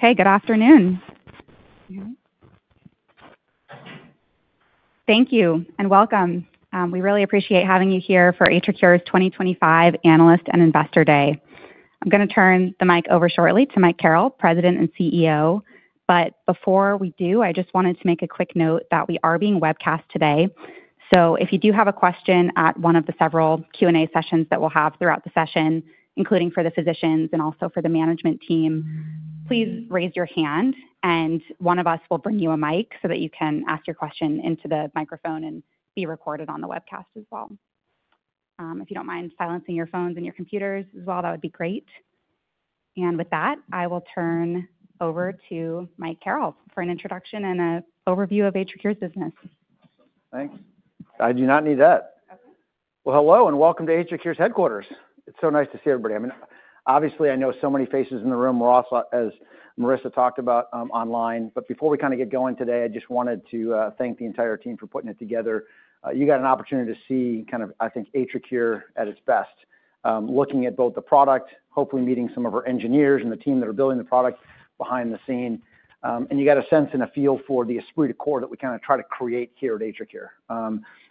Okay, good afternoon. Thank you and welcome. We really appreciate having you here for AtriCure's 2025 Analyst and Investor Day. I'm gonna turn the mic over shortly to Mike Carrel, President and CEO. Before we do, I just wanted to make a quick note that we are being webcast today. If you do have a question at one of the several Q&A sessions that we'll have throughout the session, including for the physicians and also for the management team, please raise your hand, and one of us will bring you a mic so that you can ask your question into the microphone and be recorded on the webcast as well. If you don't mind silencing your phones and your computers as well, that would be great. With that, I will turn over to Mike Carrel for an introduction and an overview of AtriCure's business. Thanks. I do not need that. Hello and welcome to AtriCure's headquarters. It's so nice to see everybody. I mean, obviously, I know so many faces in the room, we're all, as Marissa talked about, online. Before we kinda get going today, I just wanted to thank the entire team for putting it together. You got an opportunity to see kind of, I think, AtriCure at its best, looking at both the product, hopefully meeting some of our engineers and the team that are building the product behind the scene. You got a sense and a feel for the esprit de corps that we kinda try to create here at AtriCure.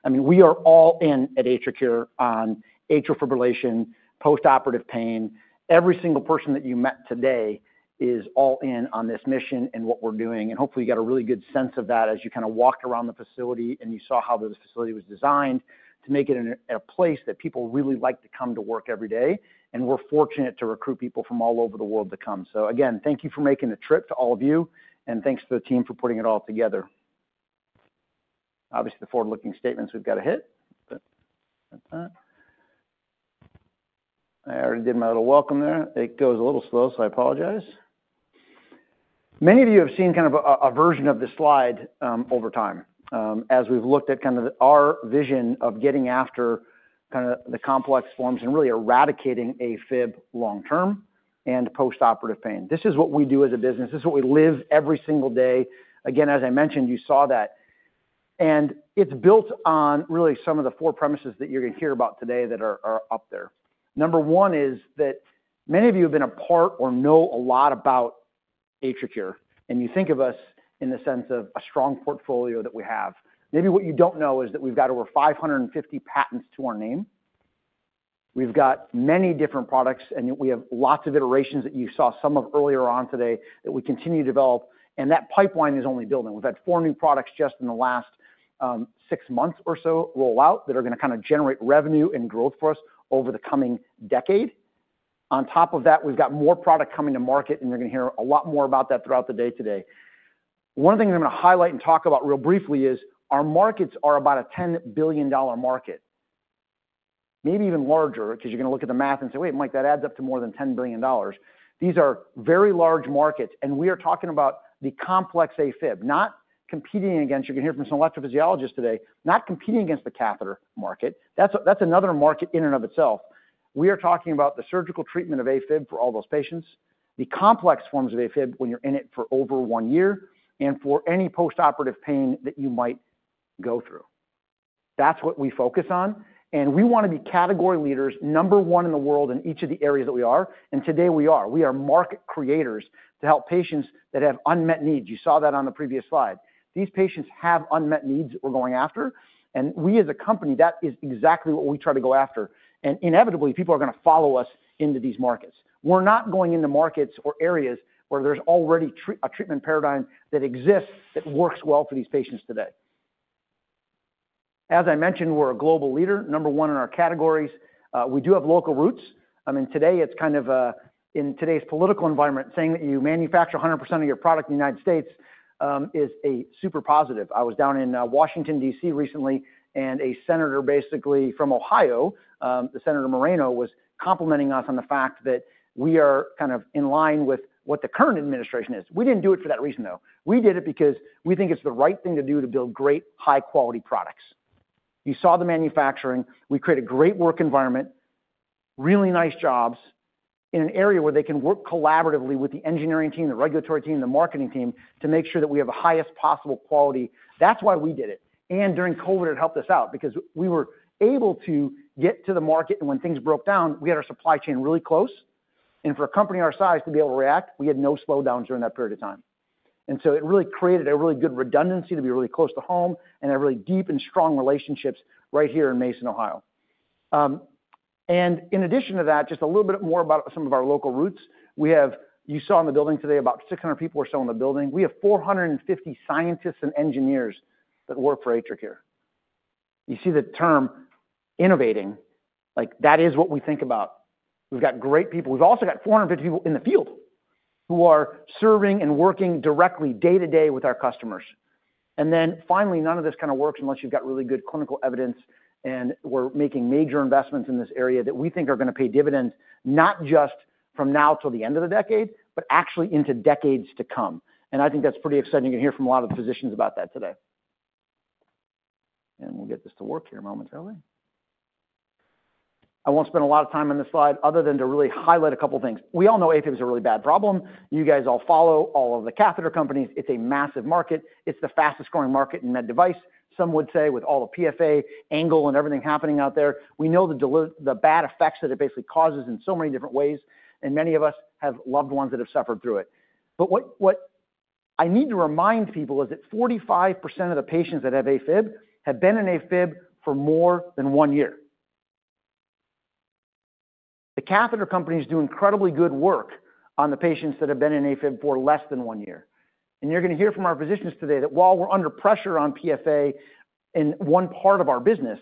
I mean, we are all in at AtriCure on atrial fibrillation, post-operative pain. Every single person that you met today is all in on this mission and what we're doing. Hopefully, you got a really good sense of that as you kinda walked around the facility and you saw how the facility was designed to make it a place that people really like to come to work every day. We're fortunate to recruit people from all over the world to come. Again, thank you for making the trip to all of you, and thanks to the team for putting it all together. Obviously, the forward-looking statements we've gotta hit, but that's that. I already did my little welcome there. It goes a little slow, so I apologize. Many of you have seen kind of a, a version of this slide over time, as we've looked at kind of our vision of getting after kinda the complex forms and really eradicating AFib long-term and post-operative pain. This is what we do as a business. This is what we live every single day. Again, as I mentioned, you saw that. It is built on really some of the four premises that you're gonna hear about today that are up there. Number one is that many of you have been a part or know a lot about AtriCure, and you think of us in the sense of a strong portfolio that we have. Maybe what you don't know is that we've got over 550 patents to our name. We've got many different products, and we have lots of iterations that you saw some of earlier on today that we continue to develop. That pipeline is only building. We've had four new products just in the last six months or so roll out that are gonna kinda generate revenue and growth for us over the coming decade. On top of that, we've got more product coming to market, and you're gonna hear a lot more about that throughout the day today. One of the things I'm gonna highlight and talk about real briefly is our markets are about a $10 billion market, maybe even larger 'cause you're gonna look at the math and say, "Wait, Mike, that adds up to more than $10 billion." These are very large markets, and we are talking about the complex AFib, not competing against—you’re gonna hear from some electrophysiologists today—not competing against the catheter market. That is another market in and of itself. We are talking about the surgical treatment of AFib for all those patients, the complex forms of AFib when you're in it for over one year, and for any post-operative pain that you might go through. That's what we focus on. We wanna be category leaders, number one in the world in each of the areas that we are. Today we are. We are market creators to help patients that have unmet needs. You saw that on the previous slide. These patients have unmet needs that we're going after. We, as a company, that is exactly what we try to go after. Inevitably, people are gonna follow us into these markets. We're not going into markets or areas where there's already a treatment paradigm that exists that works well for these patients today. As I mentioned, we're a global leader, number one in our categories. We do have local roots. I mean, today it's kind of a—in today's political environment, saying that you manufacture 100% of your product in the United States is a super positive. I was down in Washington, D.C. recently, and a senator basically from Ohio, Senator Moreno, was complimenting us on the fact that we are kind of in line with what the current administration is. We did not do it for that reason, though. We did it because we think it is the right thing to do to build great, high-quality products. You saw the manufacturing. We create a great work environment, really nice jobs in an area where they can work collaboratively with the engineering team, the regulatory team, the marketing team to make sure that we have the highest possible quality. That is why we did it. During COVID, it helped us out because we were able to get to the market. When things broke down, we had our supply chain really close. For a company our size to be able to react, we had no slowdowns during that period of time. It really created a really good redundancy to be really close to home and have really deep and strong relationships right here in Mason, Ohio. In addition to that, just a little bit more about some of our local roots. You saw in the building today about 600 people or so in the building. We have 450 scientists and engineers that work for AtriCure. You see the term innovating, like, that is what we think about. We've got great people. We've also got 450 people in the field who are serving and working directly day-to-day with our customers. Finally, none of this kinda works unless you've got really good clinical evidence, and we're making major investments in this area that we think are gonna pay dividends, not just from now till the end of the decade, but actually into decades to come. I think that's pretty exciting. You're gonna hear from a lot of the physicians about that today. We'll get this to work here momentarily. I won't spend a lot of time on this slide other than to really highlight a couple of things. We all know AFib's a really bad problem. You guys all follow all of the catheter companies. It's a massive market. It's the fastest-growing market in med device, some would say, with all the PFA angle and everything happening out there. We know the bad effects that it basically causes in so many different ways. Many of us have loved ones that have suffered through it. What I need to remind people is that 45% of the patients that have AFib have been in AFib for more than one year. The catheter companies do incredibly good work on the patients that have been in AFib for less than one year. You're gonna hear from our physicians today that while we're under pressure on PFA in one part of our business,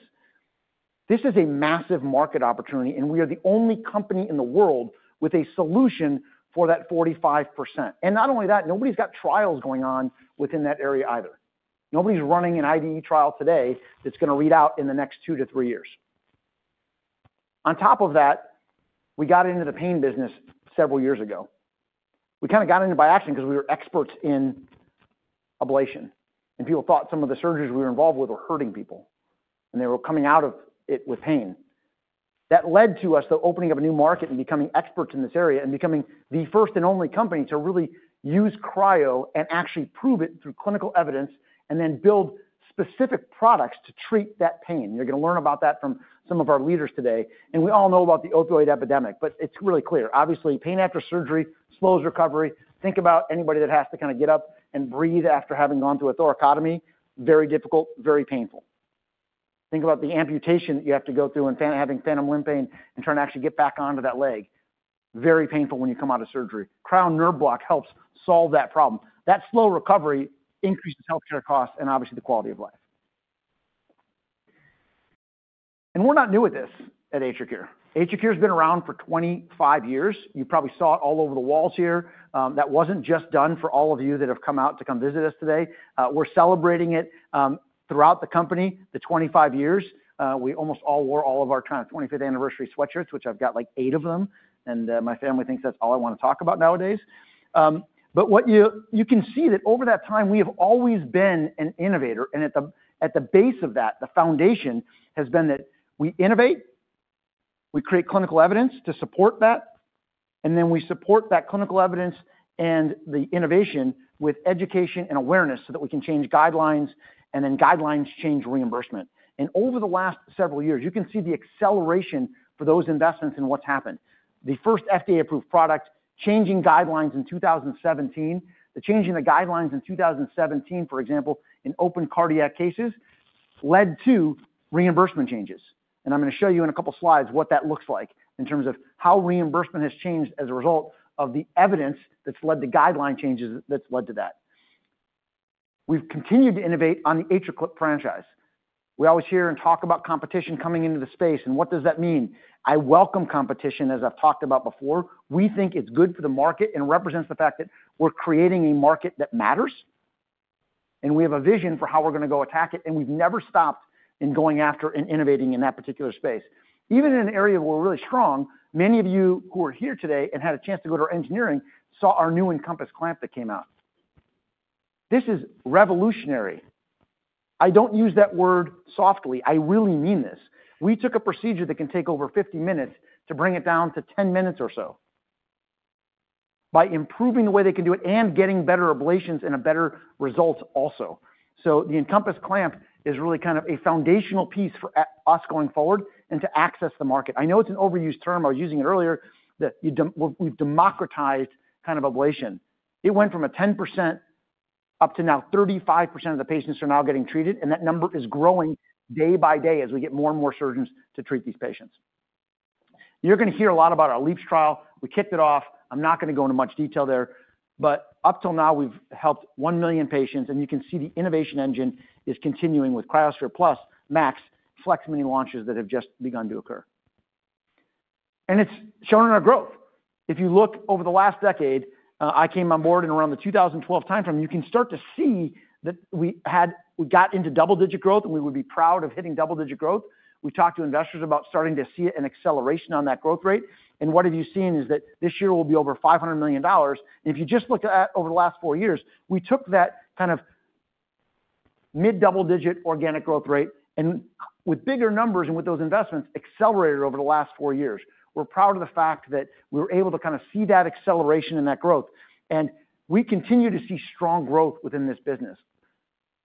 this is a massive market opportunity. We are the only company in the world with a solution for that 45%. Not only that, nobody's got trials going on within that area either. Nobody's running an IDE trial today that's gonna read out in the next two to three years. On top of that, we got into the pain business several years ago. We kinda got into it by accident 'cause we were experts in ablation. People thought some of the surgeries we were involved with were hurting people, and they were coming out of it with pain. That led to us, though, opening up a new market and becoming experts in this area and becoming the first and only company to really use Cryo and actually prove it through clinical evidence and then build specific products to treat that pain. You're gonna learn about that from some of our leaders today. We all know about the opioid epidemic, but it's really clear. Obviously, pain after surgery slows recovery. Think about anybody that has to kinda get up and breathe after having gone through a thoracotomy. Very difficult, very painful. Think about the amputation that you have to go through and having phantom limb pain and trying to actually get back onto that leg. Very painful when you come out of surgery. Cryo nerve block helps solve that problem. That slow recovery increases healthcare costs and obviously the quality of life. We're not new at this at AtriCure. AtriCure's been around for 25 years. You probably saw it all over the walls here. That wasn't just done for all of you that have come out to come visit us today. We're celebrating it, throughout the company, the 25 years. We almost all wore all of our kind of 25th anniversary sweatshirts, which I've got like eight of them. My family thinks that's all I wanna talk about nowadays. What you can see is that over that time, we have always been an innovator. At the base of that, the foundation has been that we innovate, we create clinical evidence to support that, and then we support that clinical evidence and the innovation with education and awareness so that we can change guidelines, and then guidelines change reimbursement. Over the last several years, you can see the acceleration for those investments in what's happened. The first FDA-approved product changing guidelines in 2017, the change in the guidelines in 2017, for example, in open cardiac cases led to reimbursement changes. I'm gonna show you in a couple of slides what that looks like in terms of how reimbursement has changed as a result of the evidence that's led to guideline changes that's led to that. We've continued to innovate on the AtriClip franchise. We always hear and talk about competition coming into the space, and what does that mean? I welcome competition, as I've talked about before. We think it's good for the market and represents the fact that we're creating a market that matters. We have a vision for how we're gonna go attack it. We've never stopped in going after and innovating in that particular space. Even in an area where we're really strong, many of you who are here today and had a chance to go to our engineering saw our new Encompass clamp that came out. This is revolutionary. I don't use that word softly. I really mean this. We took a procedure that can take over 50 minutes to bring it down to 10 minutes or so by improving the way they can do it and getting better ablations and a better result also. The EnCompass clamp is really kind of a foundational piece for us going forward and to access the market. I know it's an overused term. I was using it earlier that we've democratized kind of ablation. It went from a 10% up to now 35% of the patients are now getting treated, and that number is growing day by day as we get more and more surgeons to treat these patients. You're gonna hear a lot about our LEAPS trial. We kicked it off. I'm not gonna go into much detail there. Up till now, we've helped 1 million patients. You can see the innovation engine is continuing with CryoSphere Plus, MAX, FlexMini launches that have just begun to occur. It's shown in our growth. If you look over the last decade, I came on board in around the 2012 timeframe, you can start to see that we had, we got into double-digit growth, and we would be proud of hitting double-digit growth. We talked to investors about starting to see an acceleration on that growth rate. What you have seen is that this year will be over $500 million. If you just look at over the last four years, we took that kind of mid-double-digit organic growth rate and with bigger numbers and with those investments accelerated over the last four years. We're proud of the fact that we were able to kinda see that acceleration and that growth. We continue to see strong growth within this business.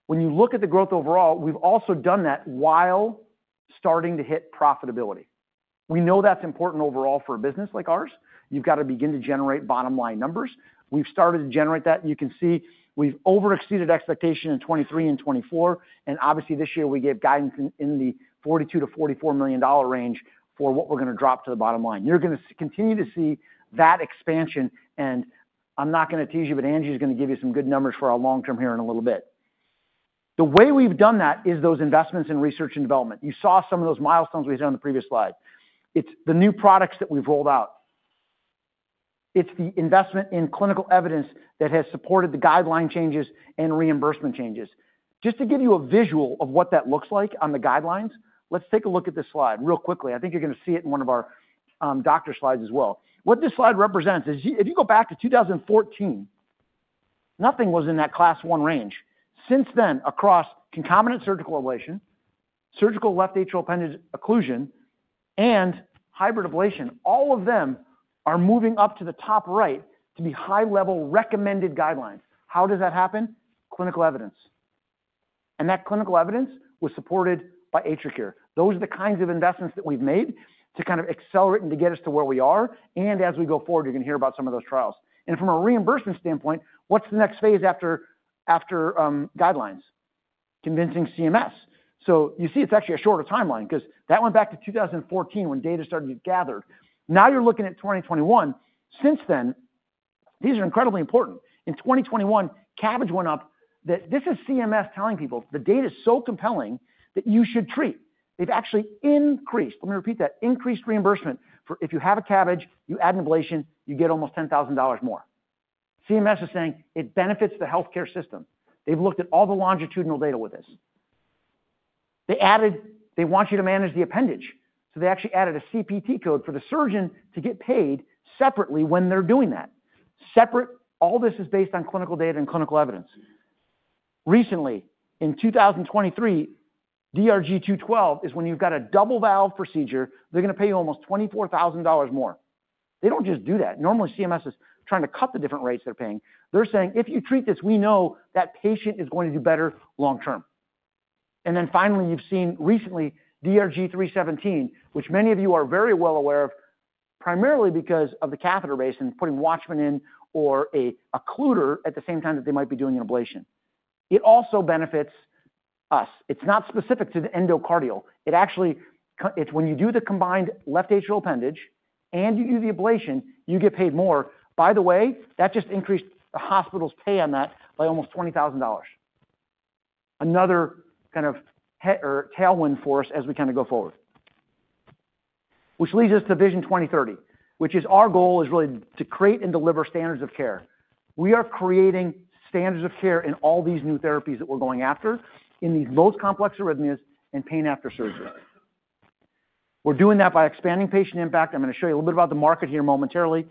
When you look at the growth overall, we've also done that while starting to hit profitability. We know that's important overall for a business like ours. You've gotta begin to generate bottom-line numbers. We've started to generate that. You can see we've overexceeded expectation in 2023 and 2024. Obviously, this year we gave guidance in the $42 million-$44 million range for what we're gonna drop to the bottom line. You're gonna continue to see that expansion. I'm not gonna tease you, but Angie's gonna give you some good numbers for our long-term here in a little bit. The way we've done that is those investments in research and development. You saw some of those milestones we hit on the previous slide. It's the new products that we've rolled out. It's the investment in clinical evidence that has supported the guideline changes and reimbursement changes. Just to give you a visual of what that looks like on the guidelines, let's take a look at this slide real quickly. I think you're gonna see it in one of our doctor slides as well. What this slide represents is if you go back to 2014, nothing was in that class one range. Since then, across concomitant surgical ablation, surgical left atrial appendage occlusion, and hybrid ablation, all of them are moving up to the top right to be high-level recommended guidelines. How does that happen? Clinical evidence. That clinical evidence was supported by AtriCure. Those are the kinds of investments that we've made to kind of accelerate and to get us to where we are. As we go forward, you're gonna hear about some of those trials. From a reimbursement standpoint, what's the next phase after guidelines? Convincing CMS. You see it's actually a shorter timeline 'cause that went back to 2014 when data started to get gathered. Now you're looking at 2021. Since then, these are incredibly important. In 2021, CABG went up that this is CMS telling people the data's so compelling that you should treat. They've actually increased—let me repeat that—increased reimbursement for if you have a CABG, you add an ablation, you get almost $10,000 more. CMS is saying it benefits the healthcare system. They've looked at all the longitudinal data with this. They added they want you to manage the appendage. They actually added a CPT code for the surgeon to get paid separately when they're doing that. Separate, all this is based on clinical data and clinical evidence. Recently, in 2023, DRG-212 is when you've got a double-valve procedure. They're gonna pay you almost $24,000 more. They don't just do that. Normally, CMS is trying to cut the different rates they're paying. They're saying, "If you treat this, we know that patient is going to do better long-term." You have seen recently DRG-317, which many of you are very well aware of, primarily because of the catheter base and putting WATCHMAN in or an occluder at the same time that they might be doing an ablation. It also benefits us. It's not specific to the endocardial. It actually co—it's when you do the combined left atrial appendage and you do the ablation, you get paid more. By the way, that just increased the hospital's pay on that by almost $20,000. Another kind of tailwind for us as we kinda go forward, which leads us to Vision 2030, which is our goal is really to create and deliver standards of care. We are creating standards of care in all these new therapies that we're going after in these most complex arrhythmias and pain after surgery. We're doing that by expanding patient impact. I'm gonna show you a little bit about the market here momentarily.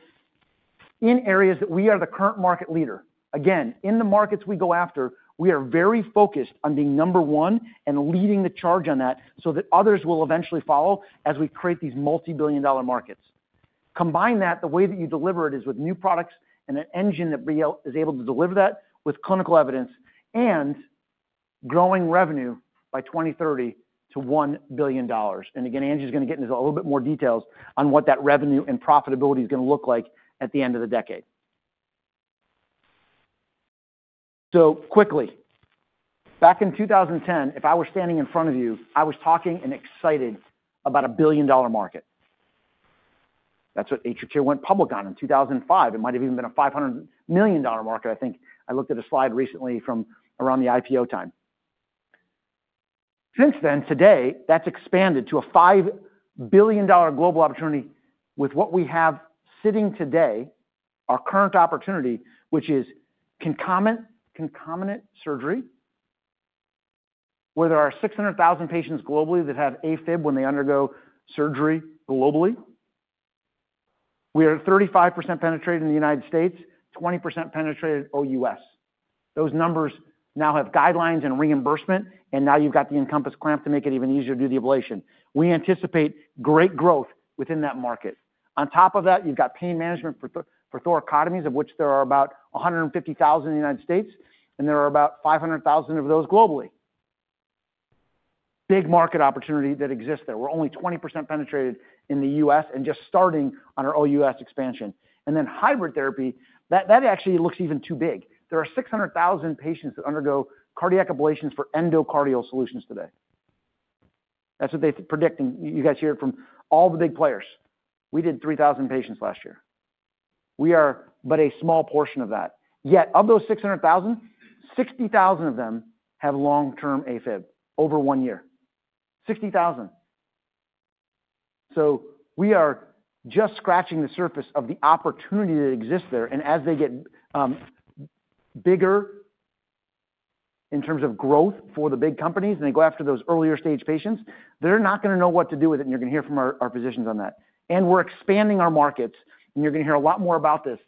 In areas that we are the current market leader, again, in the markets we go after, we are very focused on being number one and leading the charge on that so that others will eventually follow as we create these multi-billion dollar markets. Combine that, the way that you deliver it is with new products and an engine that is able to deliver that with clinical evidence and growing revenue by 2030 to $1 billion. Again, Angie's gonna get into a little bit more details on what that revenue and profitability is gonna look like at the end of the decade. Quickly, back in 2010, if I were standing in front of you, I was talking and excited about a billion dollar market. That's what AtriCure went public on in 2005. It might have even been a $500 million market, I think. I looked at a slide recently from around the IPO time. Since then, today, that's expanded to a $5 billion global opportunity with what we have sitting today, our current opportunity, which is concomitant surgery, where there are 600,000 patients globally that have AFib when they undergo surgery globally. We are 35% penetrated in the United States, 20% penetrated OUS. Those numbers now have guidelines and reimbursement. Now you've got the EnCompass clamp to make it even easier to do the ablation. We anticipate great growth within that market. On top of that, you've got pain management for the thoracotomies, of which there are about 150,000 in the United States, and there are about 500,000 of those globally. Big market opportunity that exists there. We're only 20% penetrated in the U.S. and just starting on our OUS expansion. Then hybrid therapy, that actually looks even too big. There are 600,000 patients that undergo cardiac ablations for endocardial solutions today. That's what they're predicting. You guys hear it from all the big players. We did 3,000 patients last year. We are but a small portion of that. Yet, of those 600,000, 60,000 of them have long-term AFib over one year. 60,000. We are just scratching the surface of the opportunity that exists there. As they get bigger in terms of growth for the big companies and they go after those earlier stage patients, they're not gonna know what to do with it. You're gonna hear from our physicians on that. We're expanding our markets. You're gonna hear a lot more about this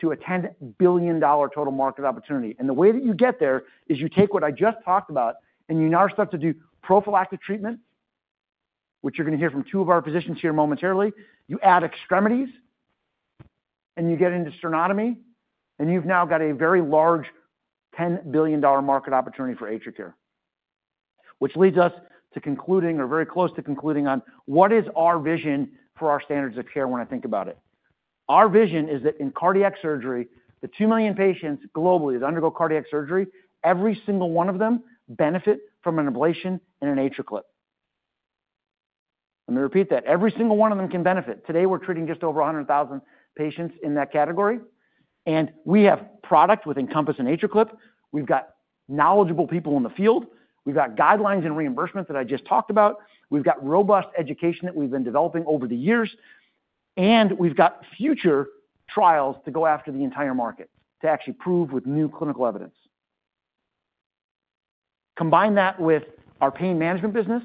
to a $10 billion total market opportunity. The way that you get there is you take what I just talked about and you now start to do prophylactic treatment, which you're gonna hear from two of our physicians here momentarily. You add extremities and you get into sternotomy. You've now got a very large $10 billion market opportunity for AtriCure, which leads us to concluding or very close to concluding on what is our vision for our standards of care when I think about it. Our vision is that in cardiac surgery, the 2 million patients globally that undergo cardiac surgery, every single one of them benefit from an ablation and an AtriClip. Let me repeat that. Every single one of them can benefit. Today, we're treating just over 100,000 patients in that category. We have product with Encompass and AtriClip. We've got knowledgeable people in the field. We've got guidelines and reimbursement that I just talked about. We've got robust education that we've been developing over the years. We've got future trials to go after the entire market to actually prove with new clinical evidence. Combine that with our pain management business,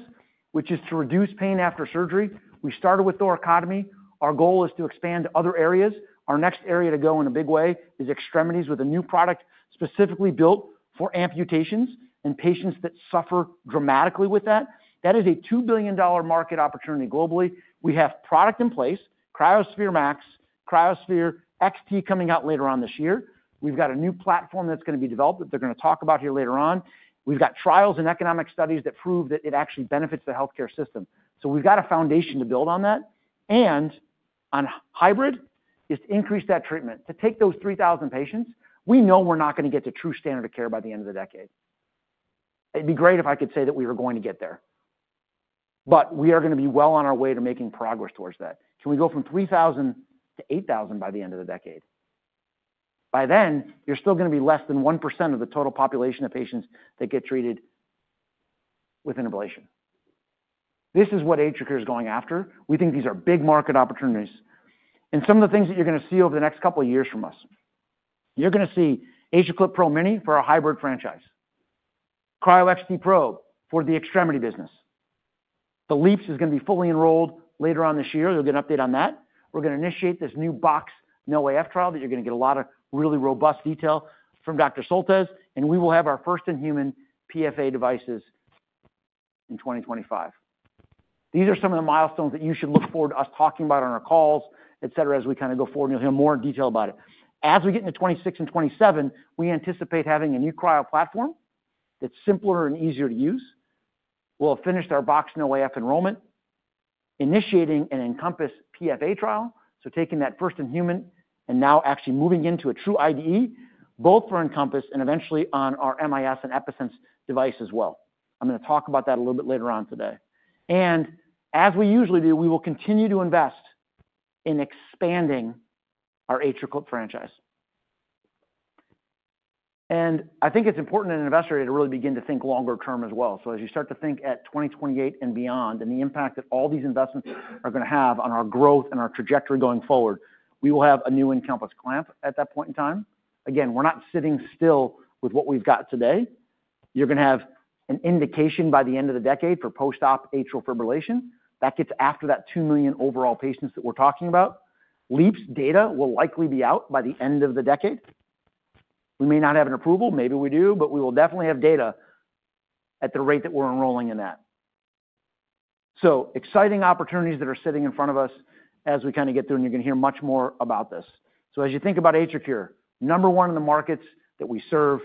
which is to reduce pain after surgery. We started with thoracotomy. Our goal is to expand to other areas. Our next area to go in a big way is extremities with a new product specifically built for amputations and patients that suffer dramatically with that. That is a $2 billion market opportunity globally. We have product in place, CryoSphere Max, CryoSphere XT coming out later on this year. We've got a new platform that's gonna be developed that they're gonna talk about here later on. We've got trials and economic studies that prove that it actually benefits the healthcare system. We've got a foundation to build on that. On hybrid is to increase that treatment. To take those 3,000 patients, we know we're not gonna get to true standard of care by the end of the decade. It'd be great if I could say that we were going to get there. We are gonna be well on our way to making progress towards that. Can we go from 3,000 to 8,000 by the end of the decade? By then, you're still gonna be less than 1% of the total population of patients that get treated with an ablation. This is what AtriCure is going after. We think these are big market opportunities. Some of the things that you're gonna see over the next couple of years from us, you're gonna see AtriClip PRO Mini for our hybrid franchise, Cryo XT Pro for the extremity business. The LEAPS is gonna be fully enrolled later on this year. You'll get an update on that. We're gonna initiate this new BoxX-NoAF trial that you're gonna get a lot of really robust detail from Dr. Soltesz. We will have our first in-human PFA devices in 2025. These are some of the milestones that you should look forward to us talking about on our calls, etc., as we kinda go forward. You'll hear more in detail about it. As we get into 2026 and 2027, we anticipate having a new cryo platform that's simpler and easier to use. We'll have finished our BoxX-NoAF enrollment, initiating an Encompass PFA trial. Taking that first in-human and now actually moving into a true IDE, both for Encompass and eventually on our MIS and EpiSense device as well. I'm gonna talk about that a little bit later on today. As we usually do, we will continue to invest in expanding our AtriClip franchise. I think it's important that an investor to really begin to think longer term as well. As you start to think at 2028 and beyond and the impact that all these investments are gonna have on our growth and our trajectory going forward, we will have a new EnCompass clamp at that point in time. Again, we're not sitting still with what we've got today. You're gonna have an indication by the end of the decade for post-op atrial fibrillation. That gets after that 2 million overall patients that we're talking about. LEAPS data will likely be out by the end of the decade. We may not have an approval. Maybe we do, but we will definitely have data at the rate that we're enrolling in that. Exciting opportunities that are sitting in front of us as we kinda get through, and you're gonna hear much more about this. As you think about AtriCure, number one in the markets that we serve,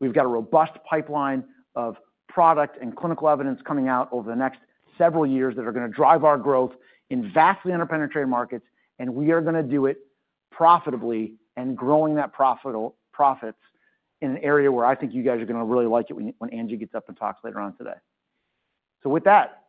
we've got a robust pipeline of product and clinical evidence coming out over the next several years that are gonna drive our growth in vastly underpenetrated markets. We are gonna do it profitably and growing that profitable profits in an area where I think you guys are gonna really like it when Angie gets up and talks later on today. With that,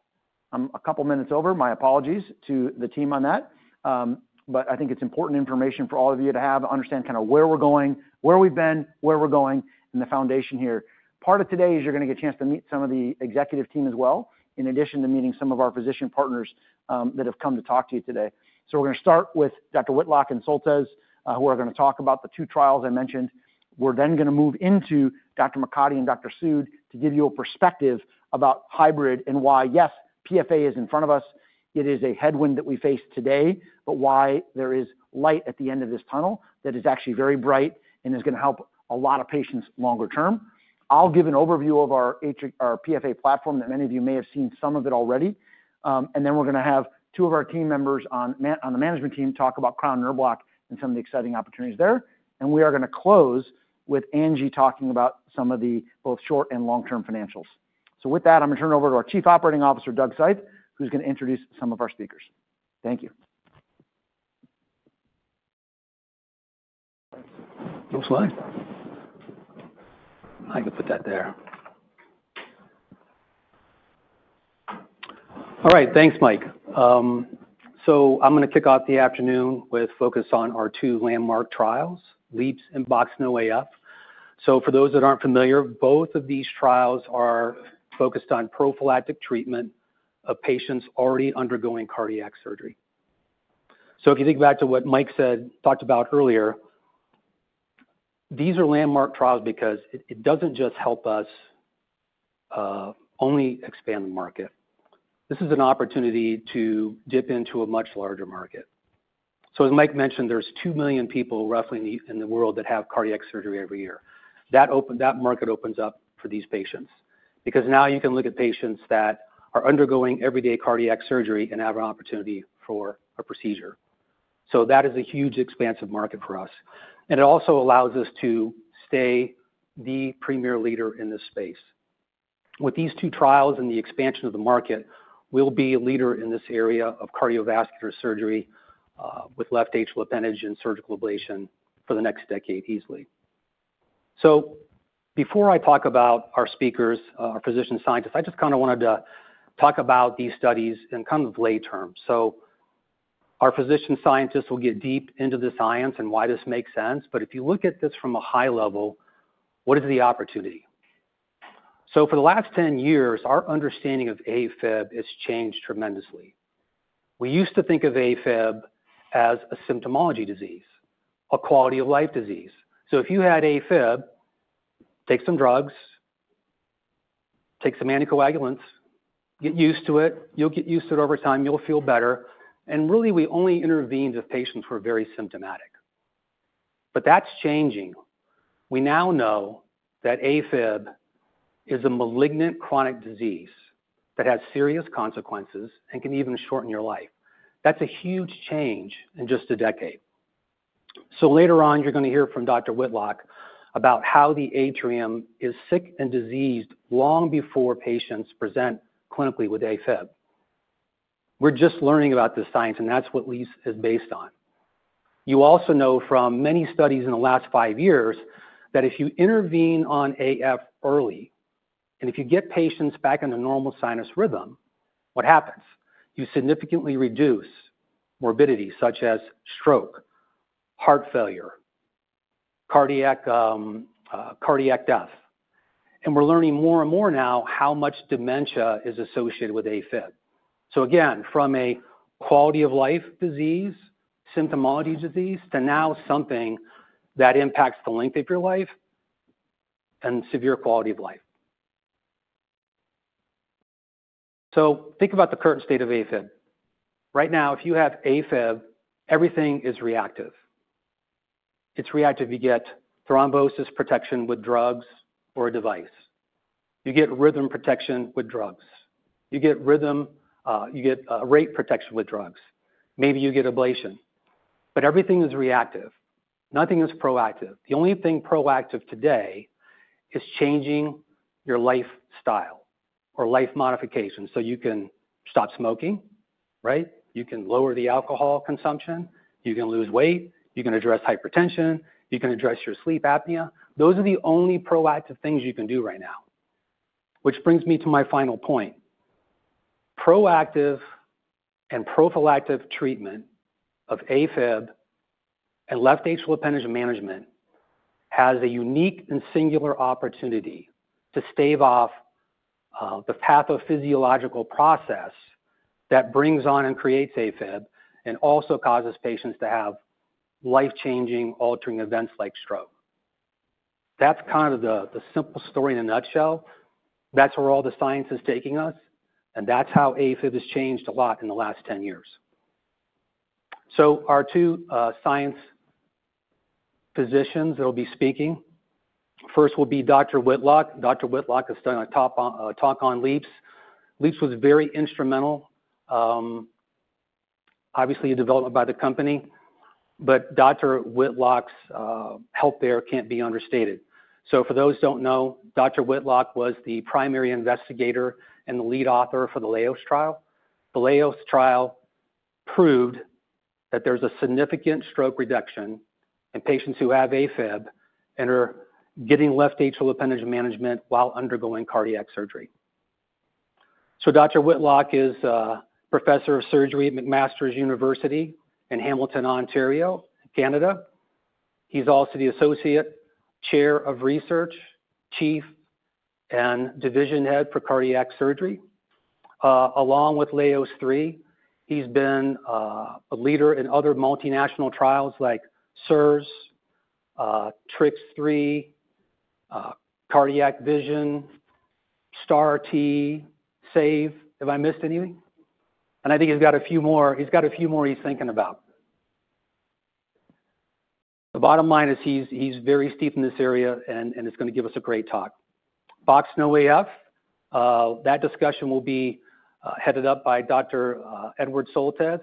I'm a couple minutes over. My apologies to the team on that. I think it's important information for all of you to have to understand kinda where we're going, where we've been, where we're going, and the foundation here. Part of today is you're gonna get a chance to meet some of the executive team as well, in addition to meeting some of our physician partners, that have come to talk to you today. We're gonna start with Dr. Whitlock and Soltesz, who are gonna talk about the two trials I mentioned. We're then gonna move into Dr. McCarthy and Dr. Sood to give you a perspective about hybrid and why, yes, PFA is in front of us. It is a headwind that we face today, but why there is light at the end of this tunnel that is actually very bright and is gonna help a lot of patients longer term. I'll give an overview of our AtriCure, our PFA platform that many of you may have seen some of it already. and then we're gonna have two of our team members on the management team talk about cryo nerve block and some of the exciting opportunities there. We are gonna close with Angie talking about some of the b.0oth short and long-term financials. With that, I'm gonna turn it over to our Chief Operating Officer, Doug Seith, who's gonna introduce some of our speakers. Thank you. Thanks. Go slide. I can put that there. All right. Thanks, Mike. I'm gonna kick off the afternoon with focus on our two landmark trials, LEAPS and BoxX-NoAF. For those that aren't familiar, both of these trials are focused on prophylactic treatment of patients already undergoing cardiac surgery. If you think back to what Mike said, talked about earlier, these are landmark trials because it doesn't just help us only expand the market. This is an opportunity to dip into a much larger market. As Mike mentioned, there's two million people roughly in the world that have cardiac surgery every year. That market opens up for these patients because now you can look at patients that are undergoing everyday cardiac surgery and have an opportunity for a procedure. That is a huge expansive market for us. It also allows us to stay the premier leader in this space. With these two trials and the expansion of the market, we'll be a leader in this area of cardiovascular surgery, with left atrial appendage and surgical ablation for the next decade easily. Before I talk about our speakers, our physician scientists, I just kinda wanted to talk about these studies in kind of lay terms. Our physician scientists will get deep into the science and why this makes sense. If you look at this from a high level, what is the opportunity? For the last 10 years, our understanding of AFib has changed tremendously. We used to think of AFib as a symptomology disease, a quality of life disease. If you had AFib, take some drugs, take some anticoagulants, get used to it, you'll get used to it over time, you'll feel better. Really, we only intervened with patients who were very symptomatic. That's changing. We now know that AFib is a malignant chronic disease that has serious consequences and can even shorten your life. That's a huge change in just a decade. Later on, you're gonna hear from Dr. Whitlock about how the atrium is sick and diseased long before patients present clinically with AFib. We're just learning about this science, and that's what LEAPS is based on. You also know from many studies in the last five years that if you intervene on AF early and if you get patients back into normal sinus rhythm, what happens? You significantly reduce morbidity such as stroke, heart failure, cardiac, cardiac death. We're learning more and more now how much dementia is associated with AFib. Again, from a quality of life disease, symptomology disease to now something that impacts the length of your life and severe quality of life. Think about the current state of AFib. Right now, if you have AFib, everything is reactive. It's reactive. You get thrombosis protection with drugs or a device. You get rhythm protection with drugs. You get rhythm, you get rate protection with drugs. Maybe you get ablation, but everything is reactive. Nothing is proactive. The only thing proactive today is changing your lifestyle or life modification so you can stop smoking, right? You can lower the alcohol consumption, you can lose weight, you can address hypertension, you can address your sleep apnea. Those are the only proactive things you can do right now, which brings me to my final point. Proactive and prophylactic treatment of AFib and left atrial appendage management has a unique and singular opportunity to stave off the pathophysiological process that brings on and creates AFib and also causes patients to have life-changing, altering events like stroke. That's kind of the simple story in a nutshell. That's where all the science is taking us. That's how AFib has changed a lot in the last 10 years. Our two science physicians that'll be speaking first will be Dr. Whitlock. Dr. Whitlock has done a top talk on LEAPS. LEAPS was very instrumental, obviously a development by the company. Dr. Whitlock's help there can't be understated. For those who don't know, Dr. Whitlock was the primary investigator and the lead author for the LEAPS trial. The LEAPS trial proved that there's a significant stroke reduction in patients who have AFib and are getting left atrial appendage management while undergoing cardiac surgery. Dr. Whitlock is a professor of surgery at McMaster University in Hamilton, Ontario, Canada. He's also the Associate Chair of Research, Chief, and Division Head for Cardiac Surgery. Along with LEAPS 3, he's been a leader in other multinational trials like SIRS, TRICS 3, Cardiac Vision, STAR-T, SAVE. Have I missed anything? I think he's got a few more. He's got a few more he's thinking about. The bottom line is he's very steeped in this area and it's gonna give us a great talk. BoxX-NoAF, that discussion will be headed up by Dr. Edward Soltesz.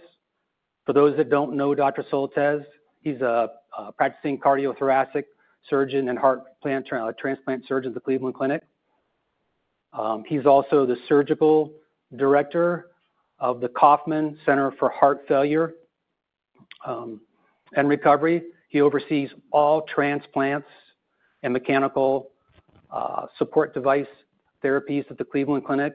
For those that don't know Dr. Soltesz, he's a practicing cardiothoracic surgeon and heart transplant surgeon at the Cleveland Clinic. He's also the Surgical Director of the Kaufman Center for Heart Failure and Recovery. He oversees all transplants and mechanical support device therapies at the Cleveland Clinic.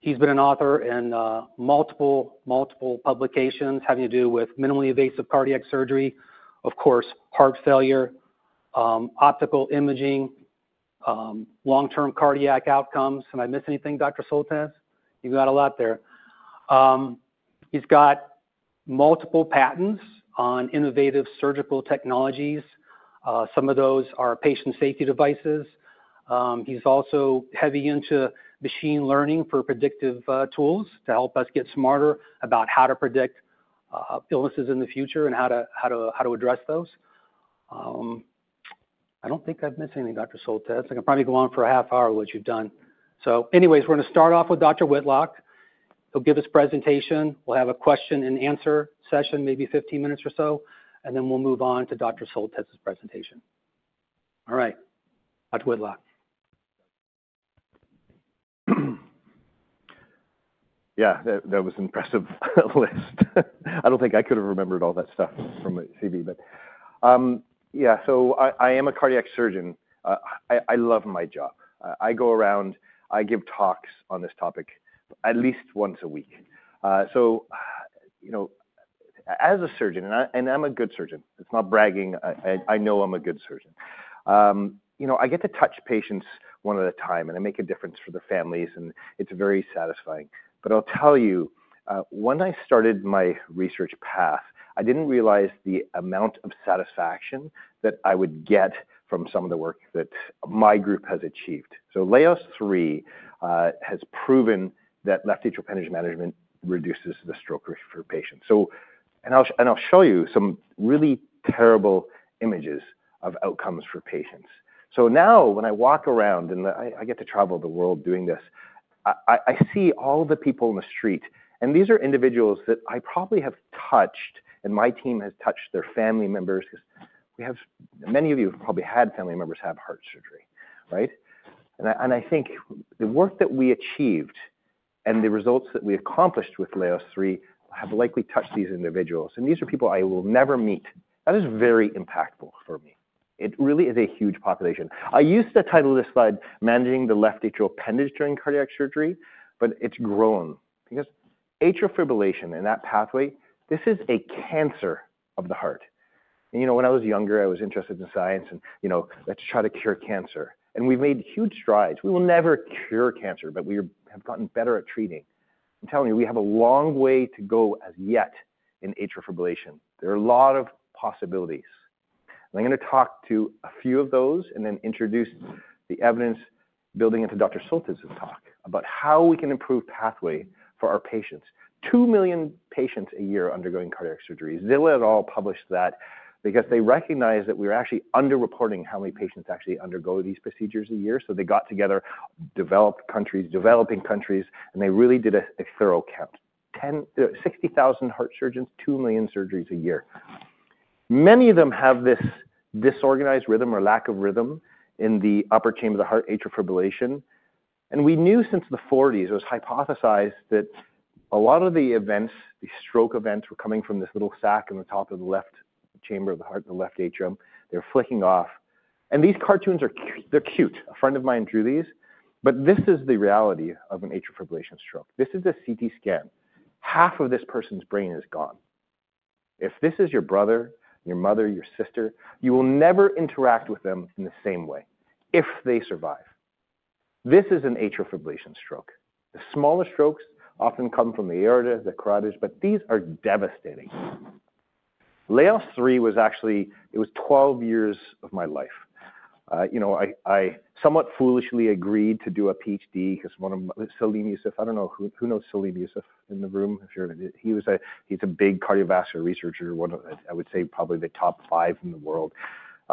He's been an author in multiple, multiple publications having to do with minimally invasive cardiac surgery, of course, heart failure, optical imaging, long-term cardiac outcomes. Am I missing anything, Dr. Soltesz? You've got a lot there. He's got multiple patents on innovative surgical technologies. Some of those are patient safety devices. He's also heavy into machine learning for predictive tools to help us get smarter about how to predict illnesses in the future and how to address those. I don't think I've missed anything, Dr. Soltesz. I can probably go on for a half hour what you've done. We're gonna start off with Dr. Whitlock. He'll give his presentation. We'll have a question and answer session, maybe 15 minutes or so, and then we'll move on to Dr. Soltesz's presentation. All right, Dr. Whitlock. Yeah, that was an impressive list. I don't think I could have remembered all that stuff from a CV, but, yeah, so I am a cardiac surgeon. I love my job. I go around, I give talks on this topic at least once a week. So, you know, as a surgeon, and I'm a good surgeon. It's not bragging. I know I'm a good surgeon. You know, I get to touch patients one at a time, and I make a difference for the families, and it's very satisfying. I'll tell you, when I started my research path, I didn't realize the amount of satisfaction that I would get from some of the work that my group has achieved. So LEAPS 3 has proven that left atrial appendage management reduces the stroke risk for patients. I'll show you some really terrible images of outcomes for patients. Now when I walk around and I get to travel the world doing this, I see all the people in the street, and these are individuals that I probably have touched, and my team has touched their family members 'cause many of you have probably had family members have heart surgery, right? I think the work that we achieved and the results that we accomplished with LEAPS 3 have likely touched these individuals. These are people I will never meet. That is very impactful for me. It really is a huge population. I used to title this slide "Managing the Left Atrial Appendage During Cardiac Surgery," but it's grown because atrial fibrillation and that pathway, this is a cancer of the heart. You know, when I was younger, I was interested in science and, you know, let's try to cure cancer. We have made huge strides. We will never cure cancer, but we have gotten better at treating. I'm telling you, we have a long way to go as yet in atrial fibrillation. There are a lot of possibilities. I'm gonna talk to a few of those and then introduce the evidence building into Dr. Soltesz's talk about how we can improve pathway for our patients. Two million patients a year undergoing cardiac surgery. Zillow et al. published that because they recognized that we were actually underreporting how many patients actually undergo these procedures a year. They got together, developed countries, developing countries, and they really did a thorough count: 10, 60,000 heart surgeons, two million surgeries a year. Many of them have this disorganized rhythm or lack of rhythm in the upper chamber of the heart, atrial fibrillation. We knew since the forties, it was hypothesized that a lot of the events, the stroke events, were coming from this little sac in the top of the left chamber of the heart, the left atrium. They're flicking off. These cartoons are, they're cute. A friend of mine drew these, but this is the reality of an atrial fibrillation stroke. This is a CT scan. Half of this person's brain is gone. If this is your brother, your mother, your sister, you will never interact with them in the same way if they survive. This is an atrial fibrillation stroke. The smaller strokes often come from the aorta, the carotids, but these are devastating. LeAPPS 3 was actually, it was 12 years of my life. You know, I somewhat foolishly agreed to do a PhD 'cause one of them, Salim Yusuf, I don't know who knows Salim Yusuf in the room if you're in it. He was a, he's a big cardiovascular researcher, one of, I would say probably the top five in the world.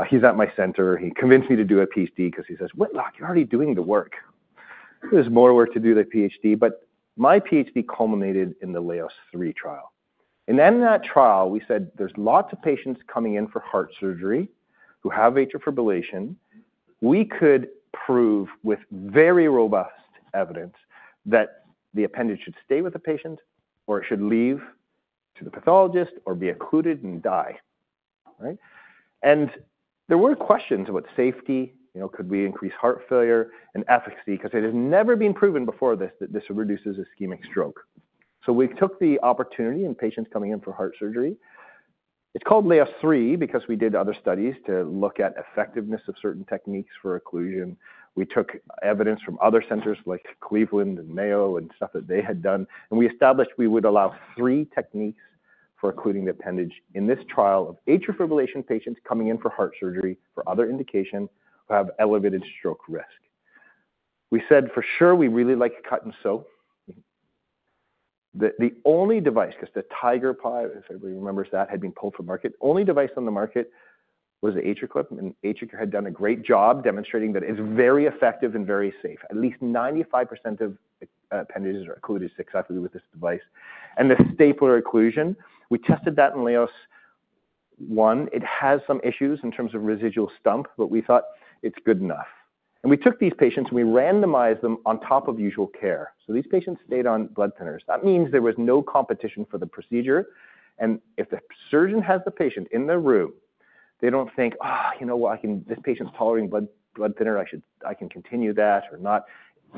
He's at my center. He convinced me to do a PhD 'cause he says, "Whitlock, you're already doing the work." There's more work to do the PhD, but my PhD culminated in the LEAPS 3 trial. And then in that trial, we said there's lots of patients coming in for heart surgery who have atrial fibrillation. We could prove with very robust evidence that the appendage should stay with the patient or it should leave to the pathologist or be occluded and die, right? There were questions about safety, you know, could we increase heart failure and efficacy? 'Cause it has never been proven before this that this reduces ischemic stroke. We took the opportunity and patients coming in for heart surgery. It's called LEAPS 3 because we did other studies to look at effectiveness of certain techniques for occlusion. We took evidence from other centers like Cleveland and Mayo and stuff that they had done, and we established we would allow three techniques for occluding the appendage in this trial of atrial fibrillation patients coming in for heart surgery for other indication who have elevated stroke risk. We said for sure we really like cut and sew that the only device, 'cause the Tiger Pi, if everybody remembers that, had been pulled from market, the only device on the market was the AtriClip, and AtriClip had done a great job demonstrating that it's very effective and very safe. At least 95% of appendages are occluded successfully with this device. The stapler occlusion, we tested that in LeAPPS 1. It has some issues in terms of residual stump, but we thought it's good enough. We took these patients and we randomized them on top of usual care. These patients stayed on blood thinners. That means there was no competition for the procedure. If the surgeon has the patient in the room, they don't think, "Oh, you know what? I can, this patient's tolerating blood, blood thinner. I should, I can continue that or not.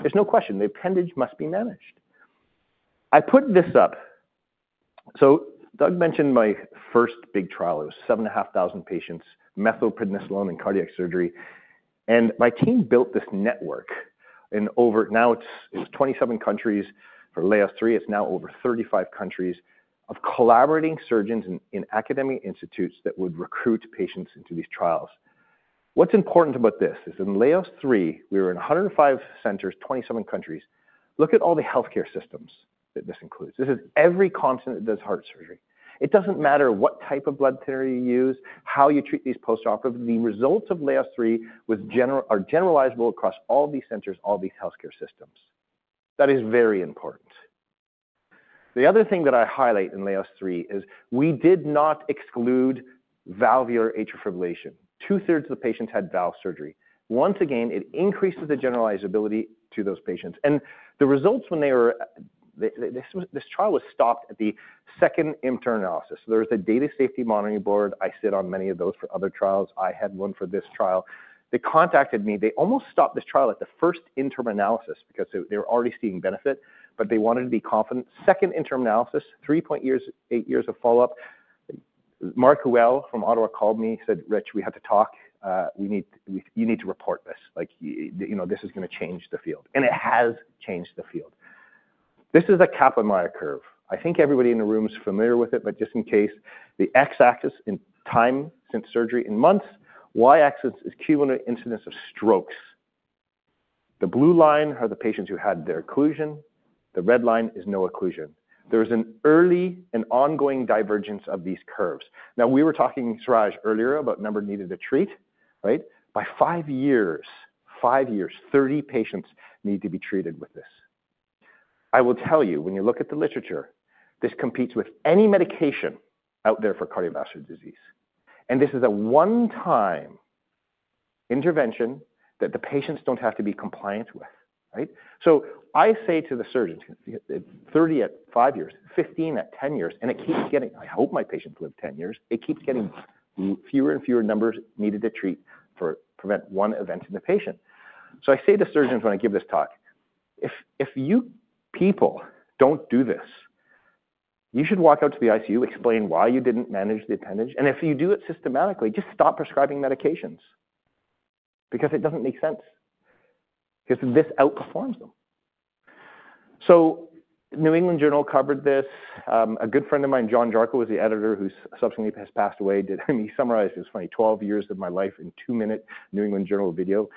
There's no question. The appendage must be managed. I put this up. Doug mentioned my first big trial. It was 7,500 patients, methylprednisolone in cardiac surgery. And my team built this network in over, now it's, it's 27 countries for LeAPPS 3. It's now over 35 countries of collaborating surgeons in, in academic institutes that would recruit patients into these trials. What's important about this is in LeAPPS 3, we were in 105 centers, 27 countries. Look at all the healthcare systems that this includes. This is every continent that does heart surgery. It doesn't matter what type of blood thinner you use, how you treat these postoperatively. The results of LeAPPS 3 was general, are generalizable across all these centers, all these healthcare systems. That is very important. The other thing that I highlight in LEAPS 3 is we did not exclude valvular atrial fibrillation. Two-thirds of the patients had valve surgery. Once again, it increases the generalizability to those patients. The results, when they were, this trial was stopped at the second interim analysis. There was a data safety monitoring board. I sit on many of those for other trials. I had one for this trial. They contacted me. They almost stopped this trial at the first interim analysis because they were already seeing benefit, but they wanted to be confident. Second interim analysis, three point years, eight years of follow-up. Mark Well from Ottawa called me, said, "Rich, we have to talk. We need, you, you need to report this. Like, you, you know, this is gonna change the field." It has changed the field. This is a Kaplan-Meier curve. I think everybody in the room's familiar with it, but just in case, the X axis is time since surgery in months, Y axis is cumulative incidence of strokes. The blue line are the patients who had their occlusion. The red line is no occlusion. There is an early and ongoing divergence of these curves. Now we were talking, Suraj, earlier about number needed to treat, right? By five years, 30 patients need to be treated with this. I will tell you, when you look at the literature, this competes with any medication out there for cardiovascular disease. And this is a one-time intervention that the patients don't have to be compliant with, right? I say to the surgeons, 30 at five years, 15 at 10 years, and it keeps getting, I hope my patients live 10 years. It keeps getting fewer and fewer numbers needed to treat for prevent one event in the patient. I say to surgeons when I give this talk, if you people don't do this, you should walk out to the ICU, explain why you didn't manage the appendage. If you do it systematically, just stop prescribing medications because it doesn't make sense 'cause this outperforms them. New England Journal covered this. A good friend of mine, John Jarco, was the editor who subsequently has passed away. Did me summarize, it was funny, 12 years of my life in two-minute New England Journal video.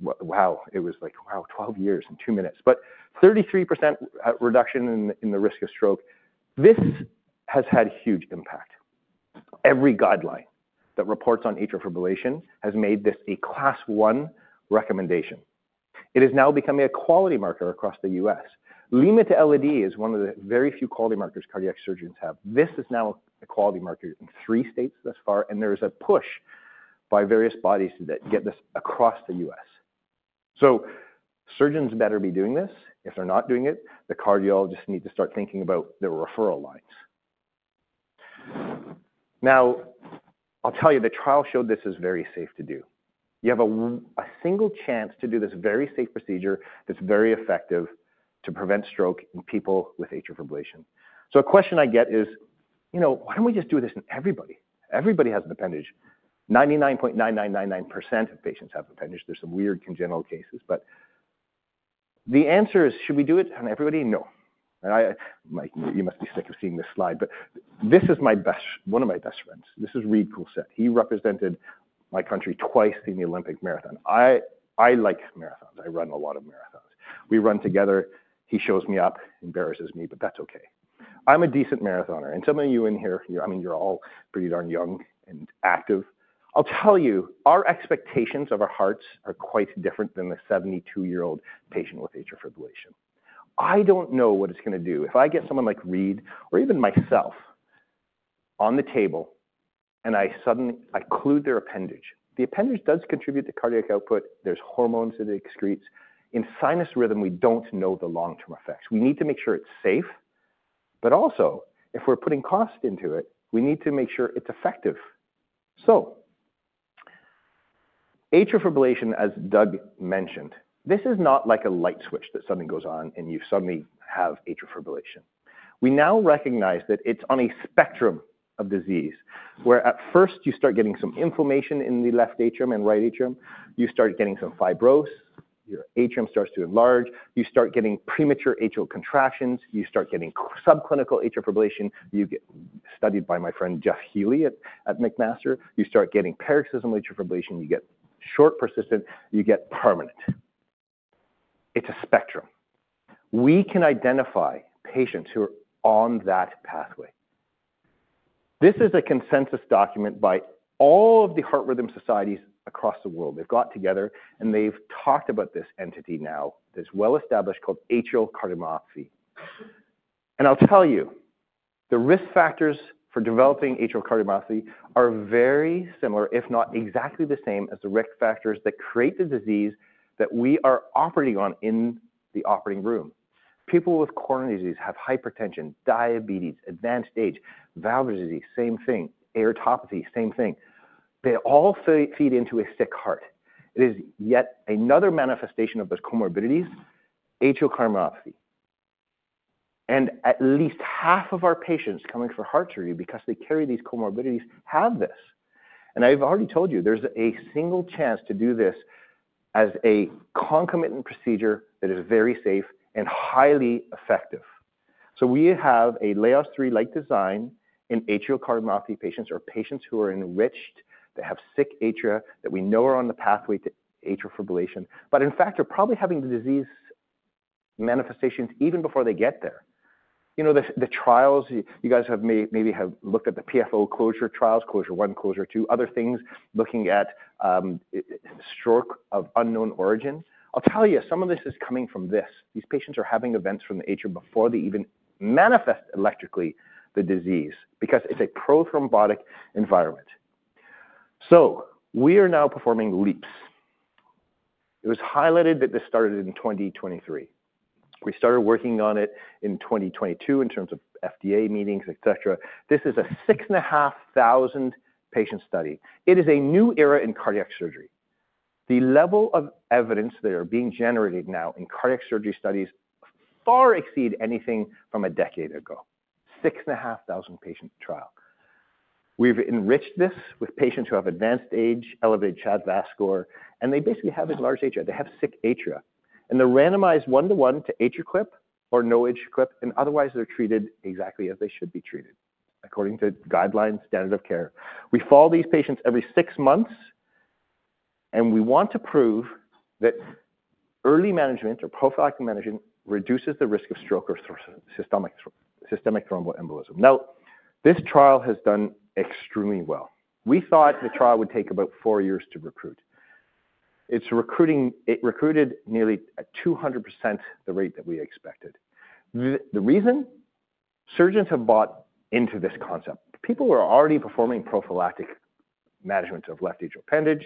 Wow, it was like, wow, 12 years in two minutes, but 33% reduction in the risk of stroke. This has had huge impact. Every guideline that reports on atrial fibrillation has made this a class one recommendation. It is now becoming a quality marker across the U.S. LIMA to LAD is one of the very few quality markers cardiac surgeons have. This is now a quality marker in three states thus far, and there is a push by various bodies that get this across the U.S. Surgeons better be doing this. If they're not doing it, the cardiologists need to start thinking about their referral lines. Now I'll tell you, the trial showed this is very safe to do. You have a single chance to do this very safe procedure that's very effective to prevent stroke in people with atrial fibrillation. A question I get is, you know, why don't we just do this in everybody? Everybody has an appendage. 99.9999% of patients have appendage. There's some weird congenital cases, but the answer is, should we do it on everybody? No. I, Mike, you must be sick of seeing this slide, but this is my best, one of my best friends. This is Reid Cool Set. He represented my country twice in the Olympic marathon. I like marathons. I run a lot of marathons. We run together. He shows me up, embarrasses me, but that's okay. I'm a decent marathoner. Some of you in here, you're, I mean, you're all pretty darn young and active. I'll tell you, our expectations of our hearts are quite different than a 72-year-old patient with atrial fibrillation. I don't know what it's gonna do if I get someone like Reid or even myself on the table and I suddenly, I clue their appendage. The appendage does contribute to cardiac output. There's hormones that it excretes. In sinus rhythm, we don't know the long-term effects. We need to make sure it's safe, but also if we're putting cost into it, we need to make sure it's effective. Atrial fibrillation, as Doug mentioned, this is not like a light switch that suddenly goes on and you suddenly have atrial fibrillation. We now recognize that it's on a spectrum of disease where at first you start getting some inflammation in the left atrium and right atrium. You start getting some fibrosis, your atrium starts to enlarge, you start getting premature atrial contractions, you start getting subclinical atrial fibrillation. You get studied by my friend Jeff Healey at McMaster. You start getting paroxysmal atrial fibrillation. You get short, persistent, you get permanent. It's a spectrum. We can identify patients who are on that pathway. This is a consensus document by all of the heart rhythm societies across the world. They've got together and they've talked about this entity now that's well established called atrial cardiomyopathy. I'll tell you, the risk factors for developing atrial cardiomyopathy are very similar, if not exactly the same as the risk factors that create the disease that we are operating on in the operating room. People with coronary disease have hypertension, diabetes, advanced age, valvular disease, same thing, aortopathy, same thing. They all feed into a sick heart. It is yet another manifestation of those comorbidities, atrial cardiomyopathy. At least half of our patients coming for heart surgery because they carry these comorbidities have this. I've already told you, there's a single chance to do this as a concomitant procedure that is very safe and highly effective. We have a LEAPS 3-like design in atrial cardiomyopathy patients or patients who are enriched that have sick atria that we know are on the pathway to atrial fibrillation, but in fact, they're probably having the disease manifestations even before they get there. You know, the trials you guys have maybe have looked at the PFO closure trials, closure one, closure two, other things looking at stroke of unknown origin. I'll tell you, some of this is coming from this. These patients are having events from the atria before they even manifest electrically the disease because it's a prothrombotic environment. We are now performing LEAPS. It was highlighted that this started in 2023. We started working on it in 2022 in terms of FDA meetings, et cetera. This is a 6,500 patient study. It is a new era in cardiac surgery. The level of evidence that are being generated now in cardiac surgery studies far exceed anything from a decade ago. 6,500 patient trial. We've enriched this with patients who have advanced age, elevated CHA2DS2-VASc score, and they basically have enlarged atria. They have sick atria, and they're randomized one-to-one to AtriClip or no AtriClip, and otherwise they're treated exactly as they should be treated according to guidelines, standard of care. We follow these patients every six months, and we want to prove that early management or prophylactic management reduces the risk of stroke or systemic, systemic thromboembolism. Now this trial has done extremely well. We thought the trial would take about four years to recruit. It's recruiting, it recruited nearly at 200% the rate that we expected. The reason surgeons have bought into this concept, people who are already performing prophylactic management of left atrial appendage.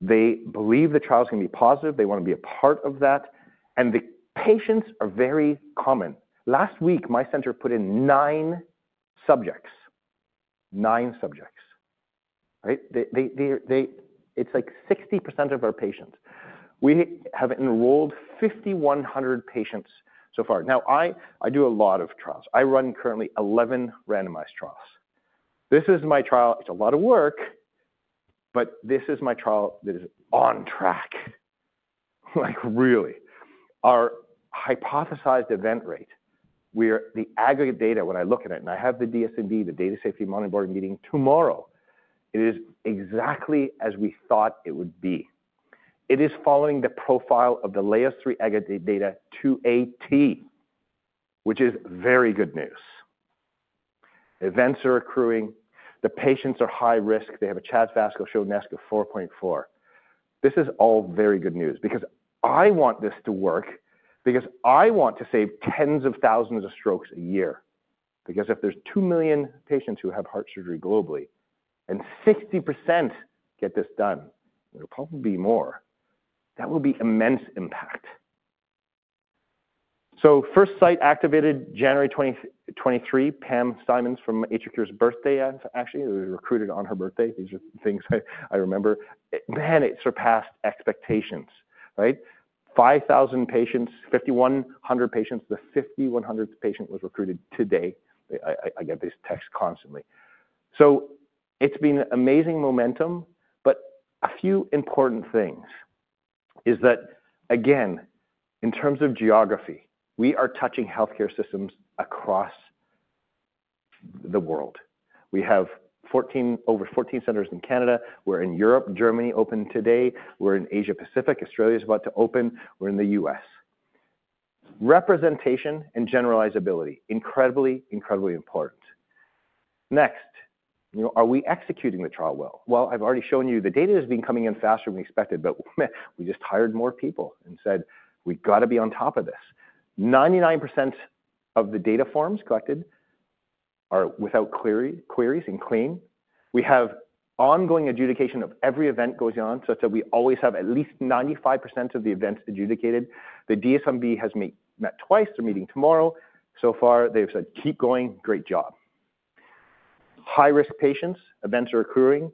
They believe the trial's gonna be positive. They wanna be a part of that. The patients are very common. Last week, my center put in nine subjects, nine subjects, right? It's like 60% of our patients. We have enrolled 5,100 patients so far. I do a lot of trials. I run currently 11 randomized trials. This is my trial. It's a lot of work, but this is my trial that is on track. Like really, our hypothesized event rate, where the aggregate data, when I look at it and I have the DSMB, the Data Safety Monitoring Board meeting tomorrow, it is exactly as we thought it would be. It is following the profile of the LEAPS 3 aggregate data to a T, which is very good news. Events are accruing. The patients are high risk. They have a CHA2DS2-VASc score shown NASCA 4.4. This is all very good news because I want this to work because I want to save tens of thousands of strokes a year. If there's 2 million patients who have heart surgery globally and 60% get this done, there'll probably be more. That will be immense impact. First site activated January 2023, Pam Simons from AtriCure's birthday, actually. It was recruited on her birthday. These are things I remember. Man, it surpassed expectations, right? 5,000 patients, 5,100 patients. The 5,100th patient was recruited today. I get these texts constantly. It's been amazing momentum, but a few important things is that again, in terms of geography, we are touching healthcare systems across the world. We have 14, over 14 centers in Canada. We're in Europe. Germany opened today. We're in Asia Pacific. Australia's about to open. We're in the U.S. Representation and generalizability, incredibly, incredibly important. Next, you know, are we executing the trial well? I've already shown you the data has been coming in faster than we expected, but we just hired more people and said, we gotta be on top of this. 99% of the data forms collected are without queries and clean. We have ongoing adjudication of every event goes on such that we always have at least 95% of the events adjudicated. The DSMB has met twice. They're meeting tomorrow. So far they've said, keep going. Great job. High risk patients, events are accruing.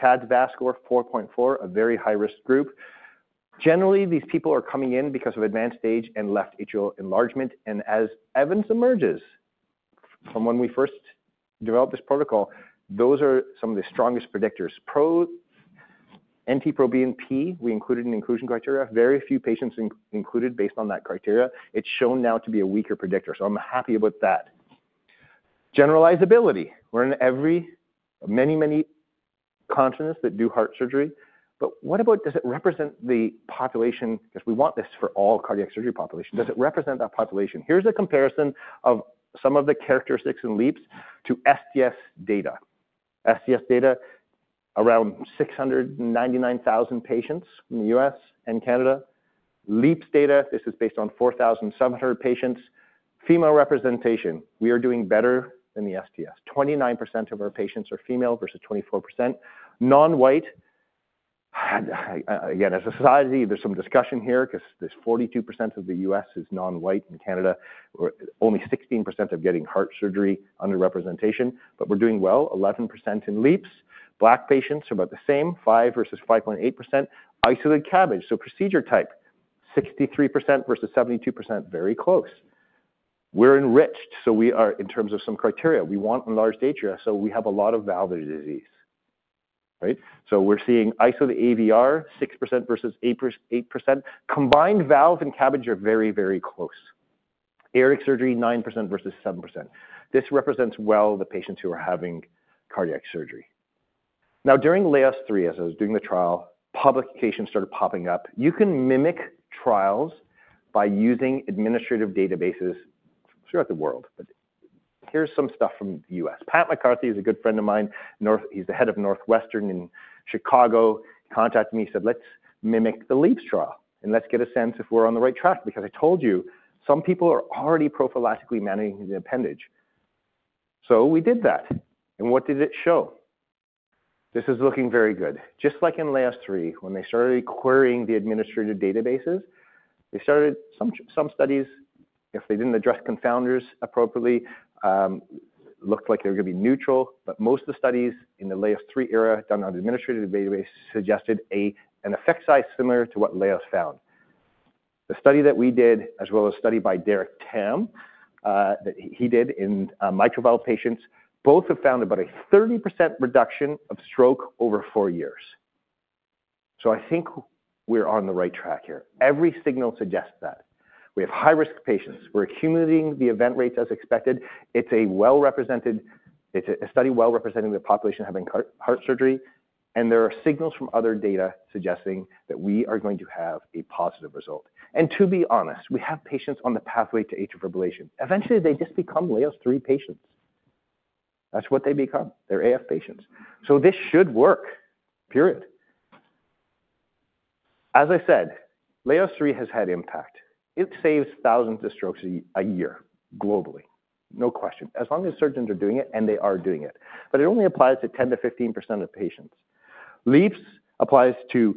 CHA2DS2-VASc score 4.4, a very high risk group. Generally, these people are coming in because of advanced age and left atrial enlargement. As evidence emerges from when we first developed this protocol, those are some of the strongest predictors. Pro anti-ProBNP, we included in inclusion criteria. Very few patients included based on that criteria. It's shown now to be a weaker predictor. I'm happy about that. Generalizability, we're in every, many, many conferences that do heart surgery, but what about, does it represent the population? 'Cause we want this for all cardiac surgery population. Does it represent that population? Here's a comparison of some of the characteristics and LEAPS to STS data. STS data, around 699,000 patients in the U.S. and Canada. LEAPS data, this is based on 4,700 patients. Female representation, we are doing better than the STS. 29% of our patients are female versus 24%. Non-white, again, as a society, there's some discussion here 'cause there's 42% of the U.S. is non-white in Canada. We're only 16% of getting heart surgery under representation, but we're doing well. 11% in LEAPS. Black patients are about the same, 5% versus 5.8%. Isolated CABG, so procedure type, 63% versus 72%. Very close. We're enriched, so we are, in terms of some criteria, we want enlarged atria, so we have a lot of valvular disease, right? We're seeing isolated AVR, 6% versus 8%. Combined valve and CABG are very, very close. Aortic surgery, 9% versus 7%. This represents well the patients who are having cardiac surgery. Now, during LEAPS 3, as I was doing the trial, publication started popping up. You can mimic trials by using administrative databases throughout the world, but here's some stuff from the U.S. Pat McCarthy is a good friend of mine. North, he's the head of Northwestern in Chicago. Contacted me, said, let's mimic the LEAPS trial and let's get a sense if we're on the right track because I told you some people are already prophylactically managing the appendage. We did that. What did it show? This is looking very good. Just like in LeAPPS 3, when they started querying the administrative databases, they started some studies. If they did not address confounders appropriately, it looked like they were going to be neutral, but most of the studies in the LeAPPS 3 era done on administrative database suggested an effect size similar to what LeAPPS found. The study that we did, as well as a study by Derek Tam that he did in mitral valve patients, both have found about a 30% reduction of stroke over four years. I think we are on the right track here. Every signal suggests that we have high risk patients. We are accumulating the event rates as expected. It's a well-represented, it's a study well-representing the population having heart surgery, and there are signals from other data suggesting that we are going to have a positive result. To be honest, we have patients on the pathway to atrial fibrillation. Eventually, they just become LEAPS 3 patients. That's what they become. They're AF patients. This should work, period. As I said, LEAPS 3 has had impact. It saves thousands of strokes a year globally, no question, as long as surgeons are doing it and they are doing it. It only applies to 10-15% of patients. LEAPS applies to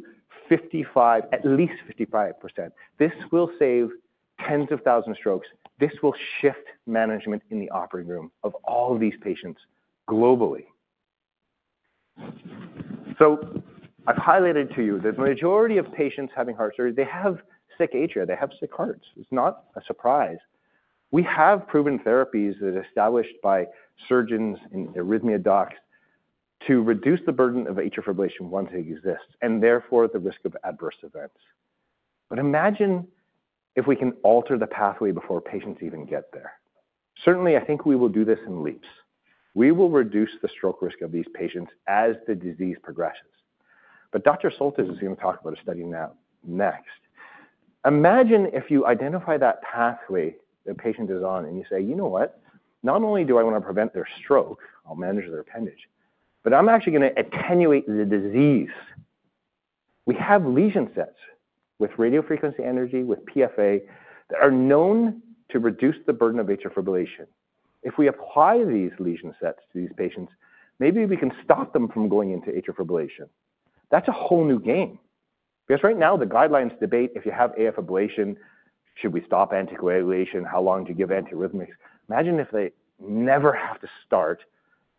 at least 55%. This will save tens of thousands of strokes. This will shift management in the operating room of all these patients globally. I've highlighted to you that the majority of patients having heart surgery, they have sick atria, they have sick hearts. It's not a surprise. We have proven therapies that are established by surgeons and arrhythmia docs to reduce the burden of atrial fibrillation once it exists and therefore the risk of adverse events. Imagine if we can alter the pathway before patients even get there. Certainly, I think we will do this in LEAPS. We will reduce the stroke risk of these patients as the disease progresses. Dr. Soltesz is gonna talk about a study now next. Imagine if you identify that pathway the patient is on and you say, you know what, not only do I wanna prevent their stroke, I'll manage their appendage, but I'm actually gonna attenuate the disease. We have lesion sets with radiofrequency energy, with PFA that are known to reduce the burden of atrial fibrillation. If we apply these lesion sets to these patients, maybe we can stop them from going into atrial fibrillation. That's a whole new game because right now the guidelines debate if you have AF ablation, should we stop anticoagulation? How long do you give antiarrhythmics? Imagine if they never have to start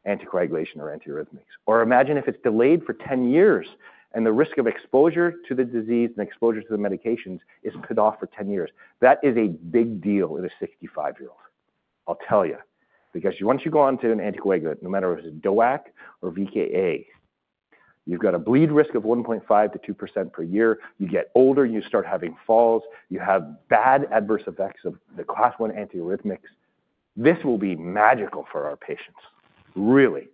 anticoagulation or antiarrhythmics, or imagine if it's delayed for 10 years and the risk of exposure to the disease and exposure to the medications is put off for 10 years. That is a big deal in a 65-year-old, I'll tell you, because once you go onto an anticoagulant, no matter if it's DOAC or VKA, you've got a bleed risk of 1.5-2% per year. You get older, you start having falls, you have bad adverse effects of the class one antiarrhythmics. This will be magical for our patients, really.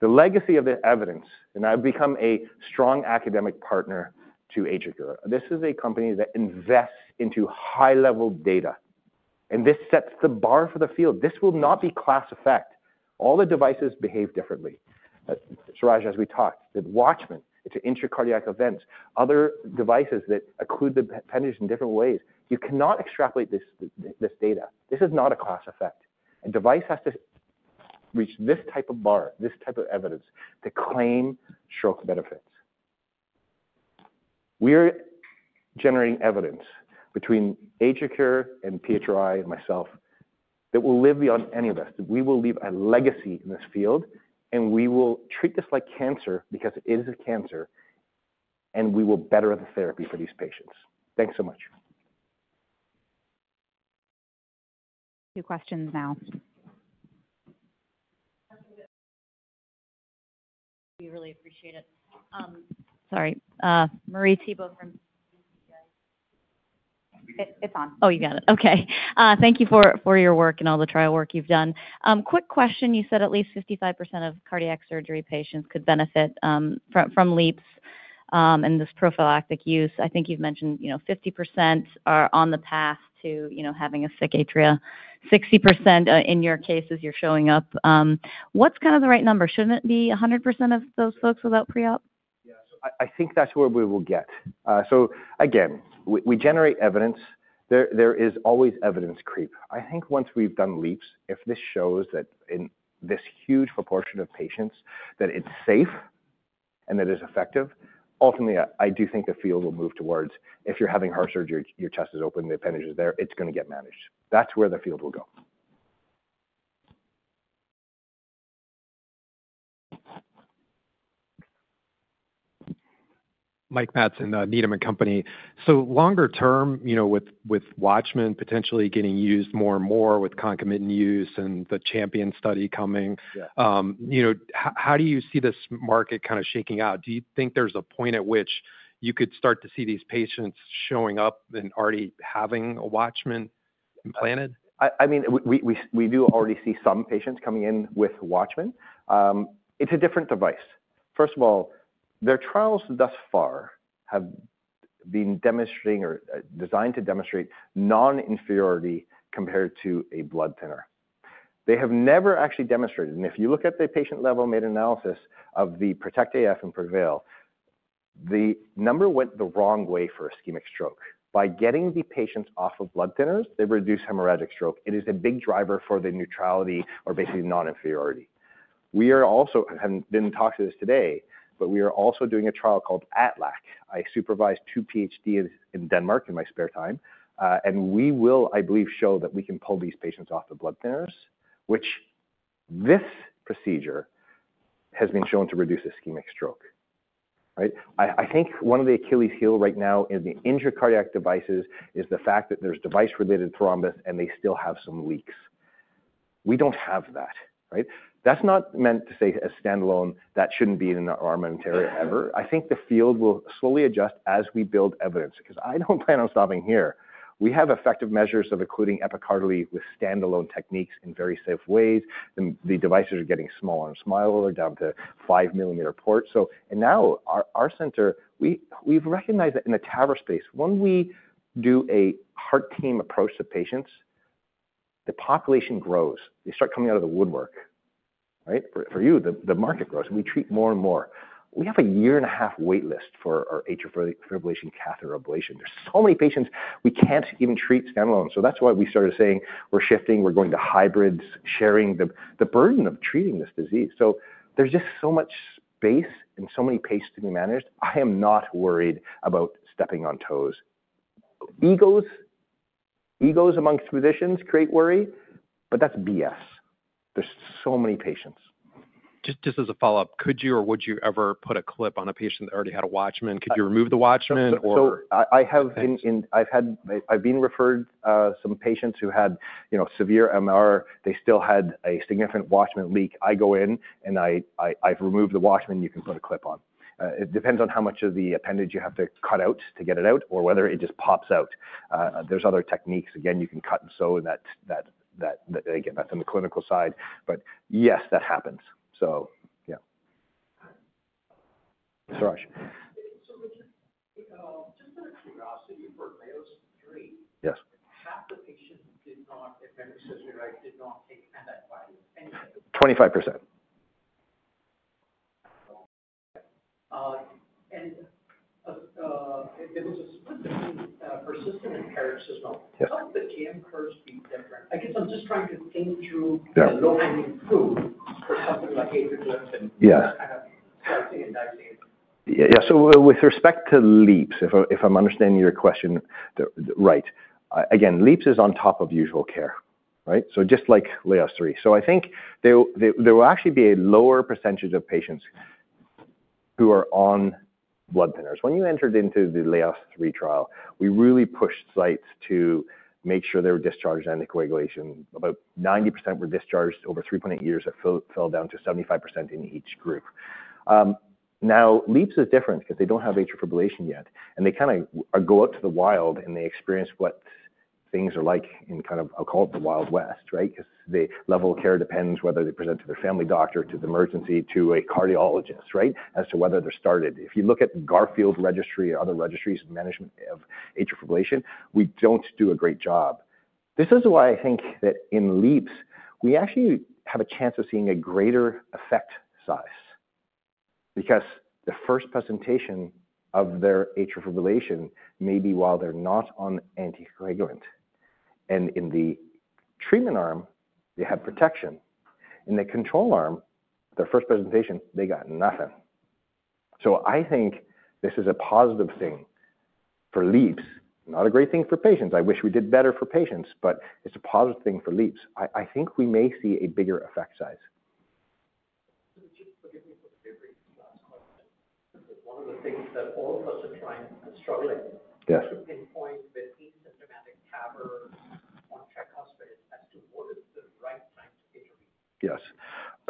The legacy of the evidence, and I've become a strong academic partner to AtriCure. This is a company that invests into high level data, and this sets the bar for the field. This will not be class effect. All the devices behave differently. Suraj, as we talked, that WATCHMAN, it's intracardiac events, other devices that occlude the appendage in different ways. You cannot extrapolate this, this data. This is not a class effect. A device has to reach this type of bar, this type of evidence to claim stroke benefits. We are generating evidence between AtriCure and PHRI and myself that will live beyond any of us. We will leave a legacy in this field, and we will treat this like cancer because it is a cancer, and we will better the therapy for these patients. Thanks so much. Two questions now. We really appreciate it. Sorry. Marie Thibault from. Oh, you got it. Okay. Thank you for, for your work and all the trial work you've done. Quick question. You said at least 55% of cardiac surgery patients could benefit from, from LEAPS and this prophylactic use. I think you've mentioned, you know, 50% are on the path to, you know, having a sick atria. 60% in your cases, you're showing up. What's kind of the right number? Shouldn't it be 100% of those folks without pre-op? Yeah. I think that's where we will get. Again, we generate evidence. There is always evidence creep. I think once we've done LEAPS, if this shows that in this huge proportion of patients that it's safe and that it is effective, ultimately, I do think the field will move towards if you're having heart surgery, your chest is open, the appendage is there, it's gonna get managed. That's where the field will go. Mike Matson and Needham & Company. Longer term, you know, with WATCHMAN potentially getting used more and more with concomitant use and the CHAMPION study coming. Yeah. You know, how do you see this market kind of shaking out? Do you think there's a point at which you could start to see these patients showing up and already having a WATCHMAN implanted? I mean, we do already see some patients coming in with WATCHMAN. It's a different device. First of all, their trials thus far have been demonstrating or designed to demonstrate non-inferiority compared to a blood thinner. They have never actually demonstrated, and if you look at the patient level meta-analysis of the PROTECT AF and PREVAIL, the number went the wrong way for ischemic stroke. By getting the patients off of blood thinners, they reduce hemorrhagic stroke. It is a big driver for the neutrality or basically non-inferiority. I haven't been talked to this today, but we are also doing a trial called ATLAC. I supervised two PhDs in Denmark in my spare time, and we will, I believe, show that we can pull these patients off the blood thinners, which this procedure has been shown to reduce ischemic stroke, right? I think one of the Achilles heel right now in the intracardiac devices is the fact that there's device-related thrombus and they still have some leaks. We don't have that, right? That's not meant to say as standalone that shouldn't be in our armament area ever. I think the field will slowly adjust as we build evidence 'cause I don't plan on stopping here. We have effective measures of including epicardial with standalone techniques in very safe ways. The devices are getting smaller and smaller down to five millimeter ports. Now our center, we've recognized that in the TAVR space, when we do a heart team approach to patients, the population grows, they start coming outta the woodwork, right? For you, the market grows. We treat more and more. We have a year and a half waitlist for our atrial fibrillation catheter ablation. are so many patients we cannot even treat standalone. That is why we started saying we are shifting, we are going to hybrids, sharing the burden of treating this disease. There is just so much space and so many patients to be managed. I am not worried about stepping on toes. Egos, egos amongst physicians create worry, but that is BS. There are so many patients. Just as a follow-up, could you or would you ever put a clip on a patient that already had a WATCHMAN? Could you remove the WATCHMAN or? I have had, I've been referred some patients who had, you know, severe MR, they still had a significant WATCHMAN leak. I go in and I've removed the WATCHMAN, you can put a clip on. It depends on how much of the appendage you have to cut out to get it out or whether it just pops out. There's other techniques. Again, you can cut and sew and that, again, that's on the clinical side, but yes, that happens. Yeah. Suraj. Just out of curiosity, for LEAPS 3. Yes. [inaudible] 25%. There was a split between persistent and paroxysmal. Yes.How could the TM curves be different? I guess I'm just trying to think through. Yeah. Yeah. Yeah. With respect to LEAPS, if I'm understanding your question right, again, LEAPS is on top of usual care, right? Just like LeAPPS 3. I think there will actually be a lower percentage of patients who are on blood thinners. When you entered into the LeAPPS 3 trial, we really pushed sites to make sure they were discharged anticoagulation. About 90% were discharged. Over 3.8 years, it fell down to 75% in each group. Now LEAPS is different 'cause they don't have atrial fibrillation yet, and they kind of go out to the wild and they experience what things are like in kind of, I'll call it the wild west, right? 'Cause the level of care depends whether they present to their family doctor, to the emergency, to a cardiologist, right? As to whether they're started. If you look at Garfield registry or other registries of management of atrial fibrillation, we don't do a great job. This is why I think that in LEAPS we actually have a chance of seeing a greater effect size because the first presentation of their atrial fibrillation may be while they're not on anticoagulant. In the treatment arm, they have protection. In the control arm, their first presentation, they got nothing. I think this is a positive thing for LEAPS, not a great thing for patients. I wish we did better for patients, but it's a positive thing for LEAPS. I think we may see a bigger effect size. [inaudible] One of the things that all of us are trying and struggling. Yes. [inaudible]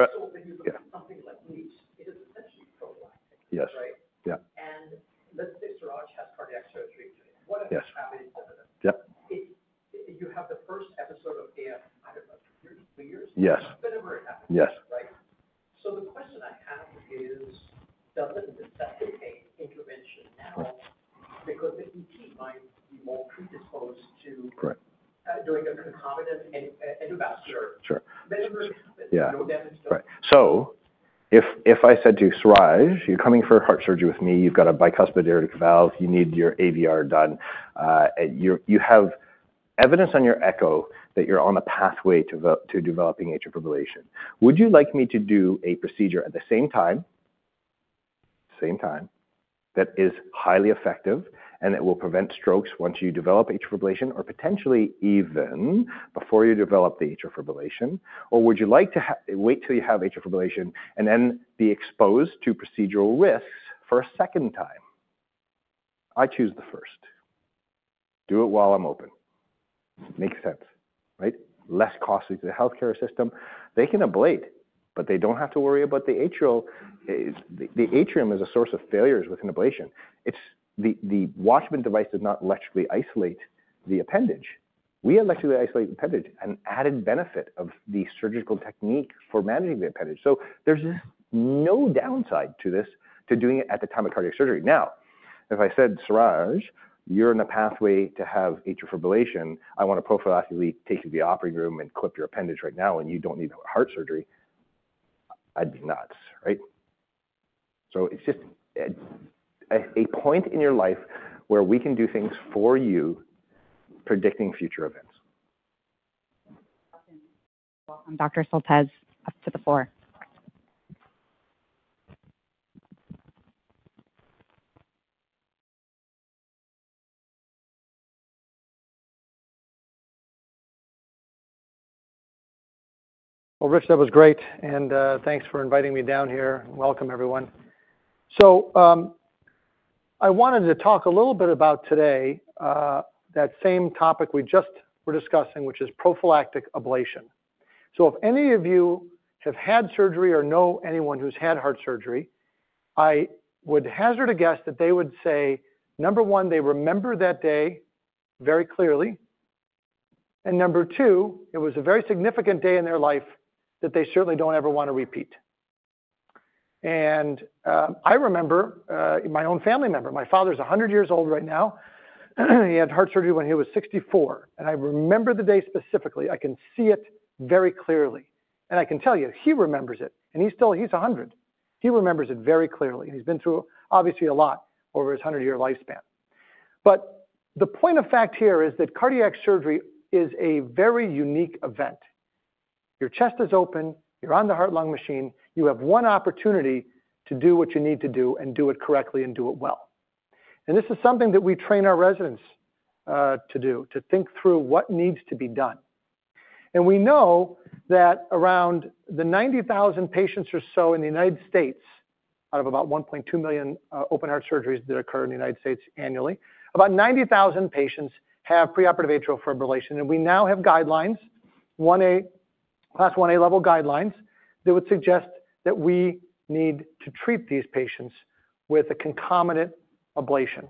Yes. [inaudible] Yes. Yeah. [inaudible] Yes. [inaudible] Yes. Yes. [inaudible] [inaudible] Right. If I said to you, Suraj, you're coming for heart surgery with me, you've got a bicuspid aortic valve, you need your AVR done, you have evidence on your echo that you're on a pathway to developing atrial fibrillation. Would you like me to do a procedure at the same time, same time that is highly effective and that will prevent strokes once you develop atrial fibrillation or potentially even before you develop the atrial fibrillation? Or would you like to wait till you have atrial fibrillation and then be exposed to procedural risks for a second time? I choose the first. Do it while I'm open. Makes sense, right? Less costly to the healthcare system. They can ablate, but they don't have to worry about the atrial. The atrium is a source of failures with an ablation. The WATCHMAN device does not electrically isolate the appendage. We electrically isolate the appendage, an added benefit of the surgical technique for managing the appendage. There is just no downside to this, to doing it at the time of cardiac surgery. Now, if I said, Suraj, you are on a pathway to have atrial fibrillation, I want to prophylactically take you to the operating room and clip your appendage right now and you do not need heart surgery, I would be nuts, right? It is just a point in your life where we can do things for you predicting future events. I'm Dr. Soltesz. Up to the floor. Rich, that was great. Thanks for inviting me down here. Welcome, everyone. I wanted to talk a little bit about today, that same topic we just were discussing, which is prophylactic ablation. If any of you have had surgery or know anyone who's had heart surgery, I would hazard a guess that they would say, number one, they remember that day very clearly. Number two, it was a very significant day in their life that they certainly don't ever want to repeat. I remember my own family member, my father's a hundred years old right now. He had heart surgery when he was 64, and I remember the day specifically. I can see it very clearly. I can tell you he remembers it, and he's still, he's a hundred. He remembers it very clearly. He's been through obviously a lot over his hundred-year lifespan. The point of fact here is that cardiac surgery is a very unique event. Your chest is open, you're on the heart-lung machine, you have one opportunity to do what you need to do and do it correctly and do it well. This is something that we train our residents to do, to think through what needs to be done. We know that around 90,000 patients or so in the United States, out of about 1.2 million open heart surgeries that occur in the United States annually, about 90,000 patients have preoperative atrial fibrillation. We now have guidelines, class 1A level guidelines that would suggest that we need to treat these patients with a concomitant ablation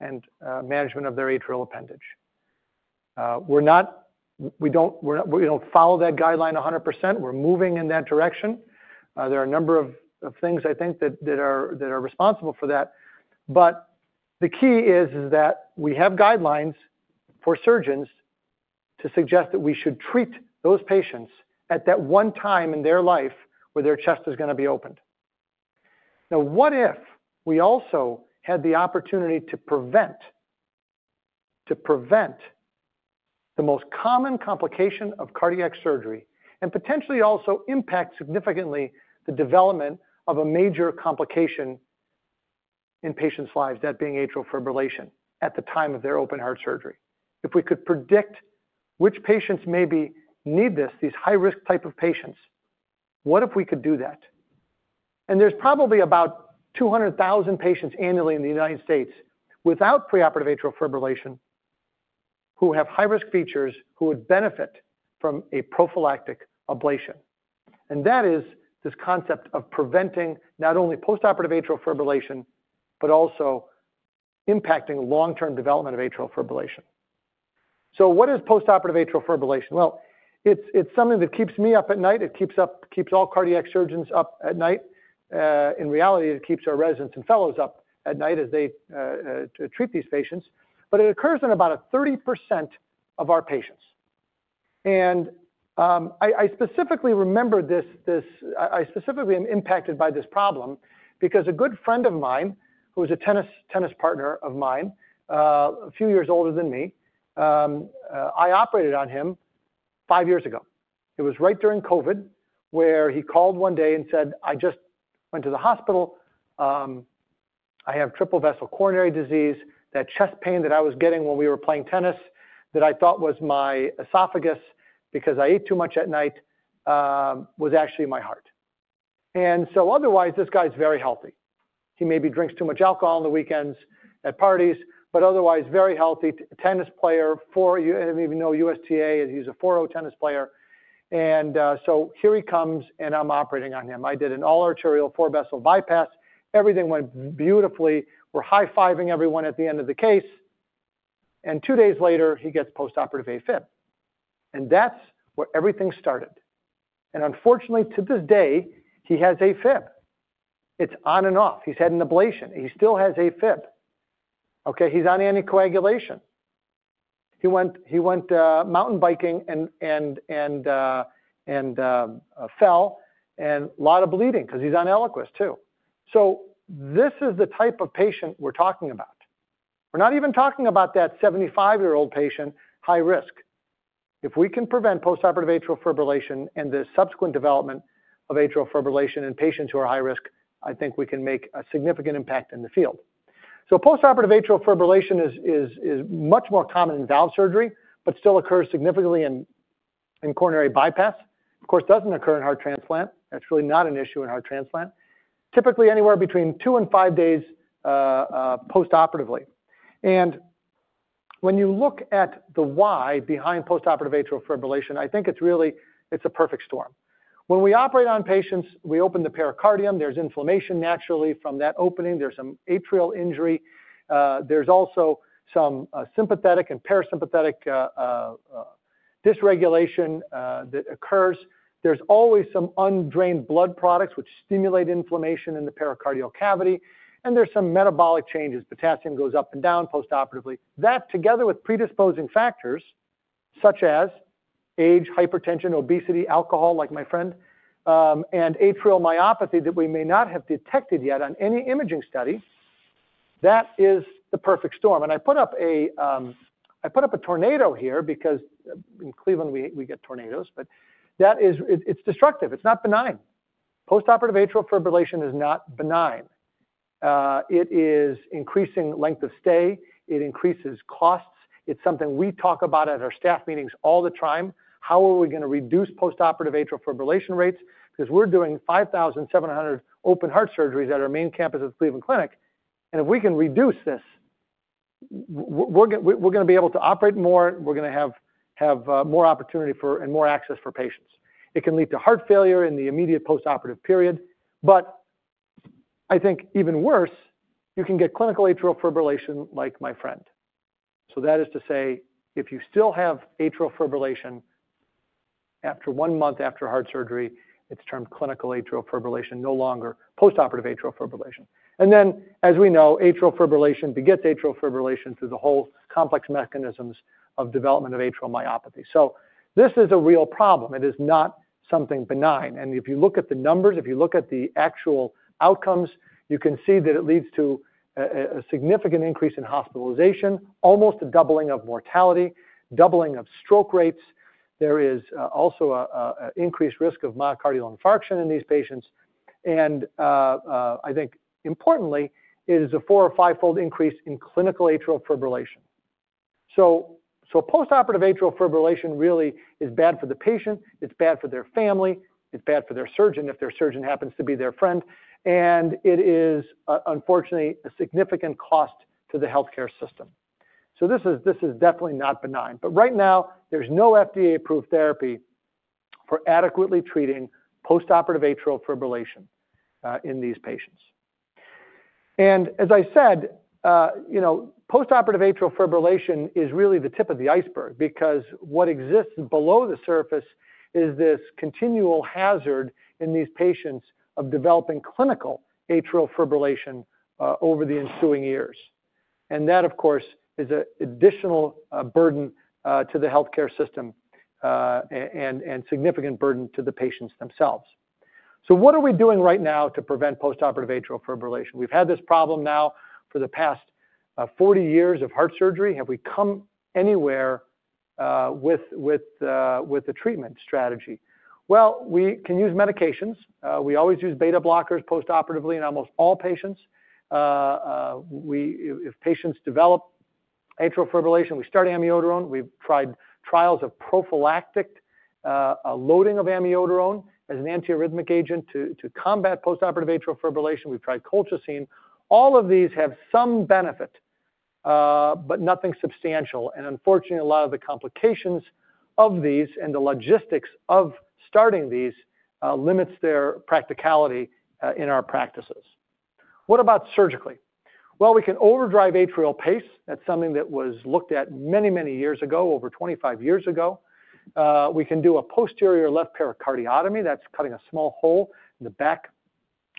and management of their atrial appendage. We're not, we don't, we're not, we don't follow that guideline 100%. We're moving in that direction. There are a number of things I think that are responsible for that. The key is that we have guidelines for surgeons to suggest that we should treat those patients at that one time in their life where their chest is going to be opened. Now, what if we also had the opportunity to prevent the most common complication of cardiac surgery and potentially also impact significantly the development of a major complication in patients' lives, that being atrial fibrillation at the time of their open heart surgery? If we could predict which patients maybe need this, these high-risk type of patients, what if we could do that? There are probably about 200,000 patients annually in the United States without preoperative atrial fibrillation who have high-risk features who would benefit from a prophylactic ablation. That is this concept of preventing not only postoperative atrial fibrillation, but also impacting long-term development of atrial fibrillation. What is postoperative atrial fibrillation? It's something that keeps me up at night. It keeps all cardiac surgeons up at night. In reality, it keeps our residents and fellows up at night as they treat these patients. It occurs in about 30% of our patients. I specifically remember this. I specifically am impacted by this problem because a good friend of mine who was a tennis partner of mine, a few years older than me, I operated on him five years ago. It was right during COVID where he called one day and said, "I just went to the hospital. I have triple-vessel coronary disease. That chest pain that I was getting when we were playing tennis that I thought was my esophagus because I ate too much at night, was actually my heart. Otherwise this guy's very healthy. He maybe drinks too much alcohol on the weekends at parties, but otherwise very healthy tennis player, four, you didn't even know USTA as he's a 4-0 tennis player. Here he comes and I'm operating on him. I did an all-arterial four-vessel bypass. Everything went beautifully. We're high-fiving everyone at the end of the case. Two days later, he gets postoperative AFib. That's where everything started. Unfortunately, to this day, he has AFib. It's on and off. He's had an ablation. He still has AFib. He's on anticoagulation. He went mountain biking and fell and a lot of bleeding 'cause he's on Eliquis too. This is the type of patient we're talking about. We're not even talking about that 75-year-old patient, high risk. If we can prevent postoperative atrial fibrillation and the subsequent development of atrial fibrillation in patients who are high risk, I think we can make a significant impact in the field. Postoperative atrial fibrillation is much more common in valve surgery, but still occurs significantly in coronary bypass. Of course, it doesn't occur in heart transplant. That's really not an issue in heart transplant. Typically, anywhere between two and five days, postoperatively. When you look at the why behind postoperative atrial fibrillation, I think it's really, it's a perfect storm. When we operate on patients, we open the pericardium. There's inflammation naturally from that opening. There's some atrial injury. There's also some sympathetic and parasympathetic dysregulation that occurs. There's always some undrained blood products which stimulate inflammation in the pericardial cavity. And there's some metabolic changes. Potassium goes up and down postoperatively. That together with predisposing factors such as age, hypertension, obesity, alcohol like my friend, and atrial myopathy that we may not have detected yet on any imaging study, that is the perfect storm. I put up a tornado here because in Cleveland, we get tornadoes, but that is, it's destructive. It's not benign. Postoperative atrial fibrillation is not benign. It is increasing length of stay. It increases costs. It's something we talk about at our staff meetings all the time. How are we gonna reduce postoperative atrial fibrillation rates? 'Cause we're doing 5,700 open heart surgeries at our main campus of the Cleveland Clinic. If we can reduce this, we're gonna be able to operate more. We're gonna have more opportunity for and more access for patients. It can lead to heart failure in the immediate postoperative period. I think even worse, you can get clinical atrial fibrillation like my friend. That is to say, if you still have atrial fibrillation after one month after heart surgery, it's termed clinical atrial fibrillation, no longer postoperative atrial fibrillation. As we know, atrial fibrillation begets atrial fibrillation through the whole complex mechanisms of development of atrial myopathy. This is a real problem. It is not something benign. If you look at the numbers, if you look at the actual outcomes, you can see that it leads to a significant increase in hospitalization, almost a doubling of mortality, doubling of stroke rates. There is also an increased risk of myocardial infarction in these patients. I think importantly, it is a four or five-fold increase in clinical atrial fibrillation. Postoperative atrial fibrillation really is bad for the patient. It's bad for their family. It's bad for their surgeon if their surgeon happens to be their friend. It is, unfortunately, a significant cost to the healthcare system. This is definitely not benign. Right now, there's no FDA-approved therapy for adequately treating postoperative atrial fibrillation in these patients. As I said, you know, postoperative atrial fibrillation is really the tip of the iceberg because what exists below the surface is this continual hazard in these patients of developing clinical atrial fibrillation over the ensuing years. That, of course, is an additional burden to the healthcare system, and significant burden to the patients themselves. What are we doing right now to prevent postoperative atrial fibrillation? We've had this problem now for the past 40 years of heart surgery. Have we come anywhere with the treatment strategy? We can use medications. We always use beta blockers postoperatively in almost all patients. If patients develop atrial fibrillation, we start amiodarone. We've tried trials of prophylactic loading of amiodarone as an antiarrhythmic agent to combat postoperative atrial fibrillation. We've tried colchicine. All of these have some benefit, but nothing substantial. Unfortunately, a lot of the complications of these and the logistics of starting these limits their practicality in our practices. What about surgically? We can overdrive atrial pace. That's something that was looked at many, many years ago, over 25 years ago. We can do a posterior left pericardiotomy. That's cutting a small hole in the back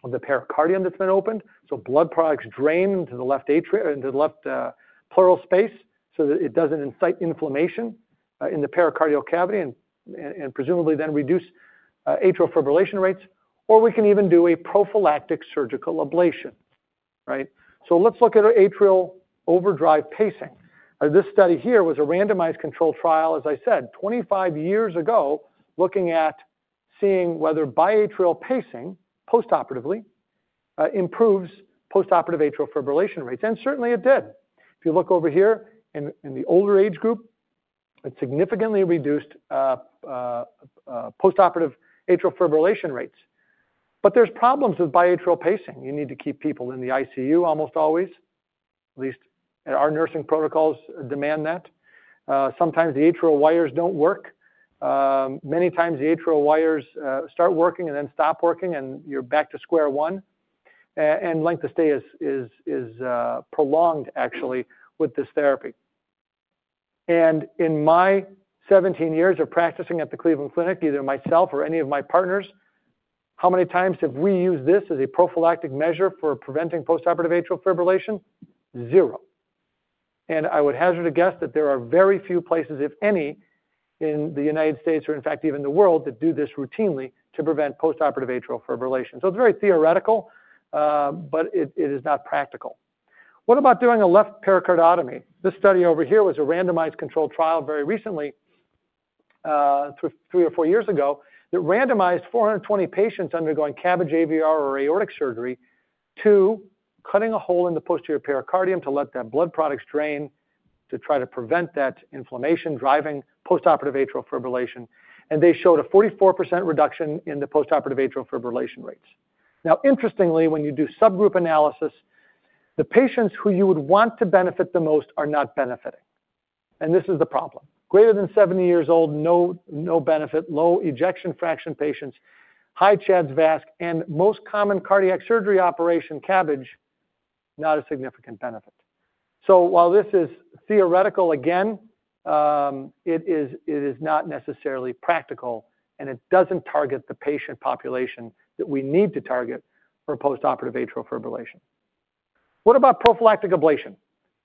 of the pericardium that's been opened, so blood products drain into the left atria, into the left pleural space so that it doesn't incite inflammation in the pericardial cavity and presumably then reduce atrial fibrillation rates. Or we can even do a prophylactic surgical ablation, right? Let's look at our atrial overdrive pacing. This study here was a randomized controlled trial, as I said, 25 years ago, looking at seeing whether biatrial pacing postoperatively improves postoperative atrial fibrillation rates. Certainly it did. If you look over here in the older age group, it significantly reduced postoperative atrial fibrillation rates. But there's problems with biatrial pacing. You need to keep people in the ICU almost always, at least our nursing protocols demand that. Sometimes the atrial wires don't work. Many times the atrial wires start working and then stop working, and you're back to square one. Length of stay is prolonged actually with this therapy. In my 17 years of practicing at the Cleveland Clinic, either myself or any of my partners, how many times have we used this as a prophylactic measure for preventing postoperative atrial fibrillation? Zero. I would hazard a guess that there are very few places, if any, in the United States or in fact even the world that do this routinely to prevent postoperative atrial fibrillation. It is very theoretical, but it is not practical. What about doing a left pericardotomy? This study over here was a randomized controlled trial very recently, three or four years ago, that randomized 420 patients undergoing CABG, AVR, or aortic surgery to cutting a hole in the posterior pericardium to let that blood products drain to try to prevent that inflammation driving postoperative atrial fibrillation. They showed a 44% reduction in the postoperative atrial fibrillation rates. Now, interestingly, when you do subgroup analysis, the patients who you would want to benefit the most are not benefiting. This is the problem. Greater than 70 years old, no benefit. Low ejection fraction patients, high CHA2DS2-VASc, and most common cardiac surgery operation, CABG, not a significant benefit. While this is theoretical, again, it is not necessarily practical, and it does not target the patient population that we need to target for postoperative atrial fibrillation. What about prophylactic ablation?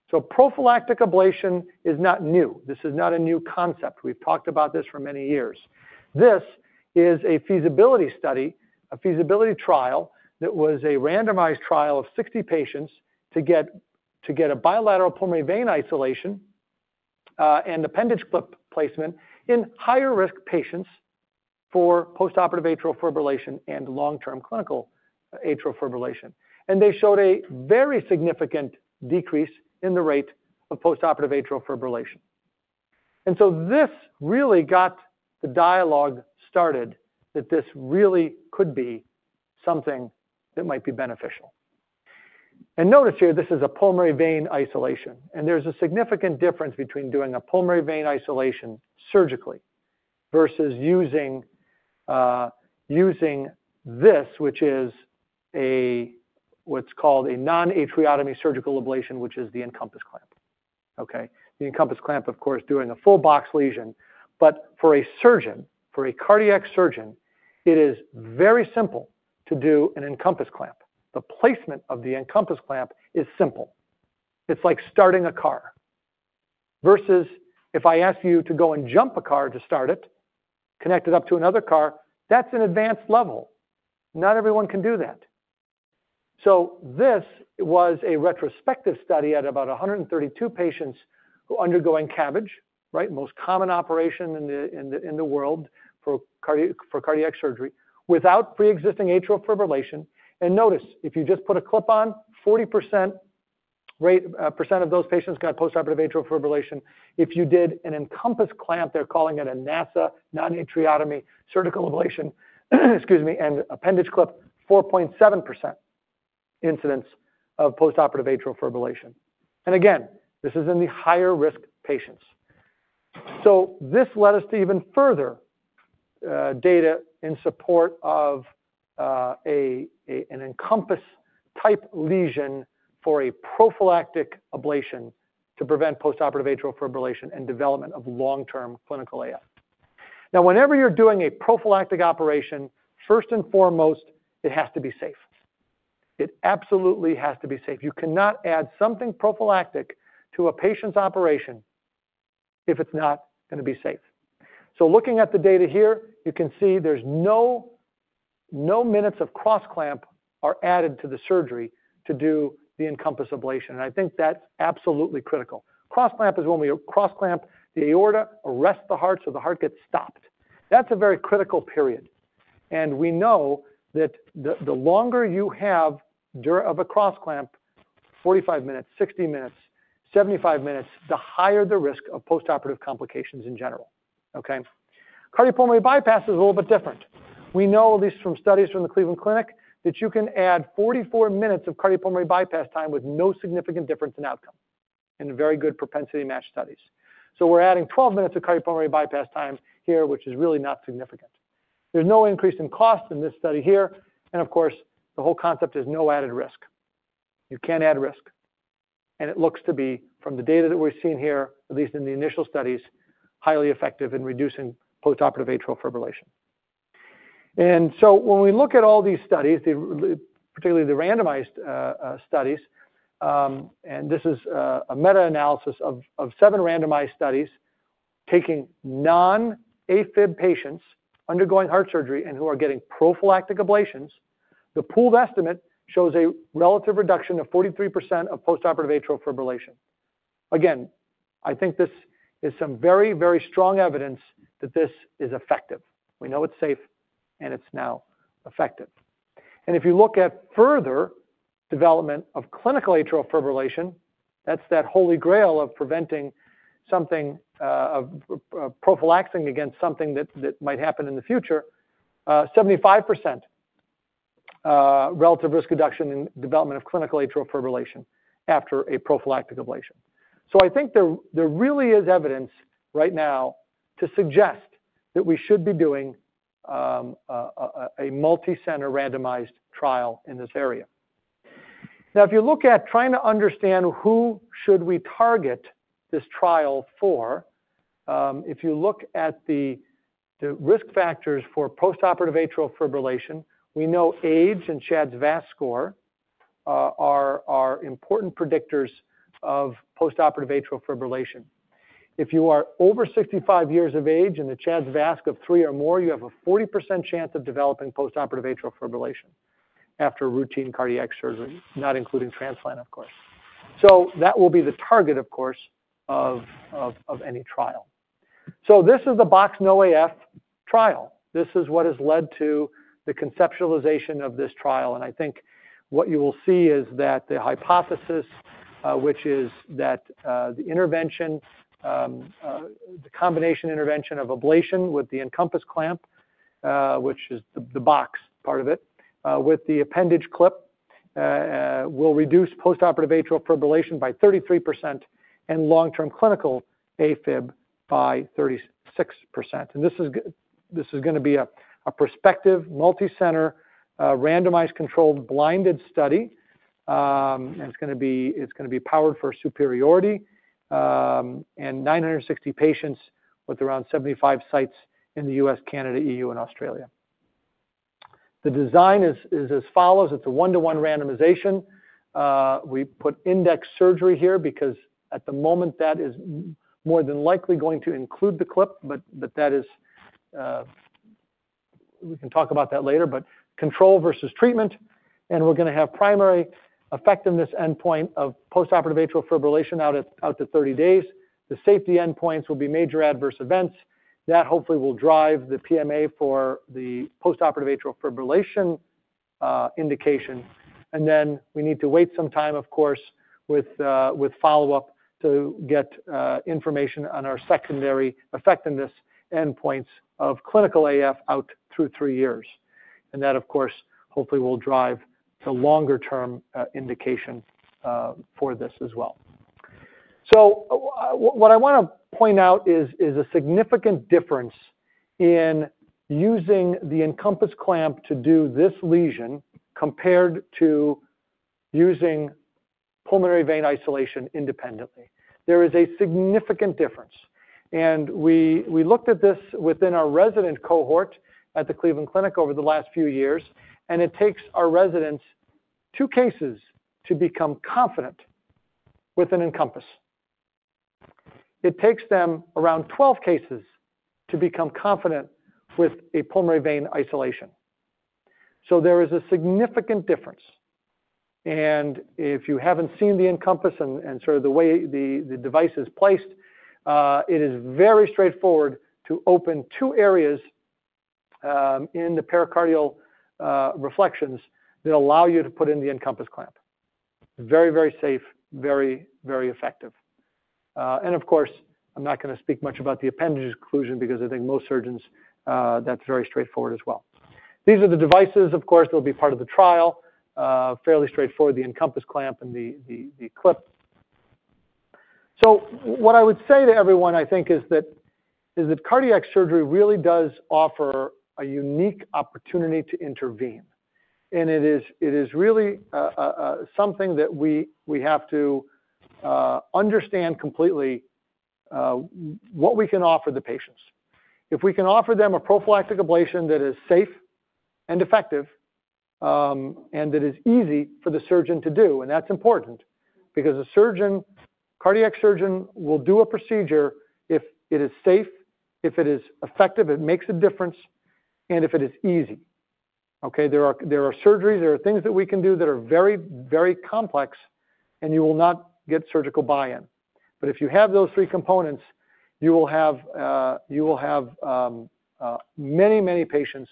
Prophylactic ablation is not new. This is not a new concept. We have talked about this for many years. This is a feasibility study, a feasibility trial that was a randomized trial of 60 patients to get a bilateral pulmonary vein isolation and appendage clip placement in higher risk patients for postoperative atrial fibrillation and long-term clinical atrial fibrillation. They showed a very significant decrease in the rate of postoperative atrial fibrillation. This really got the dialogue started that this really could be something that might be beneficial. Notice here, this is a pulmonary vein isolation. There is a significant difference between doing a pulmonary vein isolation surgically versus using this, which is what's called a non-atriotomy surgical ablation, which is the EnCompass clamp. The EnCompass clamp, of course, does a full box lesion. For a cardiac surgeon, it is very simple to do an EnCompass clamp. The placement of the EnCompass clamp is simple. It's like starting a car versus if I ask you to go and jump a car to start it, connect it up to another car, that's an advanced level. Not everyone can do that. This was a retrospective study at about 132 patients who are undergoing CABG, right? Most common operation in the world for cardiac surgery without preexisting atrial fibrillation. Notice if you just put a clip on, 40% of those patients got postoperative atrial fibrillation. If you did an EnCompass clamp, they're calling it a NASA non-atriotomy surgical ablation, excuse me, and appendage clip, 4.7% incidence of postoperative atrial fibrillation. Again, this is in the higher risk patients. This led us to even further data in support of an Encompass type lesion for a prophylactic ablation to prevent postoperative atrial fibrillation and development of long-term clinical AF. Now, whenever you're doing a prophylactic operation, first and foremost, it has to be safe. It absolutely has to be safe. You cannot add something prophylactic to a patient's operation if it's not gonna be safe. Looking at the data here, you can see there's no minutes of cross-clamp are added to the surgery to do the Encompass ablation. I think that's absolutely critical. Cross-clamp is when we cross-clamp the aorta, arrest the heart, so the heart gets stopped. That's a very critical period. We know that the longer you have dur of a cross-clamp, 45 minutes, 60 minutes, 75 minutes, the higher the risk of postoperative complications in general. Cardiopulmonary bypass is a little bit different. We know, at least from studies from the Cleveland Clinic, that you can add 44 minutes of cardiopulmonary bypass time with no significant difference in outcome in very good propensity match studies. We're adding 12 minutes of cardiopulmonary bypass time here, which is really not significant. There's no increase in cost in this study here. Of course, the whole concept is no added risk. You can add risk. It looks to be, from the data that we're seeing here, at least in the initial studies, highly effective in reducing postoperative atrial fibrillation. When we look at all these studies, particularly the randomized studies, and this is a meta-analysis of seven randomized studies taking non-AFib patients undergoing heart surgery and who are getting prophylactic ablations, the pooled estimate shows a relative reduction of 43% of postoperative atrial fibrillation. I think this is some very, very strong evidence that this is effective. We know it's safe, and it's now effective. If you look at further development of clinical atrial fibrillation, that's that holy grail of preventing something, of prophylaxing against something that might happen in the future, 75% relative risk reduction in development of clinical atrial fibrillation after a prophylactic ablation. I think there really is evidence right now to suggest that we should be doing a multi-center randomized trial in this area. Now, if you look at trying to understand who should we target this trial for, if you look at the risk factors for postoperative atrial fibrillation, we know age and CHA2DS2-VASc score are important predictors of postoperative atrial fibrillation. If you are over 65 years of age and the CHA2DS2-VASc of three or more, you have a 40% chance of developing postoperative atrial fibrillation after routine cardiac surgery, not including transplant, of course. That will be the target, of course, of any trial. This is the Box no AF Trial. This is what has led to the conceptualization of this trial. I think what you will see is that the hypothesis, which is that the intervention, the combination intervention of ablation with the EnCompass clamp, which is the box part of it, with the appendage clip, will reduce postoperative atrial fibrillation by 33% and long-term clinical AFib by 36%. This is gonna be a prospective multi-center randomized controlled blinded study. It's gonna be powered for superiority, and 960 patients with around 75 sites in the U.S., Canada, E.U., and Australia. The design is as follows. It's a one-to-one randomization. We put index surgery here because at the moment that is more than likely going to include the clip, but that is, we can talk about that later, but control versus treatment. We're gonna have primary effectiveness endpoint of postoperative atrial fibrillation out at, out to 30 days. The safety endpoints will be major adverse events. That hopefully will drive the PMA for the postoperative atrial fibrillation indication. We need to wait some time, of course, with follow-up to get information on our secondary effectiveness endpoints of clinical AF out through three years. That, of course, hopefully will drive the longer-term indication for this as well. What I want to point out is a significant difference in using the EnCompass clamp to do this lesion compared to using pulmonary vein isolation independently. There is a significant difference. We looked at this within our resident cohort at the Cleveland Clinic over the last few years, and it takes our residents two cases to become confident with an Encompass. It takes them around 12 cases to become confident with a pulmonary vein isolation. There is a significant difference. If you haven't seen the Encompass and sort of the way the device is placed, it is very straightforward to open two areas in the pericardial reflections that allow you to put in the EnCompass clamp. Very, very safe, very, very effective. Of course, I'm not gonna speak much about the appendage exclusion because I think most surgeons, that's very straightforward as well. These are the devices, of course, that will be part of the trial, fairly straightforward, the EnCompass clamp and the clip. What I would say to everyone, I think, is that cardiac surgery really does offer a unique opportunity to intervene. It is really something that we have to understand completely, what we can offer the patients. If we can offer them a prophylactic ablation that is safe and effective, and that is easy for the surgeon to do, and that's important because a surgeon, cardiac surgeon, will do a procedure if it is safe, if it is effective, it makes a difference, and if it is easy. There are surgeries, there are things that we can do that are very, very complex, and you will not get surgical buy-in. If you have those three components, you will have many, many patients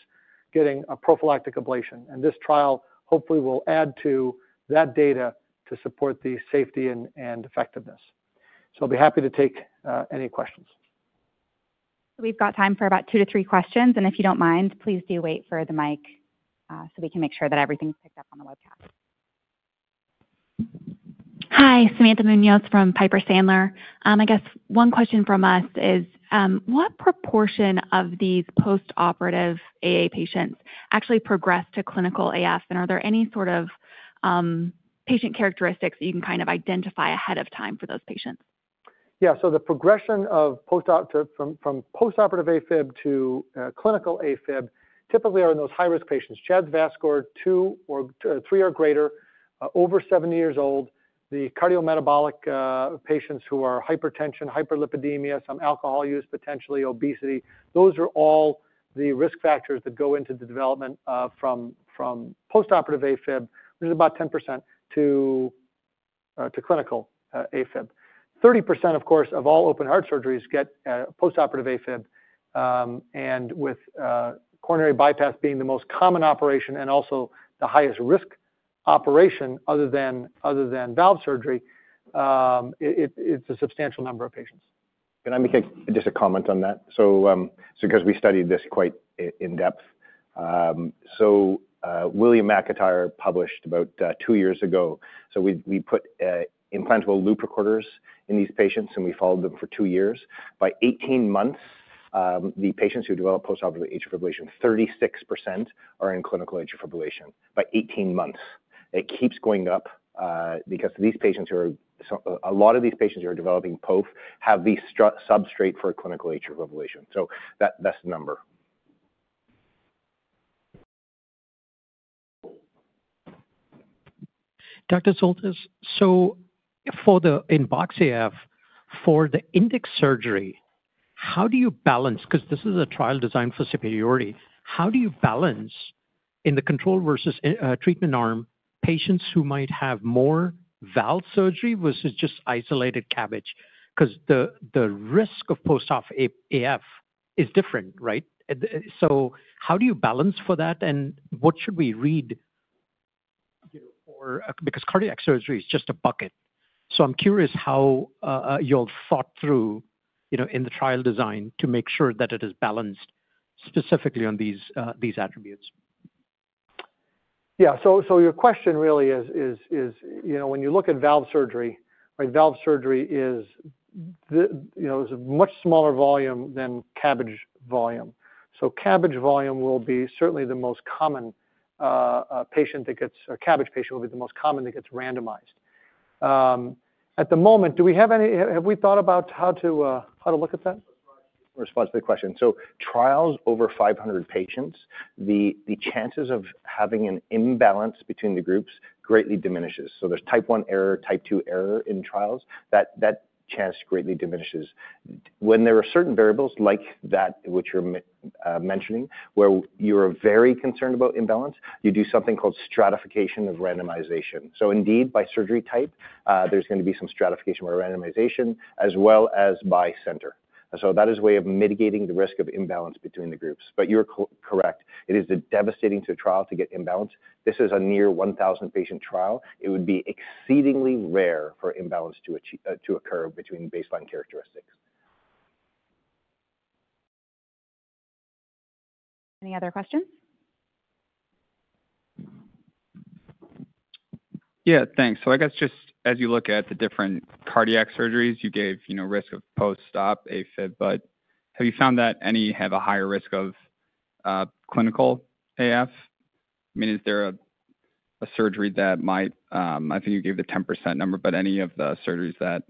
getting a prophylactic ablation. This trial hopefully will add to that data to support the safety and effectiveness. I'll be happy to take any questions. We've got time for about two to three questions. If you don't mind, please do wait for the mic, so we can make sure that everything's picked up on the webcast. Hi, Samantha Munoz from Piper Sandler. I guess one question from us is, what proportion of these postoperative AA patients actually progress to clinical AF? And are there any sort of, patient characteristics that you can kind of identify ahead of time for those patients? Yeah. The progression of postop to from, from postoperative AFib to, clinical AFib typically are in those high-risk patients, CHA2DS2-VASc score two or three or greater, over 70 years old. The cardiometabolic, patients who are hypertension, hyperlipidemia, some alcohol use, potentially obesity, those are all the risk factors that go into the development, from, from postoperative AFib, which is about 10% to, to clinical, AFib. 30%, of course, of all open heart surgeries get, postoperative AFib, and with, coronary bypass being the most common operation and also the highest risk operation other than, other than valve surgery, it, it, it's a substantial number of patients. Can I make a, just a comment on that? 'Cause we studied this quite in-depth, William McIntyre published about two years ago. We put implantable loop recorders in these patients, and we followed them for two years. By 18 months, the patients who develop postoperative atrial fibrillation, 36% are in clinical atrial fibrillation by 18 months. It keeps going up, because a lot of these patients who are developing POF have the substrate for clinical atrial fibrillation. That's the number. Dr. Soltesz, so for the inbox AF, for the index surgery, how do you balance? 'Cause this is a trial designed for superiority. How do you balance in the control versus in, treatment arm patients who might have more valve surgery versus just isolated CABG? 'Cause the, the risk of post op AF is different, right? How do you balance for that? And what should we read or, because cardiac surgery is just a bucket. I'm curious how y'all thought through, you know, in the trial design to make sure that it is balanced specifically on these, these attributes. Yeah. Your question really is, you know, when you look at valve surgery, right, valve surgery is a much smaller volume than CABG volume. CABG volume will be certainly the most common, patient that gets, or CABG patient will be the most common that gets randomized. At the moment, do we have any, have we thought about how to, how to look at that? Response to the question. Trials over 500 patients, the chances of having an imbalance between the groups greatly diminishes. There is type one error, type two error in trials. That chance greatly diminishes. When there are certain variables like that, which you're mentioning, where you are very concerned about imbalance, you do something called stratification of randomization. Indeed, by surgery type, there's going to be some stratification of randomization as well as by center. That is a way of mitigating the risk of imbalance between the groups. You're correct. It is devastating to a trial to get imbalance. This is a near 1,000-patient trial. It would be exceedingly rare for imbalance to occur between baseline characteristics. Any other questions? Yeah, thanks. I guess just as you look at the different cardiac surgeries, you gave, you know, risk of postop AFib, but have you found that any have a higher risk of clinical AF? I mean, is there a surgery that might, I think you gave the 10% number, but any of the surgeries that,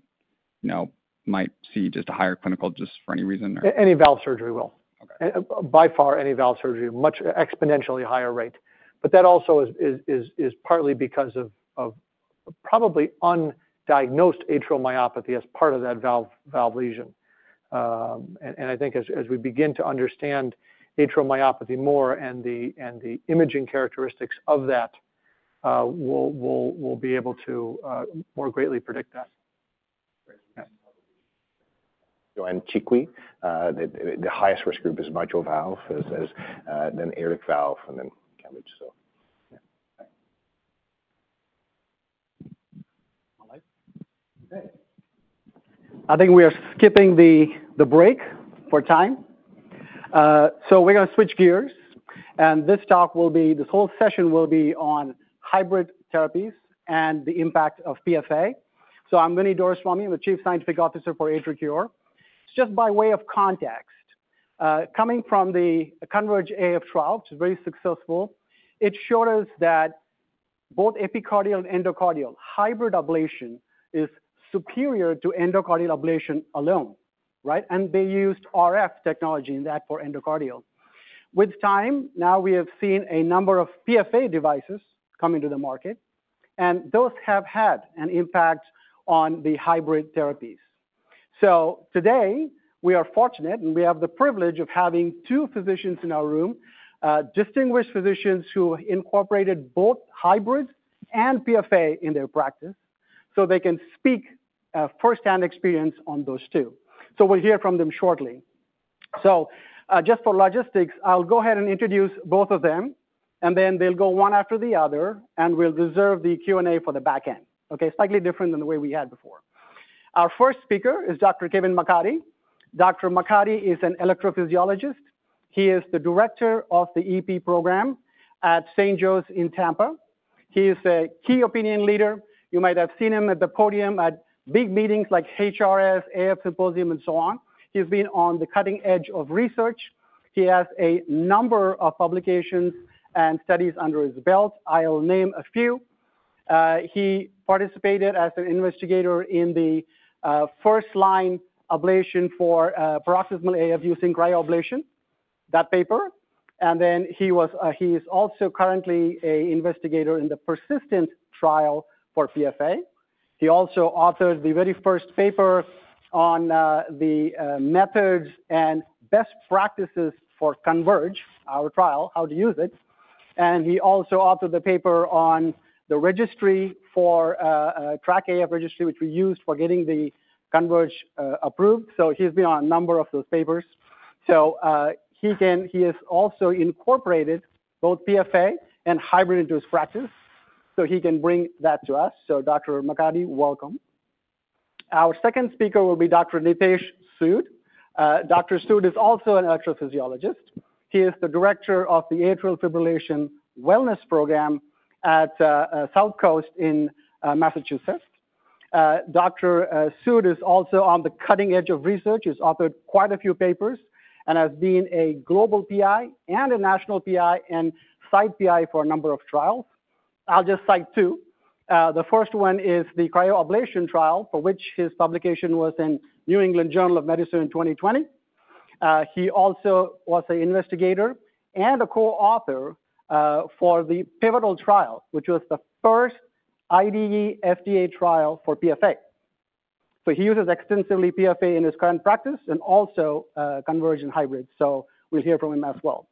you know, might see just a higher clinical just for any reason or? Any valve surgery will. Okay. By far, any valve surgery, much exponentially higher rate. That also is partly because of probably undiagnosed atrial myopathy as part of that valve lesion. I think as we begin to understand atrial myopathy more and the imaging characteristics of that, we'll be able to more greatly predict that. Joanne Chikwi. The highest risk group is mitral valve, then aortic valve, and then CABG. So yeah. I think we are skipping the break for time. We're gonna switch gears. This talk will be, this whole session will be on hybrid therapies and the impact of PFA. I'm Vini Doraiswamy. I'm the Chief Scientific Officer for AtriCure. Just by way of context, coming from the CONVERGE AF trial, which is very successful, it showed us that both epicardial and endocardial hybrid ablation is superior to endocardial ablation alone, right? They used RF technology in that for endocardial. With time, now we have seen a number of PFA devices come into the market, and those have had an impact on the hybrid therapies. Today we are fortunate and we have the privilege of having two physicians in our room, distinguished physicians who incorporated both hybrids and PFA in their practice so they can speak, firsthand experience on those two. We'll hear from them shortly. Just for logistics, I'll go ahead and introduce both of them, and then they'll go one after the other, and we'll reserve the Q&A for the backend. Okay? Slightly different than the way we had before. Our first speaker is Dr. Kevin McCarthy. Dr. McCarthy is an electrophysiologist. He is the Director of the EP program at St. Joe's in Tampa. He is a key opinion leader. You might have seen him at the podium at big meetings like HRS, AF Symposium, and so on. He's been on the cutting edge of research. He has a number of publications and studies under his belt. I'll name a few. He participated as an investigator in the first line ablation for paroxysmal AF using cryoablation, that paper. He is also currently an investigator in the persistent trial for PFA. He also authored the very first paper on the methods and best practices for CONVERGE, our trial, how to use it. He also authored the paper on the registry for track AF registry, which we used for getting the CONVERGE approved. He has been on a number of those papers. He has also incorporated both PFA and hybrid into his practice. He can bring that to us. Dr. McCarthy, welcome. Our second speaker will be Dr. Nitesh Sood. Dr. Sood is also an electrophysiologist. He is the Director of the Atrial Fibrillation Wellness Program at Southcoast in Massachusetts. Dr. Sood is also on the cutting edge of research. He has authored quite a few papers and has been a global PI and a national PI and site PI for a number of trials. I'll just cite two. The first one is the cryoablation trial for which his publication was in New England Journal of Medicine in 2020. He also was an investigator and a co-author, for the pivotal trial, which was the first IDE FDA trial for PFA. He uses extensively PFA in his current practice and also, CONVERGE and hybrids. We will hear from him as well.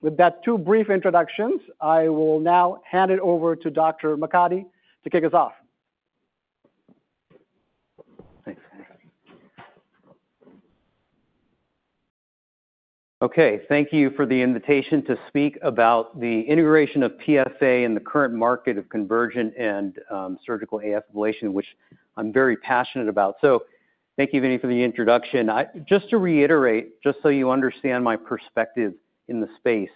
With that two brief introductions, I will now hand it over to Dr. McCarthy to kick us off. Thanks. Okay. Thank you for the invitation to speak about the integration of PFA in the current market of conversion and surgical AF ablation, which I'm very passionate about. Thank you, Vinney, for the introduction. Just to reiterate, just so you understand my perspective in the space,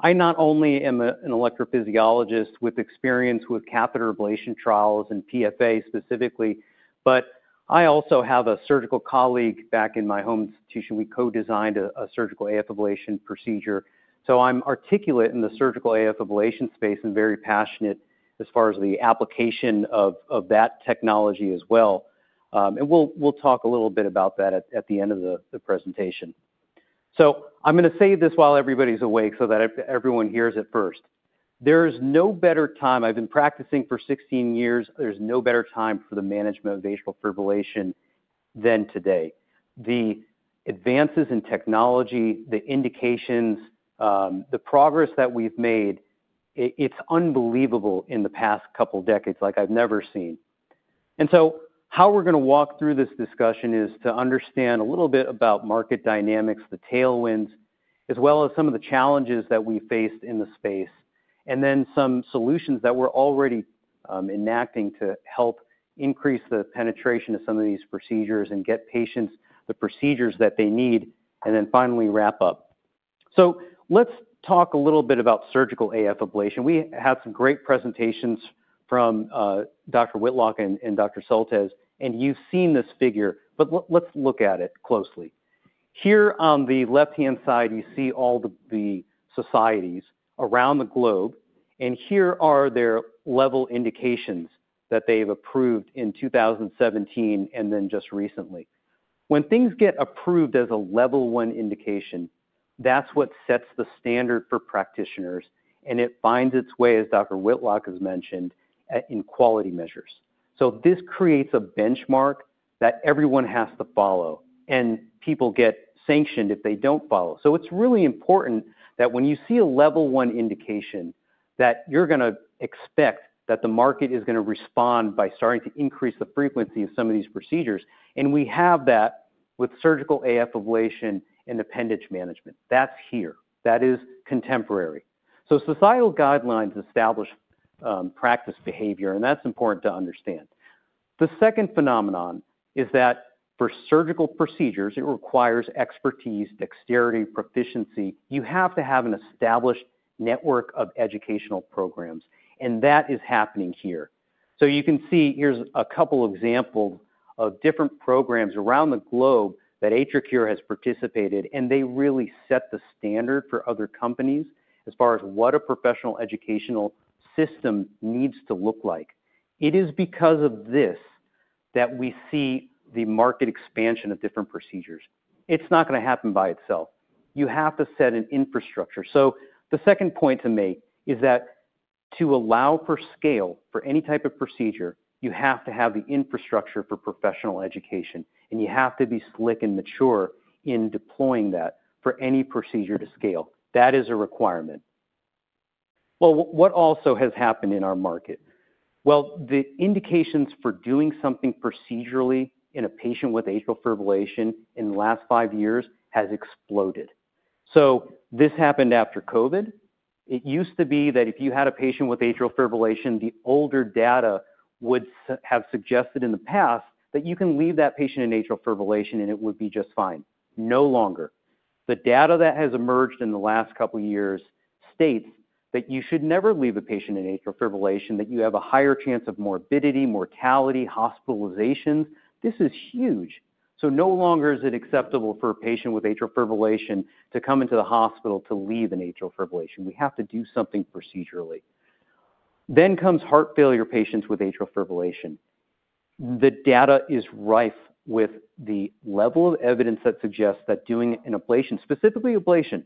I not only am an electrophysiologist with experience with catheter ablation trials and PFA specifically, but I also have a surgical colleague back in my home institution. We co-designed a surgical AF ablation procedure. I'm articulate in the surgical AF ablation space and very passionate as far as the application of that technology as well. We'll talk a little bit about that at the end of the presentation. I'm gonna say this while everybody's awake so that everyone hears it first. There is no better time. I've been practicing for 16 years. There's no better time for the management of atrial fibrillation than today. The advances in technology, the indications, the progress that we've made, it's unbelievable in the past couple decades, like I've never seen. How we're gonna walk through this discussion is to understand a little bit about market dynamics, the tailwinds, as well as some of the challenges that we faced in the space, and then some solutions that we're already enacting to help increase the penetration of some of these procedures and get patients the procedures that they need, and then finally wrap up. Let's talk a little bit about surgical AF ablation. We had some great presentations from Dr. Whitlock and Dr. Soltesz, and you've seen this figure, but let's look at it closely. Here on the left-hand side, you see all the societies around the globe, and here are their level indications that they've approved in 2017 and then just recently. When things get approved as a level one indication, that's what sets the standard for practitioners, and it finds its way, as Dr. Whitlock has mentioned, in quality measures. This creates a benchmark that everyone has to follow, and people get sanctioned if they don't follow. It's really important that when you see a level one indication, you're gonna expect that the market is gonna respond by starting to increase the frequency of some of these procedures. We have that with surgical AF ablation and appendage management. That's here. That is contemporary. Societal guidelines establish practice behavior, and that's important to understand. The second phenomenon is that for surgical procedures, it requires expertise, dexterity, proficiency. You have to have an established network of educational programs, and that is happening here. You can see here's a couple examples of different programs around the globe that AtriCure has participated in, and they really set the standard for other companies as far as what a professional educational system needs to look like. It is because of this that we see the market expansion of different procedures. It's not gonna happen by itself. You have to set an infrastructure. The second point to make is that to allow for scale for any type of procedure, you have to have the infrastructure for professional education, and you have to be slick and mature in deploying that for any procedure to scale. That is a requirement. What also has happened in our market? The indications for doing something procedurally in a patient with atrial fibrillation in the last five years has exploded. This happened after COVID. It used to be that if you had a patient with atrial fibrillation, the older data would have suggested in the past that you can leave that patient in atrial fibrillation and it would be just fine. No longer. The data that has emerged in the last couple years states that you should never leave a patient in atrial fibrillation, that you have a higher chance of morbidity, mortality, hospitalizations. This is huge. No longer is it acceptable for a patient with atrial fibrillation to come into the hospital to leave in atrial fibrillation. We have to do something procedurally. Then comes heart failure patients with atrial fibrillation. The data is rife with the level of evidence that suggests that doing an ablation, specifically ablation,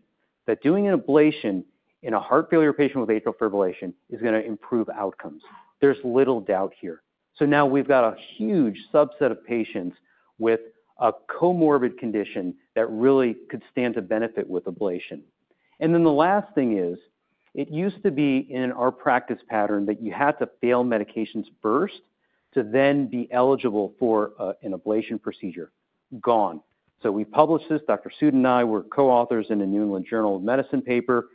that doing an ablation in a heart failure patient with atrial fibrillation is gonna improve outcomes. There's little doubt here. Now we've got a huge subset of patients with a comorbid condition that really could stand to benefit with ablation. The last thing is it used to be in our practice pattern that you had to fail medications first to then be eligible for an ablation procedure. Gone. We published this. Dr. Sood and I were co-authors in a New England Journal of Medicine paper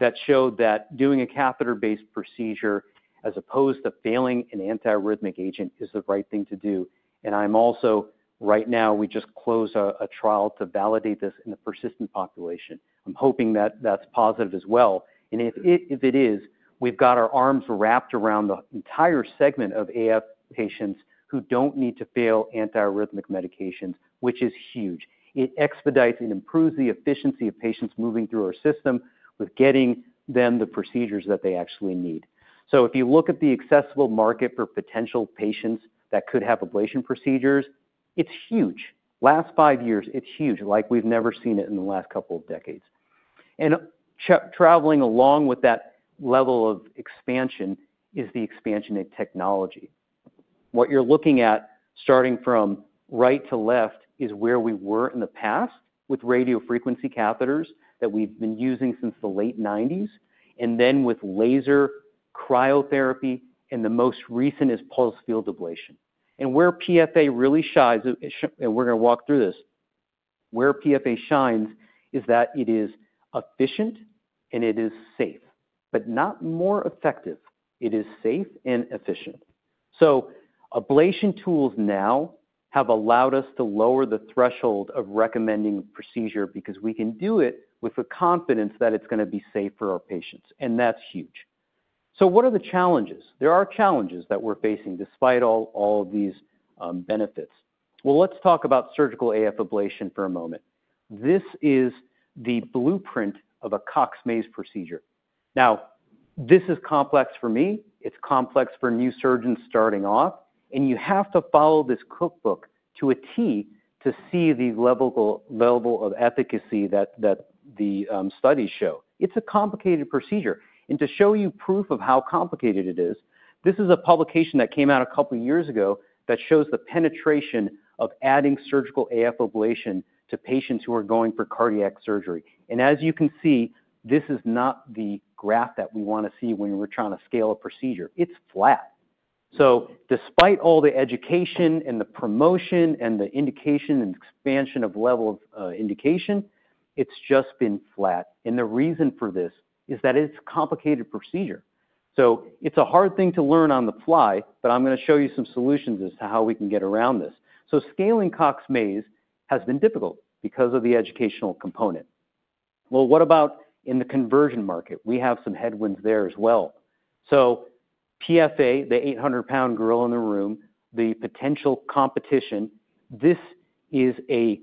that showed that doing a catheter-based procedure as opposed to failing an antiarrhythmic agent is the right thing to do. I'm also right now, we just closed a trial to validate this in the persistent population. I'm hoping that that's positive as well. If it is, we've got our arms wrapped around the entire segment of AF patients who don't need to fail antiarrhythmic medications, which is huge. It expedites and improves the efficiency of patients moving through our system with getting them the procedures that they actually need. If you look at the accessible market for potential patients that could have ablation procedures, it's huge. Last five years, it's huge. Like we've never seen it in the last couple of decades. Traveling along with that level of expansion is the expansion in technology. What you're looking at starting from right to left is where we were in the past with radiofrequency catheters that we've been using since the late 1990s, and then with laser cryotherapy, and the most recent is pulse field ablation. Where PFA really shines, and we're gonna walk through this, where PFA shines is that it is efficient and it is safe, but not more effective. It is safe and efficient. Ablation tools now have allowed us to lower the threshold of recommending procedure because we can do it with the confidence that it's gonna be safe for our patients. That's huge. What are the challenges? There are challenges that we're facing despite all, all of these, benefits. Let's talk about surgical AF ablation for a moment. This is the blueprint of a Cox-Maze procedure. This is complex for me. It's complex for new surgeons starting off, and you have to follow this cookbook to a T to see the level level of efficacy that, that the studies show. It's a complicated procedure. To show you proof of how complicated it is, this is a publication that came out a couple years ago that shows the penetration of adding surgical AF ablation to patients who are going for cardiac surgery. As you can see, this is not the graph that we want to see when we're trying to scale a procedure. It's flat. Despite all the education and the promotion and the indication and expansion of level of indication, it's just been flat. The reason for this is that it's a complicated procedure. It's a hard thing to learn on the fly, but I'm going to show you some solutions as to how we can get around this. Scaling Cox-Maze has been difficult because of the educational component. What about in the conversion market? We have some headwinds there as well. PFA, the 800-pound gorilla in the room, the potential competition, this is a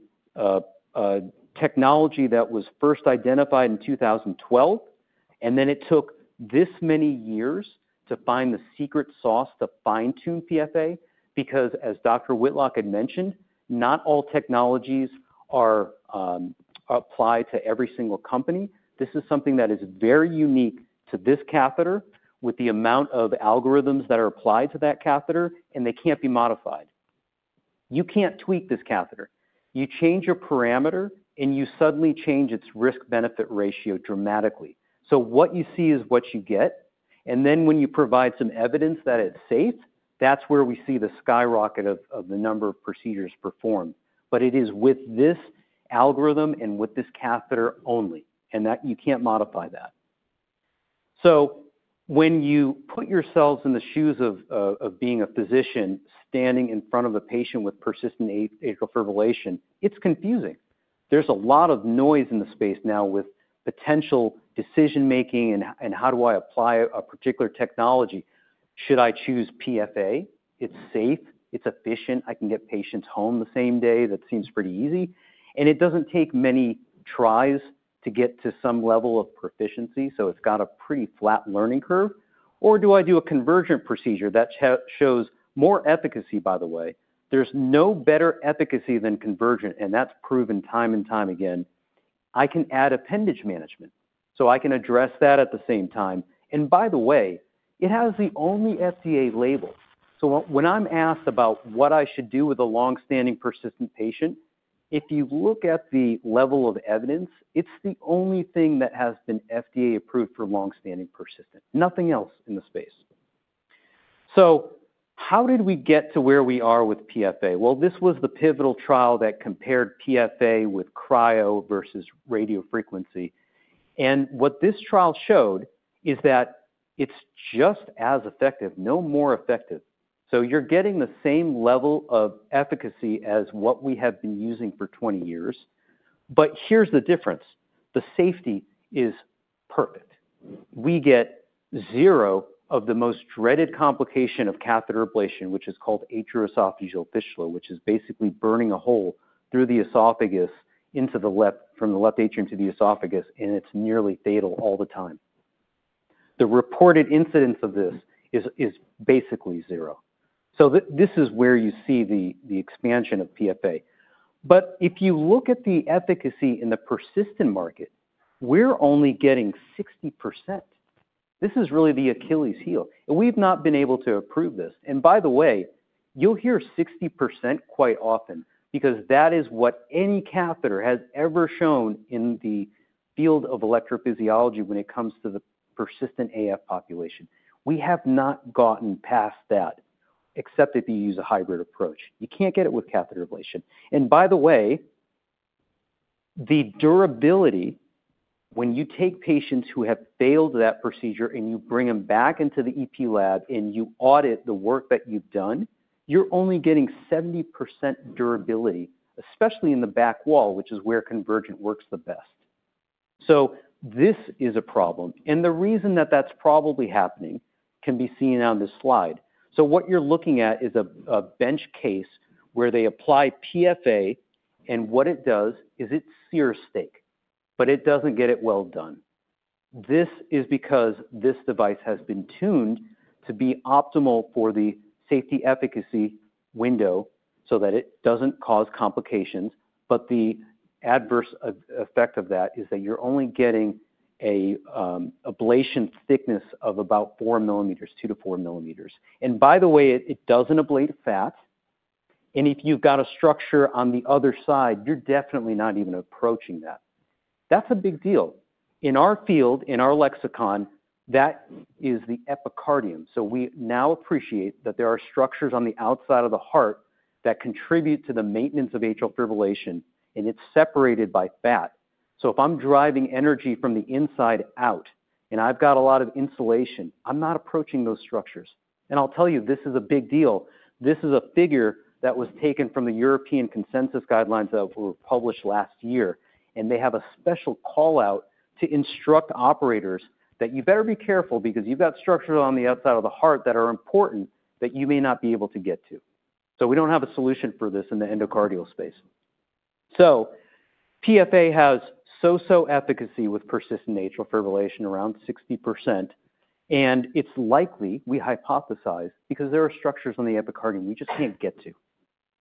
technology that was first identified in 2012, and then it took this many years to find the secret sauce to fine-tune PFA because, as Dr. Whitlock had mentioned, not all technologies are, apply to every single company. This is something that is very unique to this catheter with the amount of algorithms that are applied to that catheter, and they can't be modified. You can't tweak this catheter. You change your parameter, and you suddenly change its risk-benefit ratio dramatically. What you see is what you get. When you provide some evidence that it's safe, that's where we see the skyrocket of the number of procedures performed. It is with this algorithm and with this catheter only, and you can't modify that. When you put yourselves in the shoes of being a physician standing in front of a patient with persistent atrial fibrillation, it's confusing. There's a lot of noise in the space now with potential decision-making and how do I apply a particular technology? Should I choose PFA? It's safe. It's efficient. I can get patients home the same day. That seems pretty easy. It doesn't take many tries to get to some level of proficiency, so it's got a pretty flat learning curve. Do I do a conversion procedure? That shows more efficacy, by the way. There's no better efficacy than conversion, and that's proven time and time again. I can add appendage management, so I can address that at the same time. By the way, it has the only FDA label. When I'm asked about what I should do with a longstanding persistent patient, if you look at the level of evidence, it's the only thing that has been FDA approved for longstanding persistent, nothing else in the space. How did we get to where we are with PFA? This was the pivotal trial that compared PFA with cryo versus radiofrequency. What this trial showed is that it's just as effective, no more effective. You're getting the same level of efficacy as what we have been using for 20 years. Here's the difference. The safety is perfect. We get zero of the most dreaded complication of catheter ablation, which is called atrial esophageal fistula, which is basically burning a hole through the esophagus into the left from the left atrium to the esophagus, and it's nearly fatal all the time. The reported incidence of this is basically zero. This is where you see the expansion of PFA. If you look at the efficacy in the persistent market, we're only getting 60%. This is really the Achilles heel. We've not been able to approve this. By the way, you'll hear 60% quite often because that is what any catheter has ever shown in the field of electrophysiology when it comes to the persistent AF population. We have not gotten past that, except if you use a hybrid approach. You can't get it with catheter ablation. By the way, the durability, when you take patients who have failed that procedure and you bring them back into the EP lab and you audit the work that you've done, you're only getting 70% durability, especially in the back wall, which is where conversion works the best. This is a problem. The reason that that's probably happening can be seen on this slide. What you're looking at is a bench case where they apply PFA, and what it does is it sears steak, but it doesn't get it well done. This is because this device has been tuned to be optimal for the safety efficacy window so that it doesn't cause complications. The adverse effect of that is that you're only getting an ablation thickness of about 4 millimeters, 2-4 millimeters. By the way, it doesn't ablate fat. If you've got a structure on the other side, you're definitely not even approaching that. That's a big deal. In our field, in our lexicon, that is the epicardium. We now appreciate that there are structures on the outside of the heart that contribute to the maintenance of atrial fibrillation, and it's separated by fat. If I'm driving energy from the inside out and I've got a lot of insulation, I'm not approaching those structures. I'll tell you, this is a big deal. This is a figure that was taken from the European Consensus Guidelines that were published last year, and they have a special callout to instruct operators that you better be careful because you've got structures on the outside of the heart that are important that you may not be able to get to. We don't have a solution for this in the endocardial space. PFA has so-so efficacy with persistent atrial fibrillation, around 60%. It is likely, we hypothesize, because there are structures on the epicardium you just cannot get to,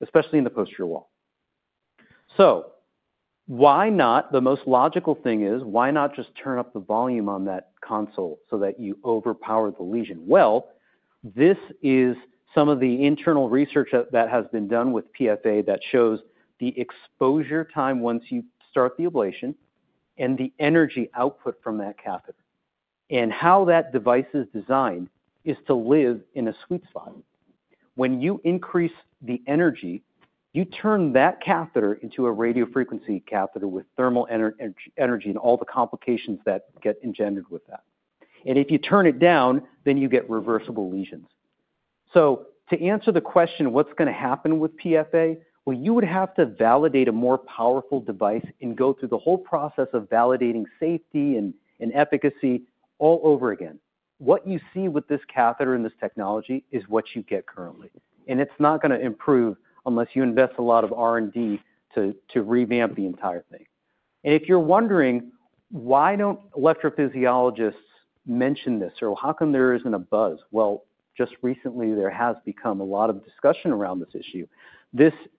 especially in the posterior wall. The most logical thing is, why not just turn up the volume on that console so that you overpower the lesion? This is some of the internal research that has been done with PFA that shows the exposure time once you start the ablation and the energy output from that catheter. How that device is designed is to live in a sweet spot. When you increase the energy, you turn that catheter into a radiofrequency catheter with thermal energy and all the complications that get engendered with that. If you turn it down, then you get reversible lesions. To answer the question, what is going to happen with PFA? You would have to validate a more powerful device and go through the whole process of validating safety and efficacy all over again. What you see with this catheter and this technology is what you get currently. It's not gonna improve unless you invest a lot of R&D to revamp the entire thing. If you're wondering why don't electrophysiologists mention this or how come there isn't a buzz, just recently, there has become a lot of discussion around this issue.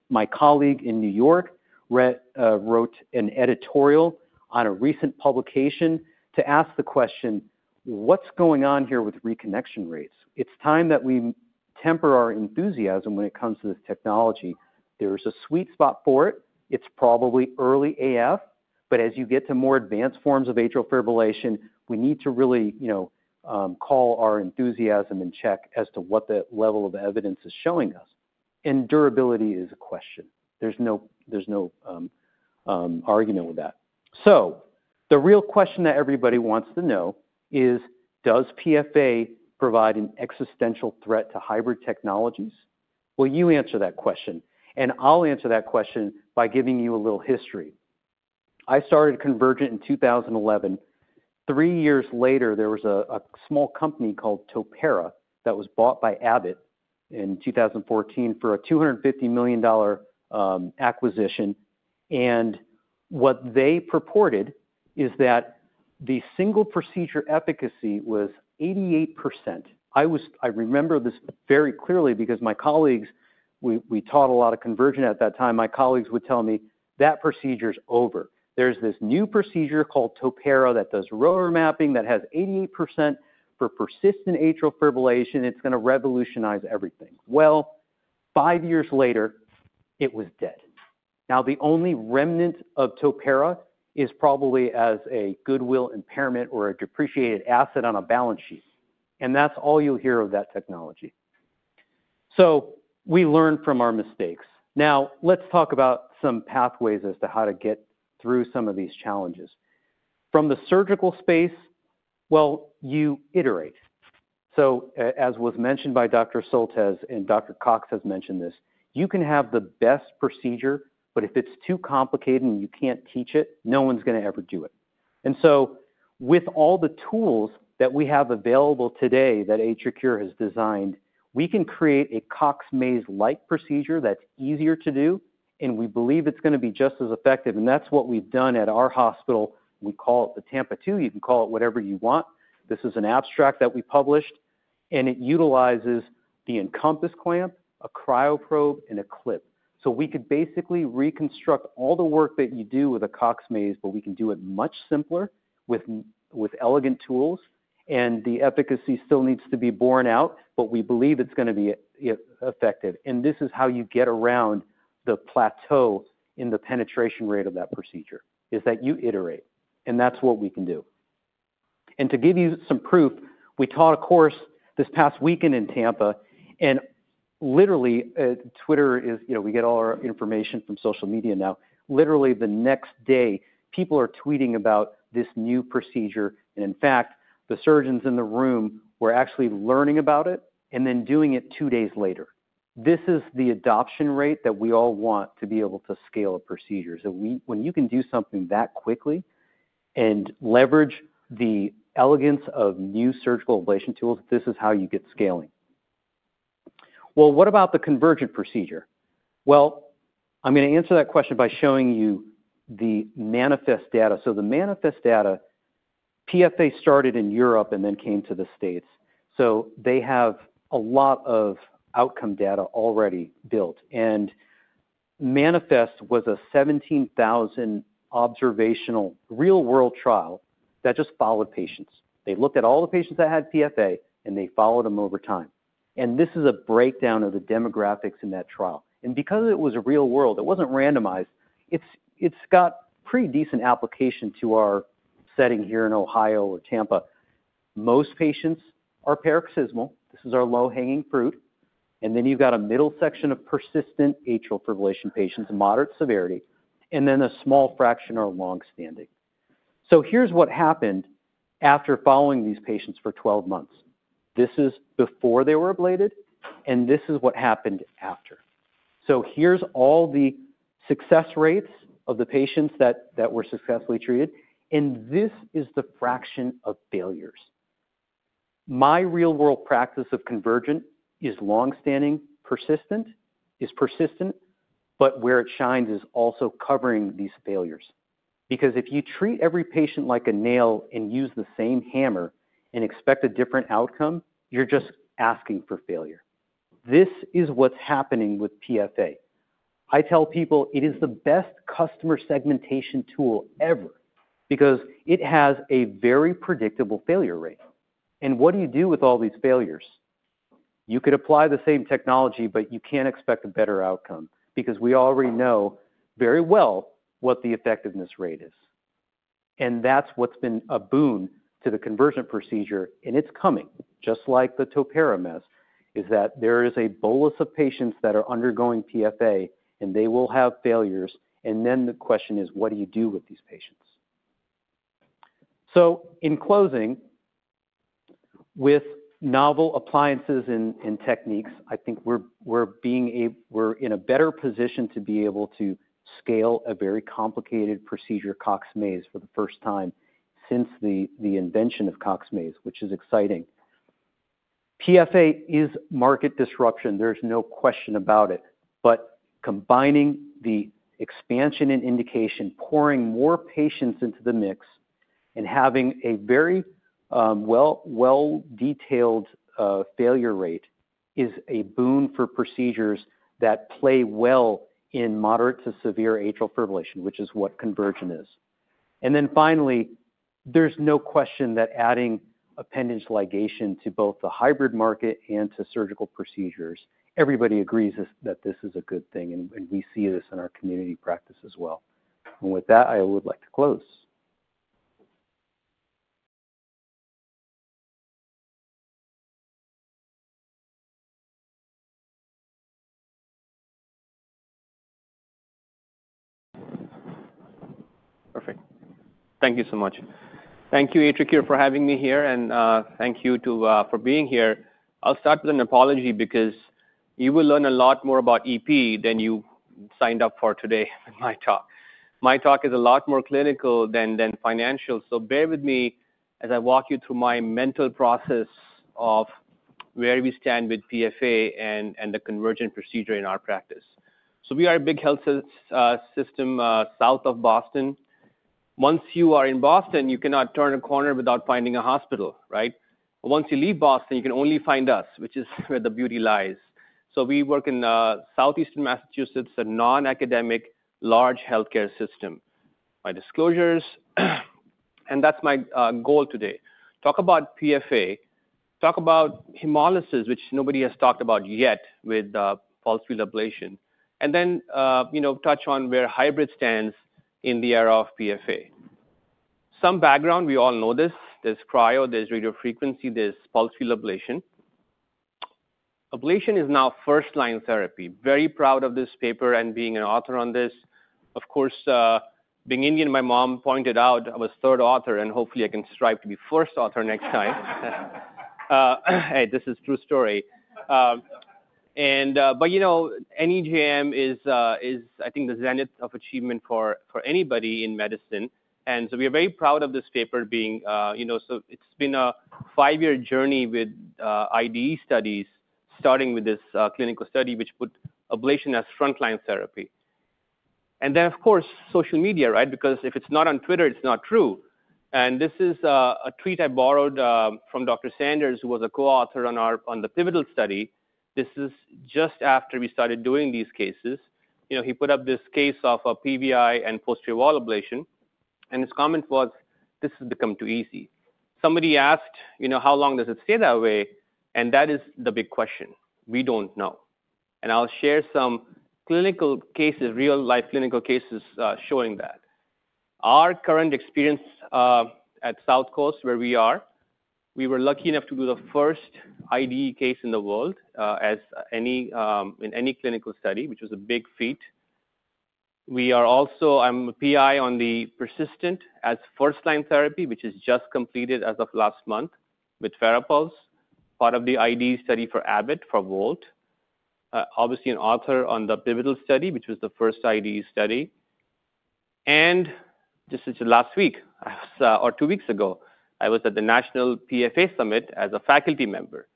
My colleague in New York wrote an editorial on a recent publication to ask the question, what's going on here with reconnection rates? It's time that we temper our enthusiasm when it comes to this technology. There's a sweet spot for it. It's probably early AF, but as you get to more advanced forms of atrial fibrillation, we need to really, you know, call our enthusiasm and check as to what the level of evidence is showing us. Durability is a question. There's no, there's no argument with that. The real question that everybody wants to know is, does PFA provide an existential threat to hybrid technologies? You answer that question, and I'll answer that question by giving you a little history. I started Convergent in 2011. Three years later, there was a small company called Topera that was bought by Abbott in 2014 for a $250 million acquisition. What they purported is that the single procedure efficacy was 88%. I remember this very clearly because my colleagues, we taught a lot of Convergent at that time. My colleagues would tell me, that procedure's over. There's this new procedure called Topera that does rotor mapping that has 88% for persistent atrial fibrillation. It's gonna revolutionize everything. Five years later, it was dead. Now, the only remnant of Topera is probably as a goodwill impairment or a depreciated asset on a balance sheet. That's all you'll hear of that technology. We learned from our mistakes. Let's talk about some pathways as to how to get through some of these challenges. From the surgical space, you iterate. As was mentioned by Dr. Soltesz and Dr. Cox has mentioned this, you can have the best procedure, but if it's too complicated and you can't teach it, no one's gonna ever do it. With all the tools that we have available today that AtriCure has designed, we can create a Cox-Maze-like procedure that's easier to do, and we believe it's gonna be just as effective. That's what we've done at our hospital. We call it the Tampa 2. You can call it whatever you want. This is an abstract that we published, and it utilizes the EnCompass clamp, a cryoprobe, and a clip. We could basically reconstruct all the work that you do with a Cox-Maze, but we can do it much simpler with elegant tools. The efficacy still needs to be borne out, but we believe it's gonna be effective. This is how you get around the plateau in the penetration rate of that procedure, is that you iterate. That's what we can do. To give you some proof, we taught a course this past weekend in Tampa, and literally, Twitter is, you know, we get all our information from social media now. Literally, the next day, people are tweeting about this new procedure. In fact, the surgeons in the room were actually learning about it and then doing it two days later. This is the adoption rate that we all want to be able to scale a procedure. When you can do something that quickly and leverage the elegance of new surgical ablation tools, this is how you get scaling. What about the convergent procedure? I'm gonna answer that question by showing you the manifest data. The manifest data, PFA started in Europe and then came to the States. They have a lot of outcome data already built. Manifest was a 17,000 observational real-world trial that just followed patients. They looked at all the patients that had PFA, and they followed them over time. This is a breakdown of the demographics in that trial. Because it was real world, it was not randomized. It has pretty decent application to our setting here in Ohio or Tampa. Most patients are paroxysmal. This is our low-hanging fruit. Then you have a middle section of persistent atrial fibrillation patients, moderate severity, and a small fraction are longstanding. Here is what happened after following these patients for 12 months. This is before they were ablated, and this is what happened after. Here are all the success rates of the patients that were successfully treated. This is the fraction of failures. My real-world practice of Convergent is longstanding, persistent, is persistent, but where it shines is also covering these failures. Because if you treat every patient like a nail and use the same hammer and expect a different outcome, you're just asking for failure. This is what's happening with PFA. I tell people it is the best customer segmentation tool ever because it has a very predictable failure rate. What do you do with all these failures? You could apply the same technology, but you can't expect a better outcome because we already know very well what the effectiveness rate is. That's what's been a boon to the convergent procedure, and it's coming, just like the Topera mess, is that there is a bolus of patients that are undergoing PFA, and they will have failures. The question is, what do you do with these patients? In closing, with novel appliances and techniques, I think we're in a better position to be able to scale a very complicated procedure, Cox-Maze, for the first time since the invention of Cox-Maze, which is exciting. PFA is market disruption. There's no question about it. Combining the expansion and indication, pouring more patients into the mix, and having a very well-detailed failure rate is a boon for procedures that play well in moderate to severe atrial fibrillation, which is what convergent is. Finally, there's no question that adding appendage ligation to both the hybrid market and to surgical procedures, everybody agrees that this is a good thing, and we see this in our community practice as well. With that, I would like to close. Perfect. Thank you so much. Thank you, AtriCure, for having me here, and thank you, too, for being here. I'll start with an apology because you will learn a lot more about EP than you signed up for today in my talk. My talk is a lot more clinical than financial. Bear with me as I walk you through my mental process of where we stand with PFA and the convergent procedure in our practice. We are a big health system south of Boston. Once you are in Boston, you cannot turn a corner without finding a hospital, right? Once you leave Boston, you can only find us, which is where the beauty lies. We work in southeastern Massachusetts, a non-academic large healthcare system. My disclosures, and that's my goal today. Talk about PFA, talk about hemolysis, which nobody has talked about yet with pulse field ablation. And then, you know, touch on where hybrid stands in the era of PFA. Some background, we all know this. There's cryo, there's radiofrequency, there's pulse field ablation. Ablation is now first-line therapy. Very proud of this paper and being an author on this. Of course, being Indian, my mom pointed out I was third author, and hopefully I can strive to be first author next time. Hey, this is a true story. But, you know, NEJM is, is, I think, the zenith of achievement for, for anybody in medicine. We are very proud of this paper being, you know, so it's been a five-year journey with, IDE studies, starting with this, clinical study, which put ablation as front-line therapy. And then, of course, social media, right? Because if it's not on Twitter, it's not true. This is a tweet I borrowed, from Dr. Sanders, who was a co-author on our, on the pivotal study. This is just after we started doing these cases. You know, he put up this case of a PVI and posterior wall ablation. His comment was, this has become too easy. Somebody asked, you know, how long does it stay that way? That is the big question. We do not know. I will share some clinical cases, real-life clinical cases, showing that. Our current experience, at Southcoast, where we are, we were lucky enough to do the first IDE case in the world, as any, in any clinical study, which was a big feat. We are also, I am a PI on the persistent as first-line therapy, which is just completed as of last month with FARAPULSE, part of the IDE study for Abbott for Volt. Obviously an author on the pivotal study, which was the first IDE study. This is last week, I was, or two weeks ago, I was at the National PFA Summit as a faculty member.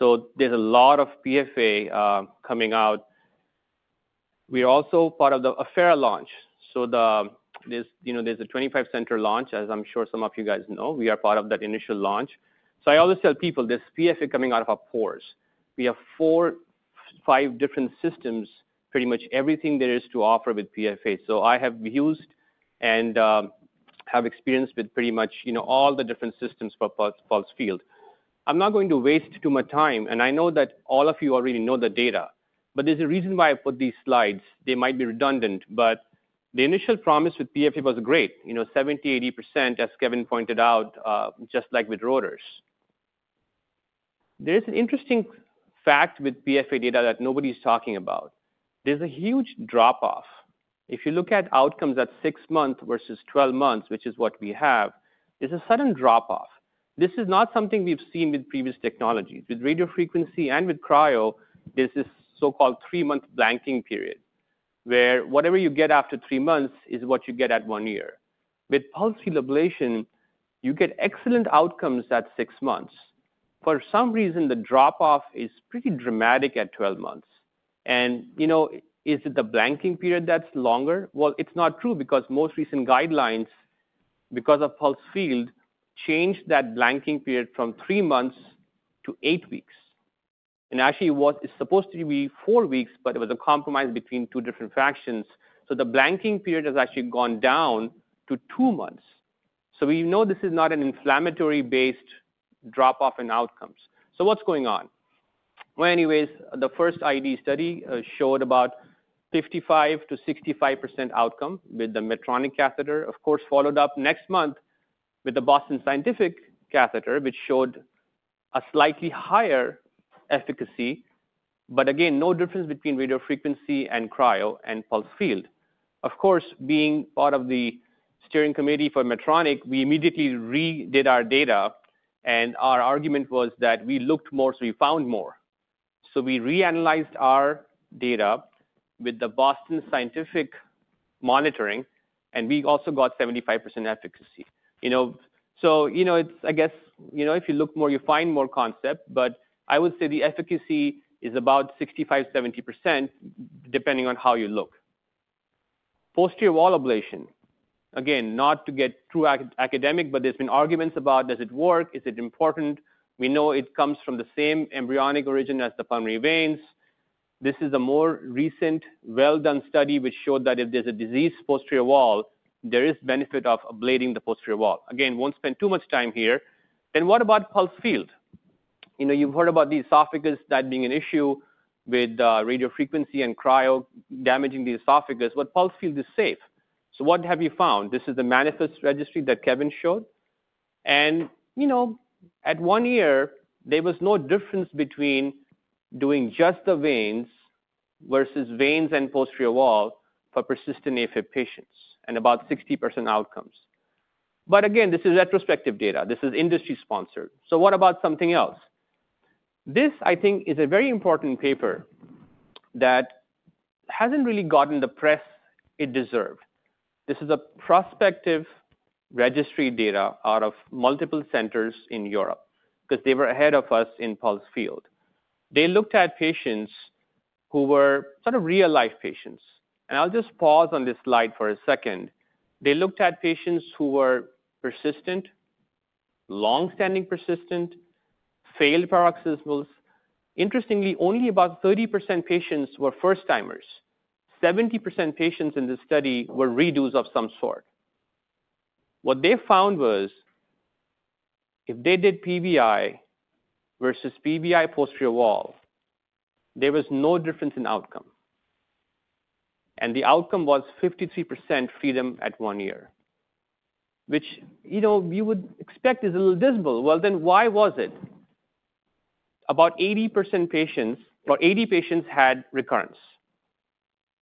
There is a lot of PFA coming out. We are also part of the Afera launch. There is, you know, there is a 25-center launch, as I'm sure some of you guys know. We are part of that initial launch. I always tell people, there is PFA coming out of our pores. We have four, five different systems, pretty much everything there is to offer with PFA. I have used and have experience with pretty much, you know, all the different systems for pulse field. I'm not going to waste too much time, and I know that all of you already know the data, but there is a reason why I put these slides. They might be redundant, but the initial promise with PFA was great, you know, 70-80%, as Kevin pointed out, just like with rotors. There is an interesting fact with PFA data that nobody's talking about. There's a huge drop-off. If you look at outcomes at six months versus 12 months, which is what we have, there's a sudden drop-off. This is not something we've seen with previous technologies. With radiofrequency and with cryo, there's this so-called three-month blanking period, where whatever you get after three months is what you get at one year. With pulse field ablation, you get excellent outcomes at six months. For some reason, the drop-off is pretty dramatic at 12 months. You know, is it the blanking period that's longer? It is not true because most recent guidelines, because of pulse field, changed that blanking period from three months to eight weeks. Actually, it was supposed to be four weeks, but it was a compromise between two different factions. The blanking period has actually gone down to two months. We know this is not an inflammatory-based drop-off in outcomes. What's going on? Anyways, the first IDE study showed about 55-65% outcome with the Medtronic catheter. Of course, followed up next month with the Boston Scientific catheter, which showed a slightly higher efficacy. Again, no difference between radiofrequency and cryo and pulse field. Of course, being part of the steering committee for Medtronic, we immediately redid our data, and our argument was that we looked more, so we found more. We reanalyzed our data with the Boston Scientific monitoring, and we also got 75% efficacy. You know, so, you know, it's, I guess, you know, if you look more, you find more concept, but I would say the efficacy is about 65%-70%, depending on how you look. Posterior wall ablation, again, not to get too academic, but there's been arguments about, does it work? Is it important? We know it comes from the same embryonic origin as the pulmonary veins. This is a more recent, well-done study which showed that if there's a diseased posterior wall, there is benefit of ablating the posterior wall. Again, won't spend too much time here. What about pulse field? You know, you've heard about the esophagus that being an issue with radiofrequency and cryo damaging the esophagus. What pulse field is safe? What have you found? This is the MANIFEST registry that Kevin showed. You know, at one year, there was no difference between doing just the veins versus veins and posterior wall for persistent AFib patients and about 60% outcomes. Again, this is retrospective data. This is industry-sponsored. What about something else? This, I think, is a very important paper that has not really gotten the press it deserved. This is a prospective registry data out of multiple centers in Europe because they were ahead of us in pulse field. They looked at patients who were sort of real-life patients. I'll just pause on this slide for a second. They looked at patients who were persistent, longstanding persistent, failed paroxysmals. Interestingly, only about 30% patients were first-timers. 70% patients in this study were redos of some sort. What they found was if they did PVI versus PVI posterior wall, there was no difference in outcome. The outcome was 53% freedom at one year, which, you know, we would expect is a little dismal. Why was it? About 80 patients had recurrence.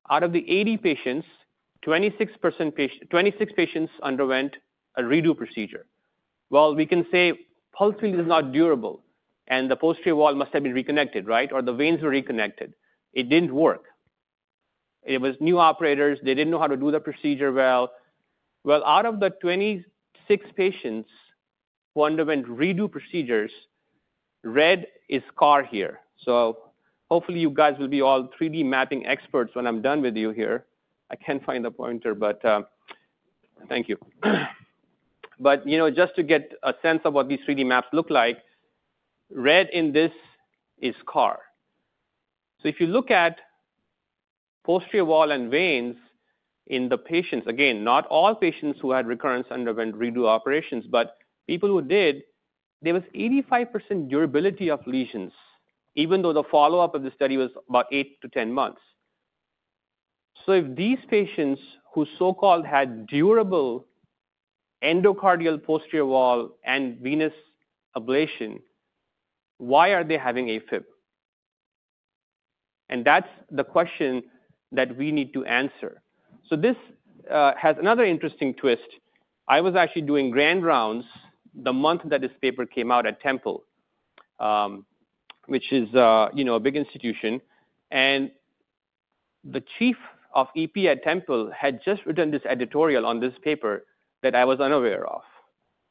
Out of the 80 patients, 26% patients, 26 patients underwent a redo procedure. We can say pulse field is not durable, and the posterior wall must have been reconnected, right? Or the veins were reconnected. It did not work. It was new operators. They did not know how to do the procedure well. Out of the 26 patients who underwent redo procedures, red is scar here. Hopefully you guys will be all 3D mapping experts when I am done with you here. I cannot find the pointer, but thank you. Just to get a sense of what these 3D maps look like, red in this is scar. If you look at posterior wall and veins in the patients, again, not all patients who had recurrence underwent redo operations, but people who did, there was 85% durability of lesions, even though the follow-up of the study was about 8-10 months. If these patients who so-called had durable endocardial posterior wall and venous ablation, why are they having AFib? That is the question that we need to answer. This has another interesting twist. I was actually doing grand rounds the month that this paper came out at Temple, which is, you know, a big institution. The Chief of EP at Temple had just written this editorial on this paper that I was unaware of.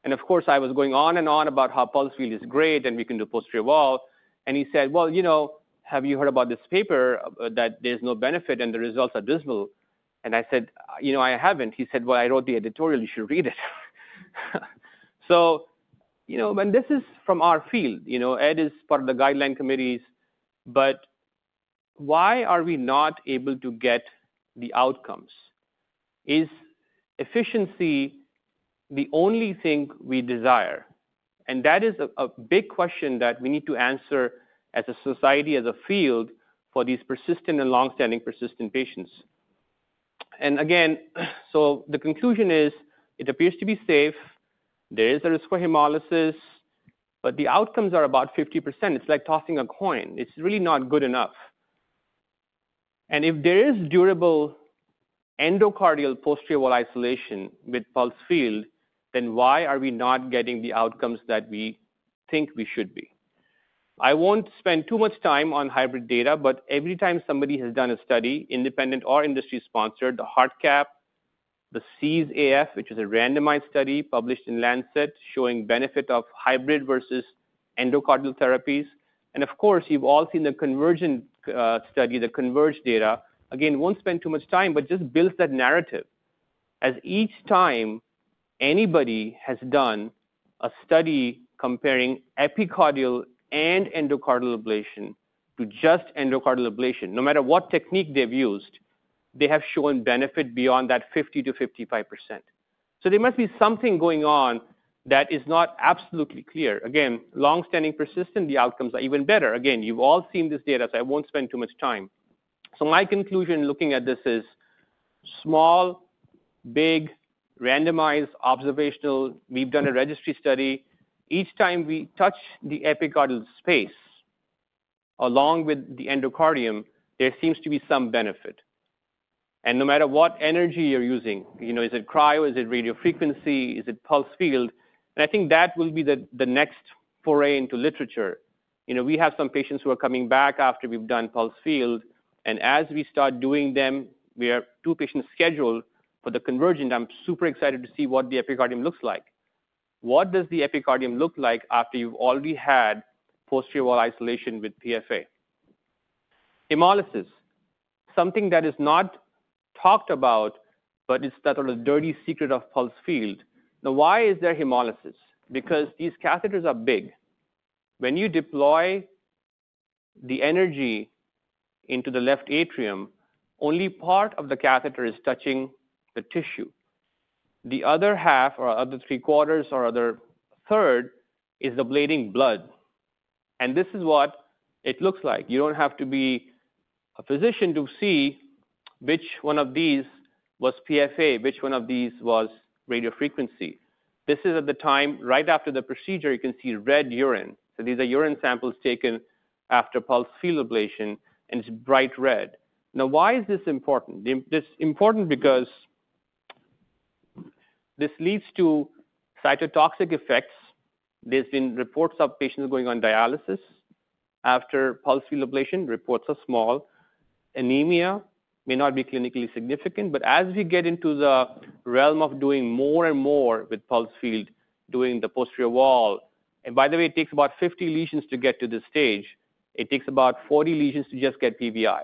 Of course, I was going on and on about how pulse field is great and we can do posterior wall. He said, you know, have you heard about this paper that there's no benefit and the results are dismal? I said, you know, I haven't. He said, I wrote the editorial. You should read it. You know, this is from our field. You know, Ed is part of the guideline committees, but why are we not able to get the outcomes? Is efficiency the only thing we desire? That is a big question that we need to answer as a society, as a field, for these persistent and longstanding persistent patients. Again, the conclusion is it appears to be safe. There is a risk for hemolysis, but the outcomes are about 50%. It's like tossing a coin. It's really not good enough. If there is durable endocardial posterior wall isolation with pulse field, then why are we not getting the outcomes that we think we should be? I will not spend too much time on hybrid data, but every time somebody has done a study, independent or industry-sponsored, the Heartcap, the CSAF, which is a randomized study published in Lancet showing benefit of hybrid versus endocardial therapies. Of course, you have all seen the convergent study, the converged data. Again, I will not spend too much time, but it just builds that narrative as each time anybody has done a study comparing epicardial and endocardial ablation to just endocardial ablation, no matter what technique they have used, they have shown benefit beyond that 50-55%. There must be something going on that is not absolutely clear. Again, longstanding persistent, the outcomes are even better. Again, you've all seen this data, so I won't spend too much time. My conclusion looking at this is small, big, randomized, observational. We've done a registry study. Each time we touch the epicardial space along with the endocardium, there seems to be some benefit. No matter what energy you're using, you know, is it cryo, is it radiofrequency, is it pulse field? I think that will be the next foray into literature. You know, we have some patients who are coming back after we've done pulse field, and as we start doing them, we have two patients scheduled for the convergent. I'm super excited to see what the epicardium looks like. What does the epicardium look like after you've already had posterior wall isolation with PFA? Hemolysis, something that is not talked about, but it's that sort of dirty secret of pulse field. Now, why is there hemolysis? Because these catheters are big. When you deploy the energy into the left atrium, only part of the catheter is touching the tissue. The other half, or other three quarters, or other third is ablating blood. This is what it looks like. You don't have to be a physician to see which one of these was PFA, which one of these was radiofrequency. This is at the time, right after the procedure, you can see red urine. These are urine samples taken after pulse field ablation, and it's bright red. Now, why is this important? This is important because this leads to cytotoxic effects. There have been reports of patients going on dialysis after pulse field ablation. Reports are small. Anemia may not be clinically significant, but as we get into the realm of doing more and more with pulse field, doing the posterior wall, and by the way, it takes about 50 lesions to get to this stage. It takes about 40 lesions to just get PVI.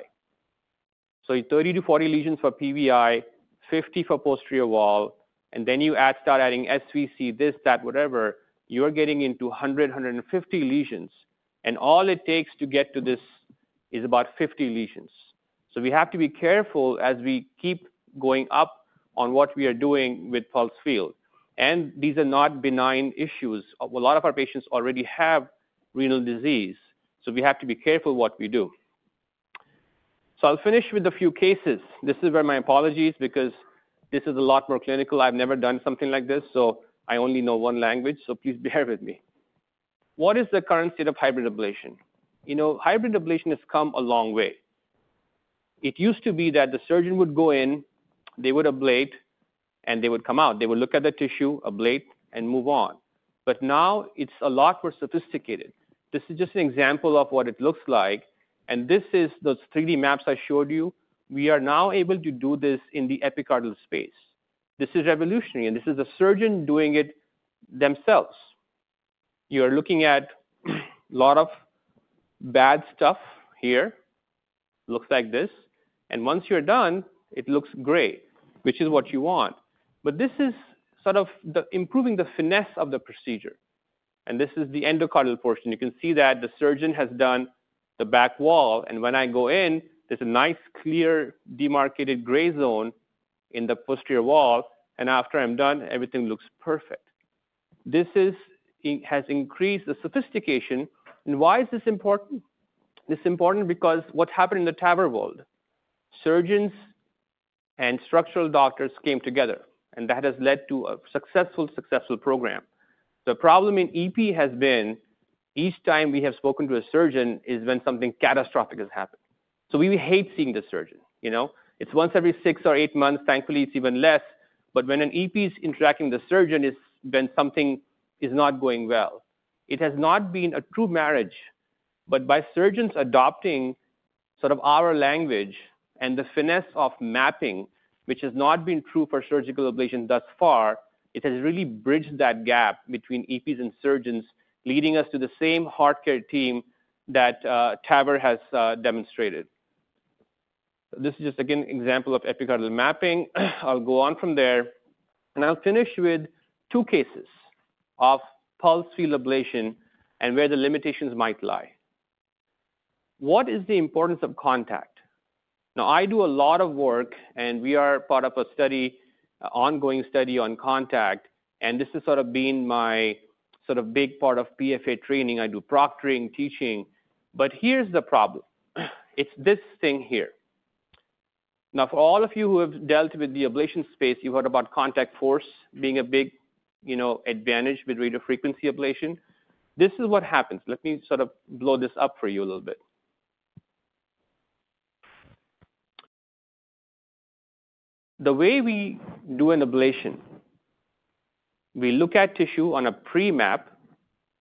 So 30 to 40 lesions for PVI, 50 for posterior wall, and then you add, start adding SVC, this, that, whatever, you're getting into 100-150 lesions, and all it takes to get to this is about 50 lesions. We have to be careful as we keep going up on what we are doing with pulse field. These are not benign issues. A lot of our patients already have renal disease, so we have to be careful what we do. I'll finish with a few cases. This is where my apologies because this is a lot more clinical. I've never done something like this, so I only know one language, so please bear with me. What is the current state of hybrid ablation? You know, hybrid ablation has come a long way. It used to be that the surgeon would go in, they would ablate, and they would come out. They would look at the tissue, ablate, and move on. Now it's a lot more sophisticated. This is just an example of what it looks like. This is those 3D maps I showed you. We are now able to do this in the epicardial space. This is revolutionary, and this is a surgeon doing it themselves. You're looking at a lot of bad stuff here. Looks like this. Once you're done, it looks great, which is what you want. This is sort of improving the finesse of the procedure. This is the endocardial portion. You can see that the surgeon has done the back wall, and when I go in, there's a nice clear demarcated gray zone in the posterior wall, and after I'm done, everything looks perfect. This has increased the sophistication. Why is this important? This is important because what happened in the TAVR world? Surgeons and structural doctors came together, and that has led to a successful, successful program. The problem in EP has been each time we have spoken to a surgeon is when something catastrophic has happened. We hate seeing the surgeon, you know? It's once every six or eight months. Thankfully, it's even less. When an EP is interacting with the surgeon, it's when something is not going well. It has not been a true marriage, but by surgeons adopting sort of our language and the finesse of mapping, which has not been true for surgical ablation thus far, it has really bridged that gap between EPs and surgeons, leading us to the same heart care team that TAVR has demonstrated. This is just, again, an example of epicardial mapping. I'll go on from there, and I'll finish with two cases of pulse field ablation and where the limitations might lie. What is the importance of contact? Now, I do a lot of work, and we are part of a study, an ongoing study on contact, and this has sort of been my sort of big part of PFA training. I do proctoring, teaching, but here's the problem. It's this thing here. Now, for all of you who have dealt with the ablation space, you've heard about contact force being a big, you know, advantage with radiofrequency ablation. This is what happens. Let me sort of blow this up for you a little bit. The way we do an ablation, we look at tissue on a pre-map.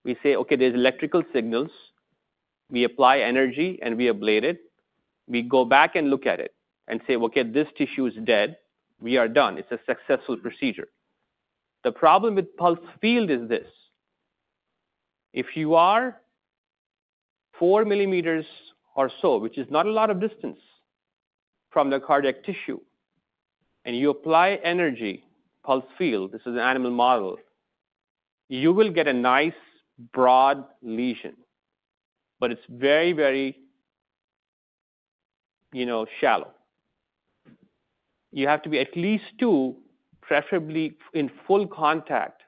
We say, okay, there's electrical signals. We apply energy, and we ablate it. We go back and look at it and say, okay, this tissue is dead. We are done. It's a successful procedure. The problem with pulse field is this. If you are 4 millimeters or so, which is not a lot of distance from the cardiac tissue, and you apply energy, pulse field, this is an animal model, you will get a nice broad lesion, but it's very, very, you know, shallow. You have to be at least two, preferably in full contact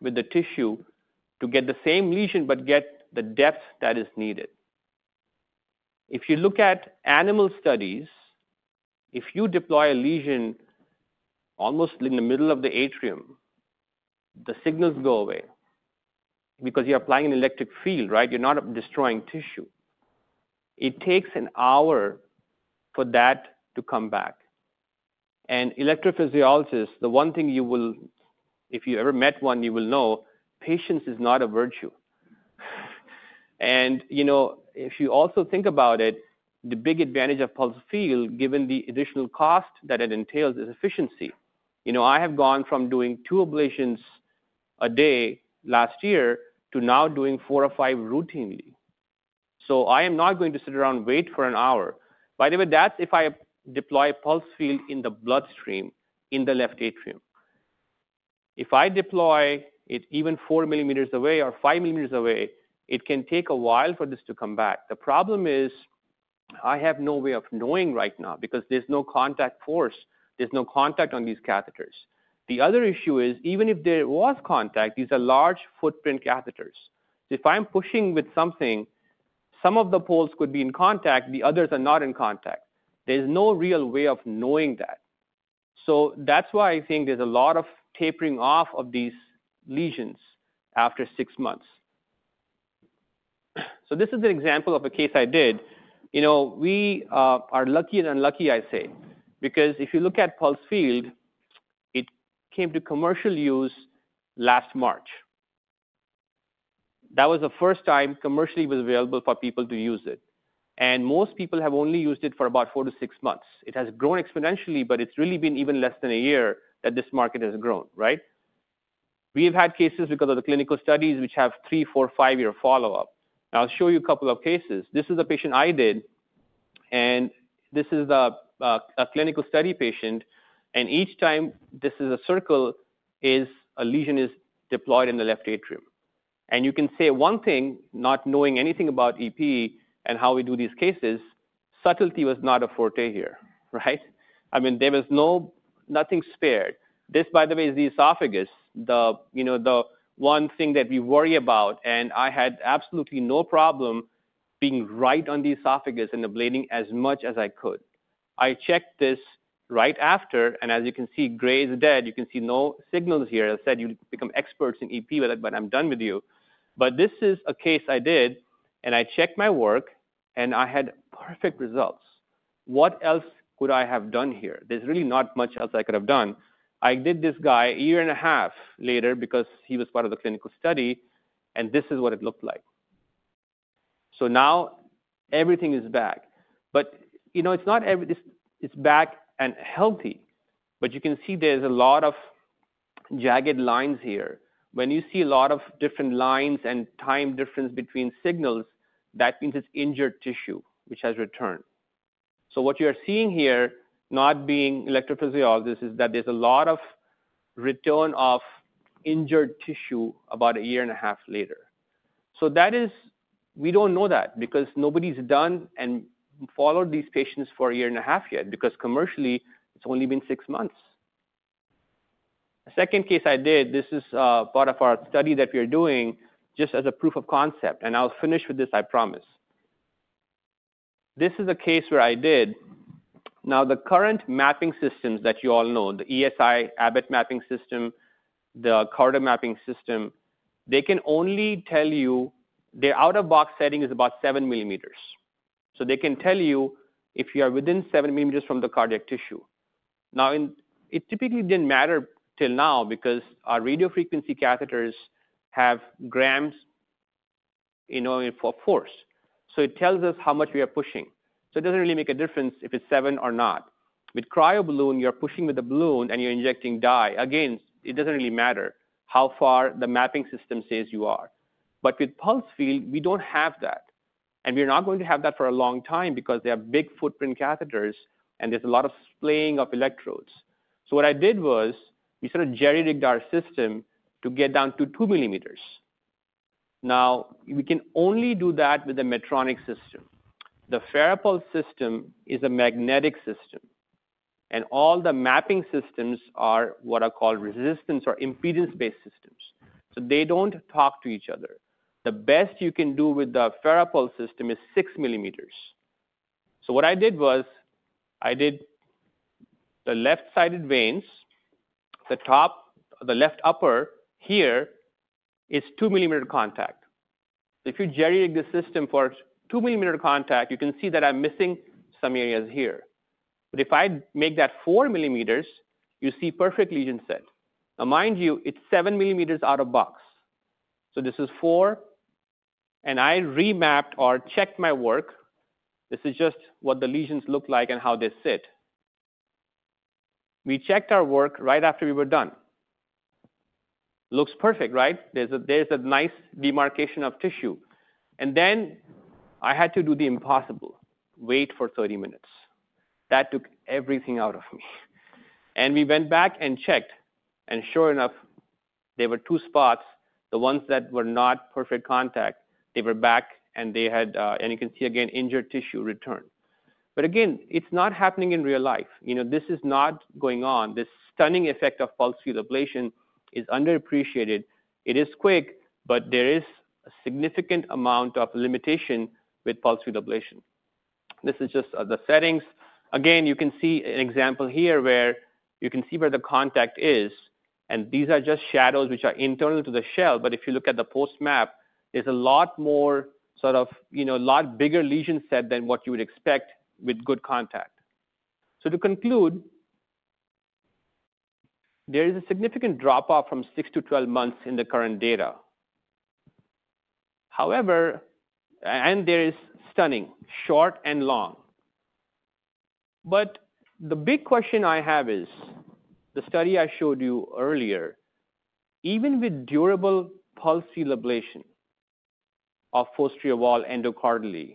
with the tissue to get the same lesion, but get the depth that is needed. If you look at animal studies, if you deploy a lesion almost in the middle of the atrium, the signals go away because you're applying an electric field, right? You're not destroying tissue. It takes an hour for that to come back. Electrophysiologists, the one thing you will, if you ever met one, you will know patience is not a virtue. You know, if you also think about it, the big advantage of pulse field, given the additional cost that it entails, is efficiency. You know, I have gone from doing two ablations a day last year to now doing four or five routinely. I am not going to sit around and wait for an hour. By the way, that's if I deploy a pulse field in the bloodstream in the left atrium. If I deploy it even 4 millimeters away or 5 millimeters away, it can take a while for this to come back. The problem is I have no way of knowing right now because there's no contact force. There's no contact on these catheters. The other issue is even if there was contact, these are large footprint catheters. If I'm pushing with something, some of the poles could be in contact; the others are not in contact. There's no real way of knowing that. That is why I think there's a lot of tapering off of these lesions after six months. This is an example of a case I did. You know, we are lucky and unlucky, I say, because if you look at pulse field, it came to commercial use last March. That was the first time commercially it was available for people to use it. Most people have only used it for about four to six months. It has grown exponentially, but it's really been even less than a year that this market has grown, right? We have had cases because of the clinical studies which have three, four, five-year follow-up. I'll show you a couple of cases. This is a patient I did, and this is the clinical study patient. Each time this is a circle, a lesion is deployed in the left atrium. You can say one thing, not knowing anything about EP and how we do these cases, subtlety was not a forte here, right? I mean, there was nothing spared. This, by the way, is the esophagus, the, you know, the one thing that we worry about. I had absolutely no problem being right on the esophagus and ablating as much as I could. I checked this right after, and as you can see, gray is dead. You can see no signals here. I said you become experts in EP with it, but I'm done with you. This is a case I did, and I checked my work, and I had perfect results. What else could I have done here? There's really not much else I could have done. I did this guy a year and a half later because he was part of the clinical study, and this is what it looked like. Now everything is back. You know, it's not everything is back and healthy, but you can see there's a lot of jagged lines here. When you see a lot of different lines and time difference between signals, that means it's injured tissue, which has returned. What you are seeing here, not being electrophysiologists, is that there's a lot of return of injured tissue about a year and a half later. That is, we don't know that because nobody's done and followed these patients for a year and a half yet because commercially it's only been six months. The second case I did, this is part of our study that we are doing just as a proof of concept, and I'll finish with this, I promise. This is a case where I did. Now, the current mapping systems that you all know, the ESI Abbott mapping system, the Carter mapping system, they can only tell you their out-of-box setting is about 7 millimeters. They can tell you if you are within 7 millimeters from the cardiac tissue. It typically did not matter till now because our radiofrequency catheters have grams in force. It tells us how much we are pushing. It does not really make a difference if it is 7 or not. With cryo balloon, you are pushing with the balloon, and you are injecting dye. Again, it does not really matter how far the mapping system says you are. With pulse field, we do not have that. We are not going to have that for a long time because they have big footprint catheters, and there is a lot of splaying of electrodes. What I did was we sort of jerry-rigged our system to get down to 2 millimeters. Now, we can only do that with a Medtronic system. The FARAPULSE system is a magnetic system, and all the mapping systems are what are called resistance or impedance-based systems. They do not talk to each other. The best you can do with the FARAPULSE system is six millimeters. What I did was I did the left-sided veins. The top, the left upper here is two millimeter contact. If you jerry-rig the system for two millimeter contact, you can see that I am missing some areas here. If I make that four millimeters, you see perfect lesion set. Mind you, it is seven millimeters out of box. This is four, and I remapped or checked my work. This is just what the lesions look like and how they sit. We checked our work right after we were done. Looks perfect, right? There's a nice demarcation of tissue. I had to do the impossible: wait for 30 minutes. That took everything out of me. We went back and checked, and sure enough, there were two spots. The ones that were not perfect contact, they were back, and you can see again, injured tissue return. Again, it's not happening in real life. You know, this is not going on. This stunning effect of pulse field ablation is underappreciated. It is quick, but there is a significant amount of limitation with pulse field ablation. This is just the settings. Again, you can see an example here where you can see where the contact is, and these are just shadows which are internal to the shell. If you look at the post-map, there's a lot more sort of, you know, a lot bigger lesion set than what you would expect with good contact. To conclude, there is a significant drop-off from 6 to 12 months in the current data. However, and there is stunning, short and long. The big question I have is the study I showed you earlier. Even with durable pulse field ablation of posterior wall endocardially,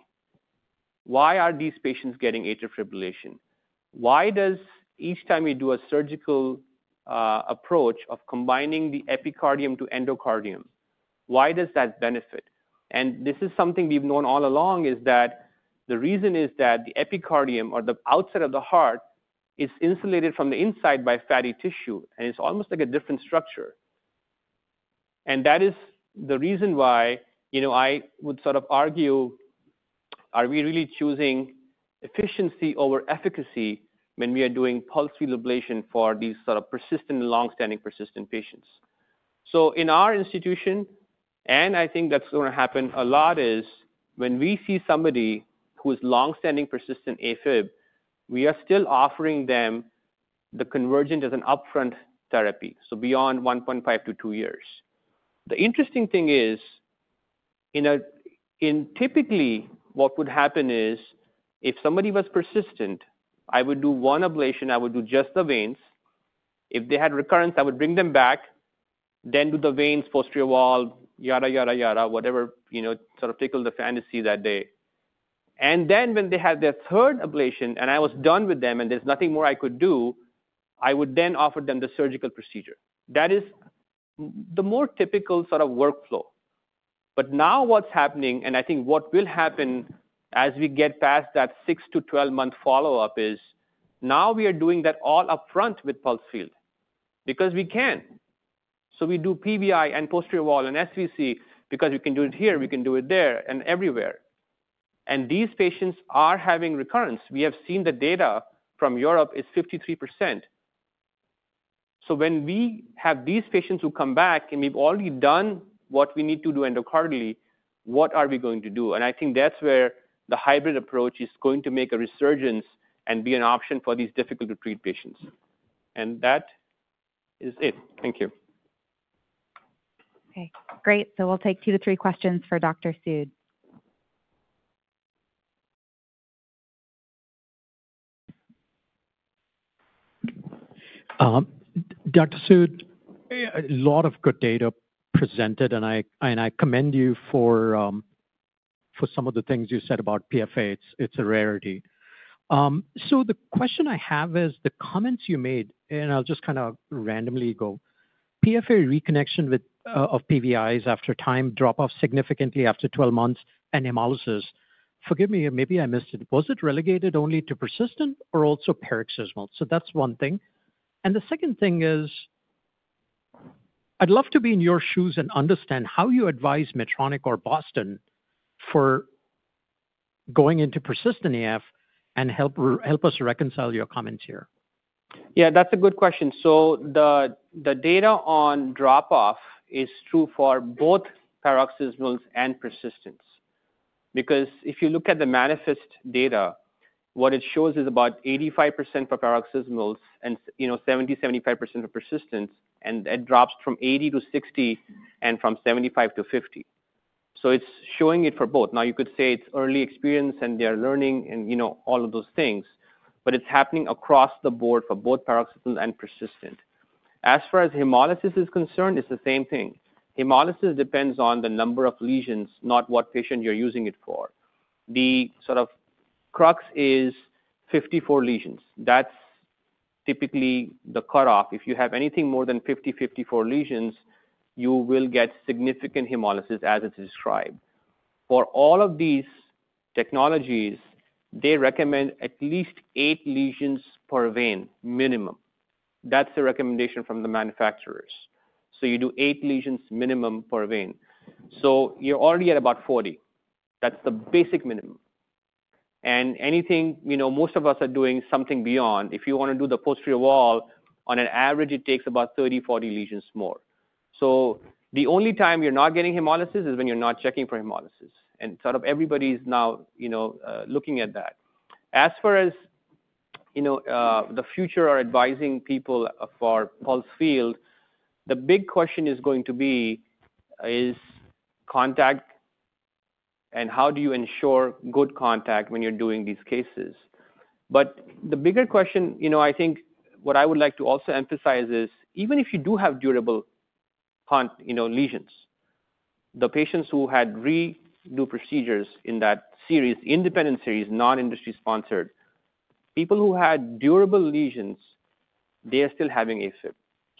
why are these patients getting atrial fibrillation? Why does each time we do a surgical approach of combining the epicardium to endocardium, why does that benefit? This is something we've known all along, is that the reason is that the epicardium or the outside of the heart is insulated from the inside by fatty tissue, and it's almost like a different structure. That is the reason why, you know, I would sort of argue, are we really choosing efficiency over efficacy when we are doing pulse field ablation for these sort of persistent and long-standing persistent patients? In our institution, and I think that's going to happen a lot, is when we see somebody who is long-standing persistent AFib, we are still offering them the convergent as an upfront therapy, so beyond 1.5 to two years. The interesting thing is, in typically what would happen is if somebody was persistent, I would do one ablation. I would do just the veins. If they had recurrence, I would bring them back, then do the veins, posterior wall, yada, yada, yada, whatever, you know, sort of tickle the fantasy that day. When they had their third ablation and I was done with them and there is nothing more I could do, I would then offer them the surgical procedure. That is the more typical sort of workflow. Now what is happening, and I think what will happen as we get past that 6- to 12-month follow-up, is now we are doing that all upfront with pulse field because we can. We do PVI and posterior wall and SVC because we can do it here, we can do it there and everywhere. These patients are having recurrence. We have seen the data from Europe is 53%. When we have these patients who come back and we have already done what we need to do endocardially, what are we going to do? I think that's where the hybrid approach is going to make a resurgence and be an option for these difficult-to-treat patients. That is it. Thank you. Okay, great. We'll take two to three questions for Dr. Sood. Dr. Sood, a lot of good data presented, and I commend you for some of the things you said about PFA. It's a rarity. The question I have is the comments you made, and I'll just kind of randomly go. PFA reconnection with PVIs after time drop-off significantly after 12 months and hemolysis. Forgive me, maybe I missed it. Was it relegated only to persistent or also paroxysmal? That's one thing. The second thing is I'd love to be in your shoes and understand how you advise Medtronic or Boston for going into persistent AF and help us reconcile your comments here. Yeah, that's a good question. The data on drop-off is true for both paroxysmals and persistence. Because if you look at the manifest data, what it shows is about 85% for paroxysmals and, you know, 70-75% for persistence, and it drops from 80-60% and from 75-50%. It is showing it for both. Now, you could say it is early experience and they are learning and, you know, all of those things, but it is happening across the board for both paroxysmal and persistent. As far as hemolysis is concerned, it is the same thing. Hemolysis depends on the number of lesions, not what patient you are using it for. The sort of crux is 54 lesions. That is typically the cutoff. If you have anything more than 50-54 lesions, you will get significant hemolysis as it is described. For all of these technologies, they recommend at least eight lesions per vein minimum. That's the recommendation from the manufacturers. You do eight lesions minimum per vein. You're already at about 40. That's the basic minimum. Anything, you know, most of us are doing something beyond. If you want to do the posterior wall, on average, it takes about 30-40 lesions more. The only time you're not getting hemolysis is when you're not checking for hemolysis. Sort of everybody's now, you know, looking at that. As far as, you know, the future or advising people for pulse field, the big question is going to be contact and how do you ensure good contact when you're doing these cases. But the bigger question, you know, I think what I would like to also emphasize is even if you do have durable, you know, lesions, the patients who had redo procedures in that series, independent series, non-industry sponsored, people who had durable lesions, they are still having AFib.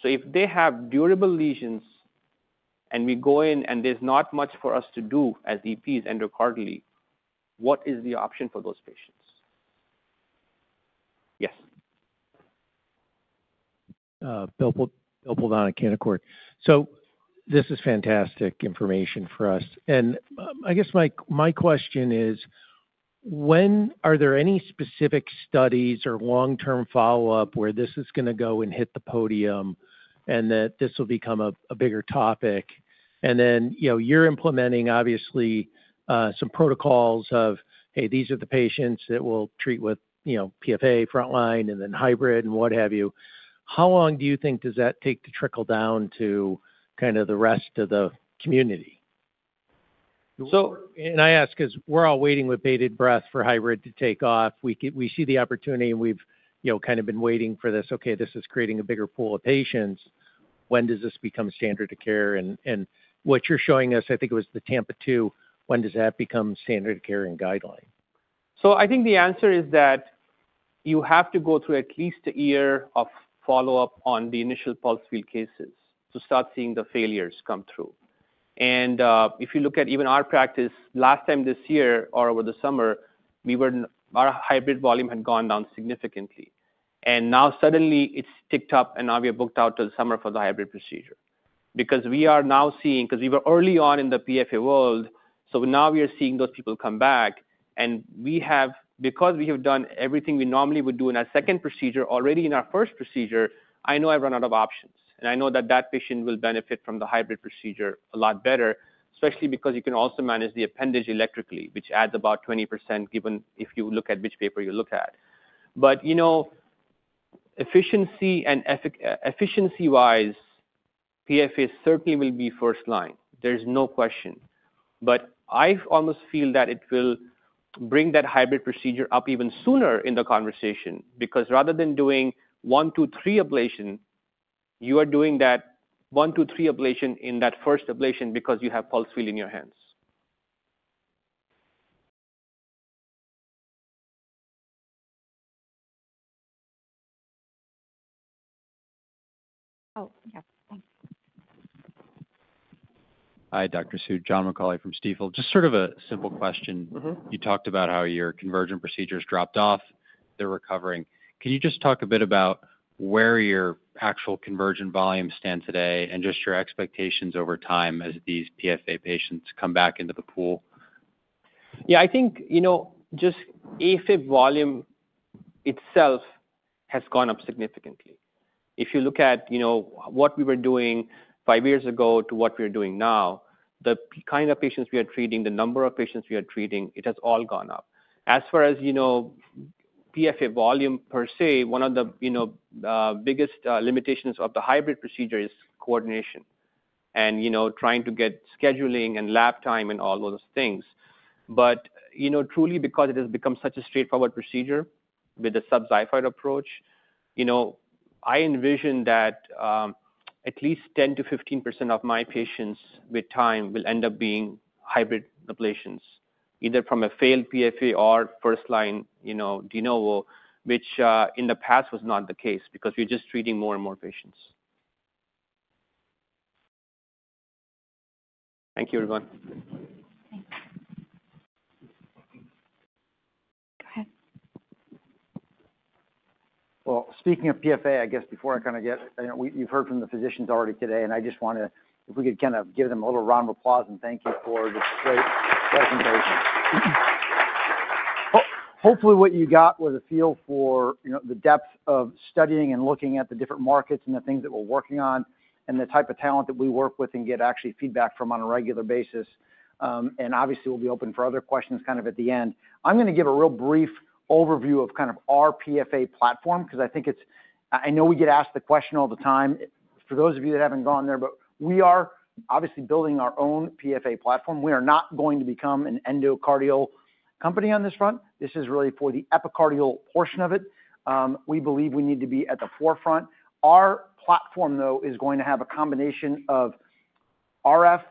If they have durable lesions and we go in and there's not much for us to do as EPs endocardially, what is the option for those patients? Yes. Bill Plovanic. Canaccord. This is fantastic information for us. I guess my question is, are there any specific studies or long-term follow-up where this is going to go and hit the podium and that this will become a bigger topic? You know, you're implementing obviously some protocols of, hey, these are the patients that we'll treat with, you know, PFA frontline and then hybrid and what have you. How long do you think does that take to trickle down to kind of the rest of the community? I ask because we're all waiting with bated breath for hybrid to take off. We see the opportunity and we've, you know, kind of been waiting for this. Okay, this is creating a bigger pool of patients. When does this become standard of care? What you're showing us, I think it was the Tampa two, when does that become standard of care and guideline? I think the answer is that you have to go through at least a year of follow-up on the initial pulse field cases to start seeing the failures come through. If you look at even our practice last time this year or over the summer, our hybrid volume had gone down significantly. Now suddenly it's ticked up and now we are booked out to the summer for the hybrid procedure. We are now seeing, because we were early on in the PFA world, so now we are seeing those people come back and we have, because we have done everything we normally would do in our second procedure already in our first procedure, I know I've run out of options. I know that that patient will benefit from the hybrid procedure a lot better, especially because you can also manage the appendage electrically, which adds about 20% given if you look at which paper you look at. You know, efficiency and efficiency-wise, PFA certainly will be first line. There's no question. I almost feel that it will bring that hybrid procedure up even sooner in the conversation because rather than doing one, two, three ablation, you are doing that one, two, three ablation in that first ablation because you have pulse field in your hands. Oh, yes. Hi, Dr. Sood, John McAulay from Stifel. Just sort of a simple question. You talked about how your convergent procedures dropped off. They're recovering. Can you just talk a bit about where your actual convergent volume stands today and just your expectations over time as these PFA patients come back into the pool? Yeah, I think, you know, just AFib volume itself has gone up significantly. If you look at, you know, what we were doing five years ago to what we're doing now, the kind of patients we are treating, the number of patients we are treating, it has all gone up. As far as, you know, PFA volume per se, one of the, you know, biggest limitations of the hybrid procedure is coordination and, you know, trying to get scheduling and lap time and all those things. You know, truly because it has become such a straightforward procedure with a subxiphoid approach, you know, I envision that at least 10-15% of my patients with time will end up being hybrid ablations, either from a failed PFA or first line, you know, de novo, which in the past was not the case because we're just treating more and more patients. Thank you, everyone. Go ahead. Speaking of PFA, I guess before I kind of get, you know, you've heard from the physicians already today, and I just want to, if we could, kind of give them a little round of applause and thank you for this great presentation. Hopefully what you got was a feel for, you know, the depth of studying and looking at the different markets and the things that we're working on and the type of talent that we work with and get actually feedback from on a regular basis. Obviously we'll be open for other questions kind of at the end. I'm going to give a real brief overview of kind of our PFA platform because I think it's, I know we get asked the question all the time for those of you that haven't gone there, but we are obviously building our own PFA platform. We are not going to become an endocardial company on this front. This is really for the epicardial portion of it. We believe we need to be at the forefront. Our platform, though, is going to have a combination of RF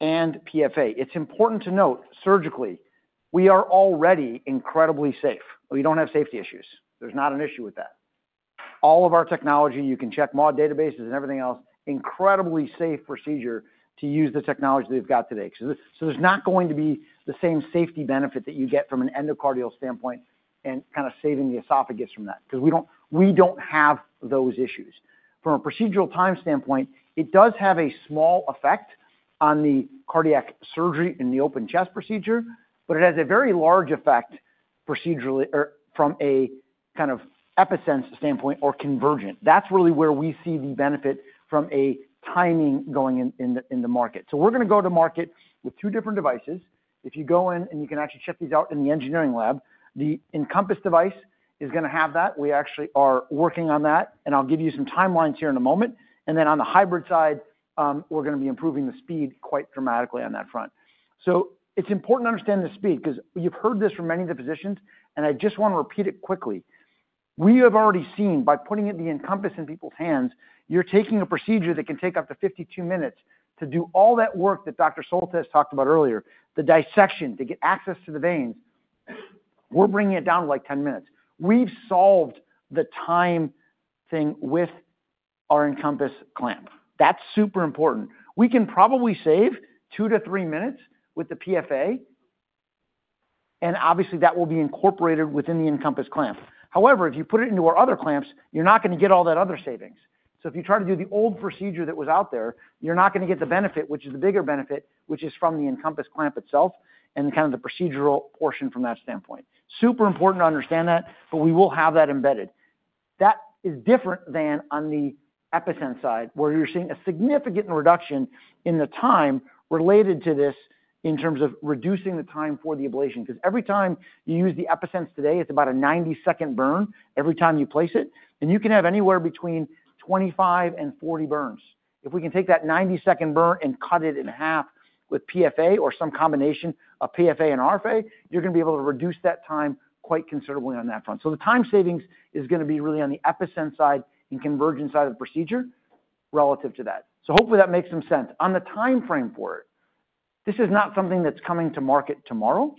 and PFA. It's important to note surgically, we are already incredibly safe. We don't have safety issues. There's not an issue with that. All of our technology, you can check mod databases and everything else, incredibly safe procedure to use the technology they've got today. There is not going to be the same safety benefit that you get from an endocardial standpoint and kind of saving the esophagus from that because we don't have those issues. From a procedural time standpoint, it does have a small effect on the cardiac surgery and the open chest procedure, but it has a very large effect procedurally or from a kind of epicenter standpoint or convergent. That's really where we see the benefit from a timing going in the market. We are going to go to market with two different devices. If you go in and you can actually check these out in the engineering lab, the Encompass device is going to have that. We actually are working on that, and I'll give you some timelines here in a moment. On the hybrid side, we are going to be improving the speed quite dramatically on that front. It is important to understand the speed because you've heard this from many of the physicians, and I just want to repeat it quickly. We have already seen by putting the Encompass in people's hands, you're taking a procedure that can take up to 52 minutes to do all that work that Dr. Soult has talked about earlier, the dissection to get access to the veins. We're bringing it down to like 10 minutes. We've solved the time thing with our EncCompass clamp. That's super important. We can probably save two to three minutes with the PFA, and obviously that will be incorporated within the EnCompass clamp. However, if you put it into our other clamps, you're not going to get all that other savings. If you try to do the old procedure that was out there, you're not going to get the benefit, which is the bigger benefit, which is from the EnCompass clamp itself and kind of the procedural portion from that standpoint. Super important to understand that, but we will have that embedded. That is different than on the Epicent side, where you're seeing a significant reduction in the time related to this in terms of reducing the time for the ablation. Because every time you use the Epicent today, it's about a 90-second burn every time you place it, and you can have anywhere between 25 and 40 burns. If we can take that 90-second burn and cut it in half with PFA or some combination of PFA and RFA, you're going to be able to reduce that time quite considerably on that front. The time savings is going to be really on the Epicent side and convergent side of the procedure relative to that. Hopefully that makes some sense. On the timeframe for it, this is not something that's coming to market tomorrow.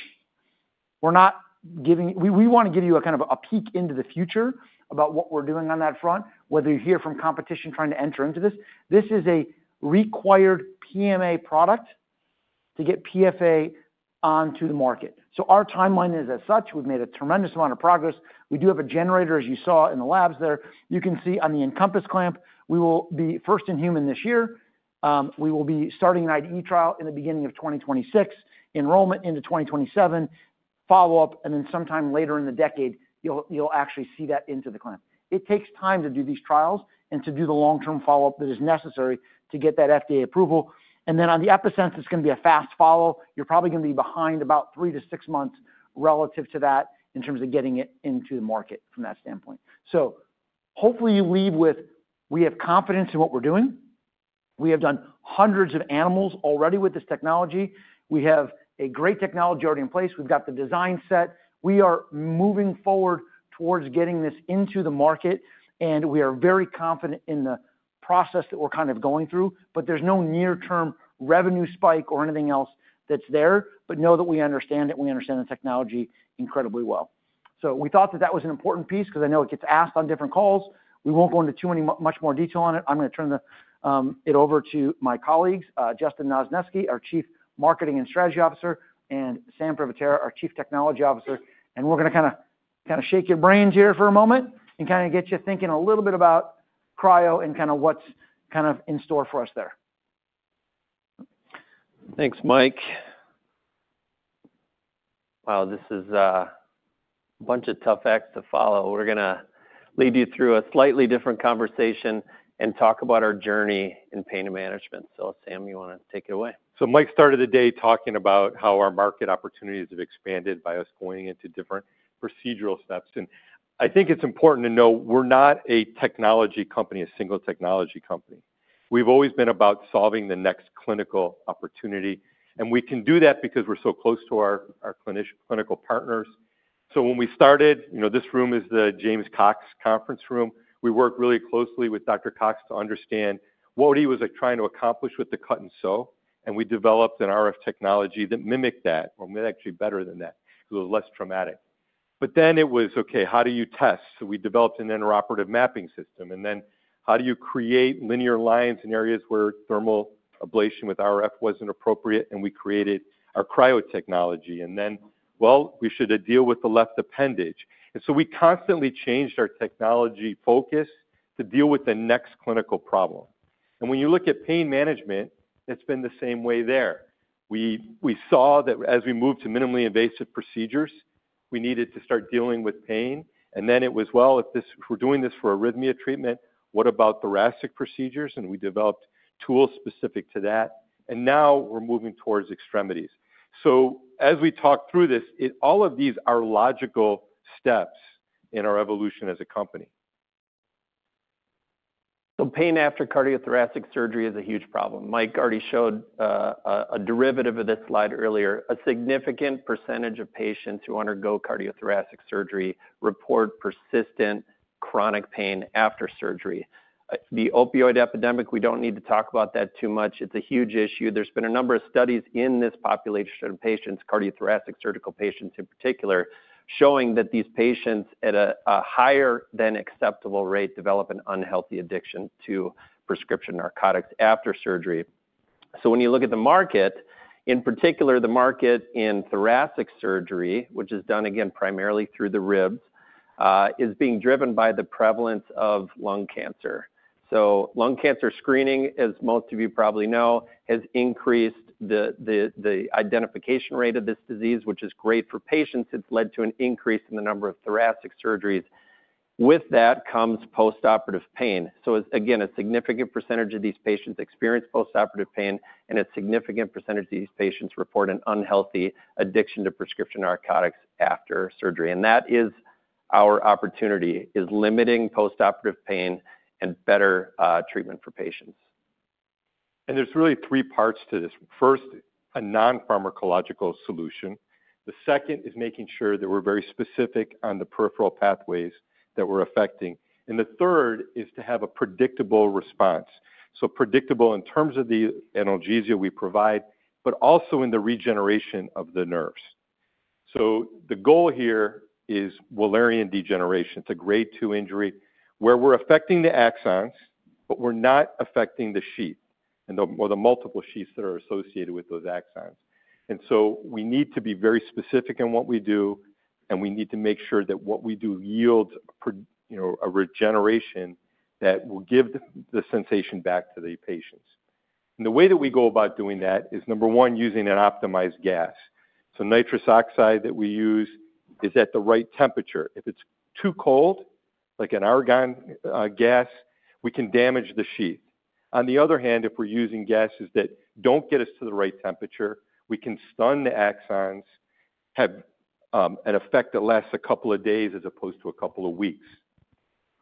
We're not giving, we want to give you a kind of a peek into the future about what we're doing on that front, whether you hear from competition trying to enter into this. This is a required PMA product to get PFA onto the market. Our timeline is as such. We've made a tremendous amount of progress. We do have a generator, as you saw in the labs there. You can see on the EnCompass clamp, we will be first in human this year. We will be starting an IDE trial in the beginning of 2026, enrollment into 2027, follow-up, and then sometime later in the decade, you'll actually see that into the clamp. It takes time to do these trials and to do the long-term follow-up that is necessary to get that FDA approval. On the Epicent, it's going to be a fast follow. You're probably going to be behind about three to six months relative to that in terms of getting it into the market from that standpoint. Hopefully you leave with, we have confidence in what we're doing. We have done hundreds of animals already with this technology. We have a great technology already in place. We've got the design set. We are moving forward towards getting this into the market, and we are very confident in the process that we're kind of going through, but there's no near-term revenue spike or anything else that's there. Know that we understand it. We understand the technology incredibly well. We thought that that was an important piece because I know it gets asked on different calls. We won't go into too many much more detail on it. I'm going to turn it over to my colleagues, Justin Noznesky, our Chief Marketing and Strategy Officer, and Sam Privetera, our Chief Technology Officer. We're going to kind of shake your brains here for a moment and kind of get you thinking a little bit about cryo and kind of what's in store for us there. Thanks, Mike. Wow, this is a bunch of tough acts to follow. We're going to lead you through a slightly different conversation and talk about our journey in pain management. Sam, you want to take it away? Mike started the day talking about how our market opportunities have expanded by us going into different procedural steps. I think it's important to know we're not a technology company, a single technology company. We've always been about solving the next clinical opportunity, and we can do that because we're so close to our clinical partners. When we started, you know, this room is the James Cox conference room. We worked really closely with Dr. Cox to understand what he was trying to accomplish with the cut and sew, and we developed an RF technology that mimicked that, or maybe actually better than that, because it was less traumatic. It was, okay, how do you test? We developed an interoperative mapping system, and then how do you create linear lines in areas where thermal ablation with RF wasn't appropriate? We created our cryo technology. We should deal with the left appendage. We constantly changed our technology focus to deal with the next clinical problem. When you look at pain management, it's been the same way there. We saw that as we moved to minimally invasive procedures, we needed to start dealing with pain. It was, well, if we're doing this for arrhythmia treatment, what about thoracic procedures? We developed tools specific to that. Now we're moving towards extremities. As we talk through this, all of these are logical steps in our evolution as a company. Pain after cardiothoracic surgery is a huge problem. Mike already showed a derivative of this slide earlier. A significant percentage of patients who undergo cardiothoracic surgery report persistent chronic pain after surgery. The opioid epidemic, we don't need to talk about that too much. It's a huge issue. There's been a number of studies in this population of patients, cardiothoracic surgical patients in particular, showing that these patients at a higher than acceptable rate develop an unhealthy addiction to prescription narcotics after surgery. When you look at the market, in particular, the market in thoracic surgery, which is done again primarily through the ribs, is being driven by the prevalence of lung cancer. Lung cancer screening, as most of you probably know, has increased the identification rate of this disease, which is great for patients. It's led to an increase in the number of thoracic surgeries. With that comes postoperative pain. Again, a significant percentage of these patients experience postoperative pain, and a significant percentage of these patients report an unhealthy addiction to prescription narcotics after surgery. That is our opportunity: limiting postoperative pain and better treatment for patients. There are really three parts to this. First, a non-pharmacological solution. The second is making sure that we're very specific on the peripheral pathways that we're affecting. The third is to have a predictable response. Predictable in terms of the analgesia we provide, but also in the regeneration of the nerves. The goal here is Wallerian degeneration. It's a grade two injury where we're affecting the axons, but we're not affecting the sheath and the multiple sheaths that are associated with those axons. We need to be very specific in what we do, and we need to make sure that what we do yields a regeneration that will give the sensation back to the patients. The way that we go about doing that is, number one, using an optimized gas. Nitrous oxide that we use is at the right temperature. If it's too cold, like an argon gas, we can damage the sheath. On the other hand, if we're using gases that don't get us to the right temperature, we can stun the axons, have an effect that lasts a couple of days as opposed to a couple of weeks.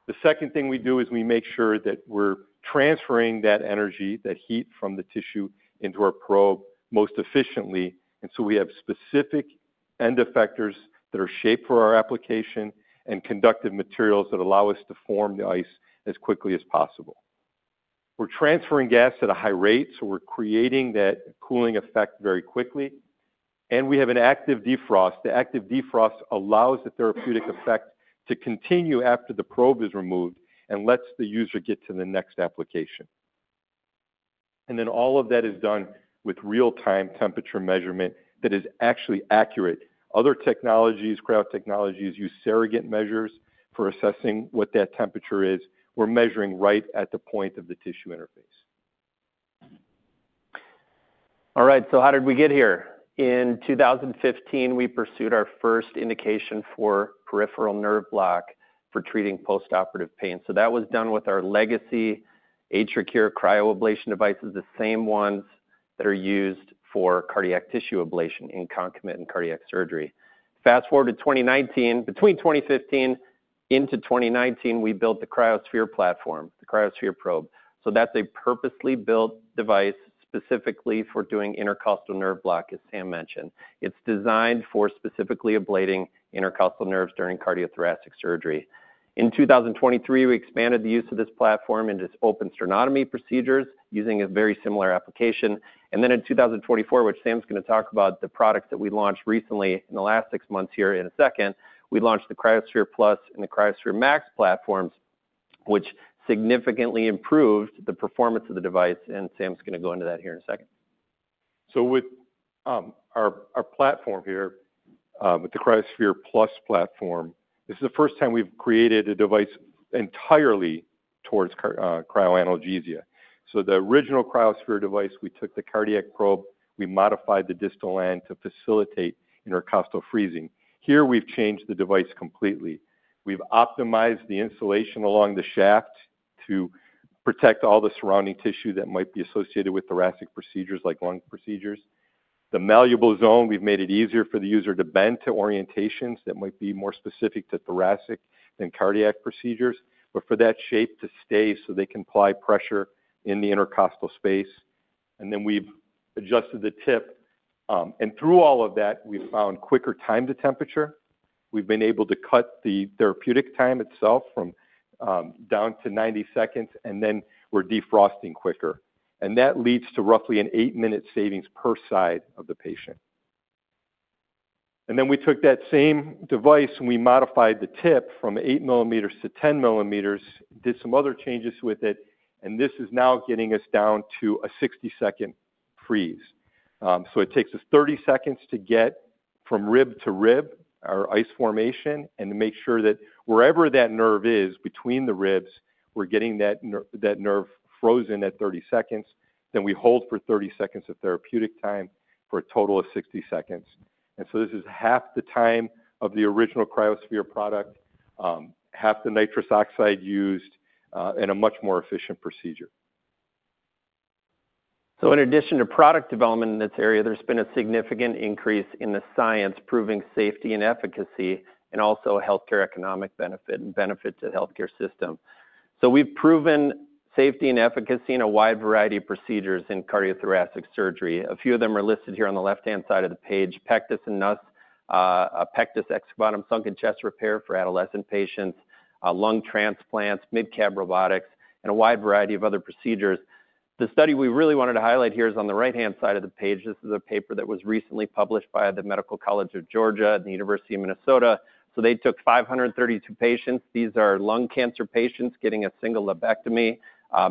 The second thing we do is we make sure that we're transferring that energy, that heat from the tissue into our probe most efficiently. We have specific end effectors that are shaped for our application and conductive materials that allow us to form the ice as quickly as possible. We're transferring gas at a high rate, so we're creating that cooling effect very quickly. We have an active defrost. The active defrost allows the therapeutic effect to continue after the probe is removed and lets the user get to the next application. All of that is done with real-time temperature measurement that is actually accurate. Other technologies, cryo technologies, use surrogate measures for assessing what that temperature is. We're measuring right at the point of the tissue interface. All right, so how did we get here? In 2015, we pursued our first indication for peripheral nerve block for treating postoperative pain. That was done with our legacy AtriCure cryo ablation devices, the same ones that are used for cardiac tissue ablation in concomitant cardiac surgery. Fast forward to 2019, between 2015 and 2019, we built the CryoSphere platform, the CryoSphere probe. That's a purposely built device specifically for doing intercostal nerve block, as Sam mentioned. It's designed for specifically ablating intercostal nerves during cardiothoracic surgery. In 2023, we expanded the use of this platform into open sternotomy procedures using a very similar application. In 2024, which Sam's going to talk about, the products that we launched recently in the last six months here in a second, we launched the CryoSphere Plus and the CryoSphere Max platforms, which significantly improved the performance of the device. Sam's going to go into that here in a second. With our platform here, with the CryoSphere Plus platform, this is the first time we've created a device entirely towards cryo analgesia. The original CryoSphere device, we took the cardiac probe, we modified the distal end to facilitate intercostal freezing. Here, we've changed the device completely. We've optimized the insulation along the shaft to protect all the surrounding tissue that might be associated with thoracic procedures like lung procedures. The malleable zone, we've made it easier for the user to bend to orientations that might be more specific to thoracic than cardiac procedures, but for that shape to stay so they can apply pressure in the intercostal space. We have adjusted the tip. Through all of that, we've found quicker time to temperature. We've been able to cut the therapeutic time itself down to 90 seconds, and we're defrosting quicker. That leads to roughly an eight-minute savings per side of the patient. We took that same device and we modified the tip from 8 millimeters to 10 millimeters, did some other changes with it, and this is now getting us down to a 60-second freeze. It takes us 30 seconds to get from rib to rib our ice formation and to make sure that wherever that nerve is between the ribs, we're getting that nerve frozen at 30 seconds. We hold for 30 seconds of therapeutic time for a total of 60 seconds. This is half the time of the original CryoSphere product, half the nitrous oxide used, and a much more efficient procedure. In addition to product development in this area, there's been a significant increase in the science proving safety and efficacy and also healthcare economic benefit and benefit to the healthcare system. We've proven safety and efficacy in a wide variety of procedures in cardiothoracic surgery. A few of them are listed here on the left-hand side of the page: pectus and Nuss, pectus excavatum, sunken chest repair for adolescent patients, lung transplants, mid-CAB robotics, and a wide variety of other procedures. The study we really wanted to highlight here is on the right-hand side of the page. This is a paper that was recently published by the Medical College of Georgia and the University of Minnesota. They took 532 patients. These are lung cancer patients getting a single lobectomy,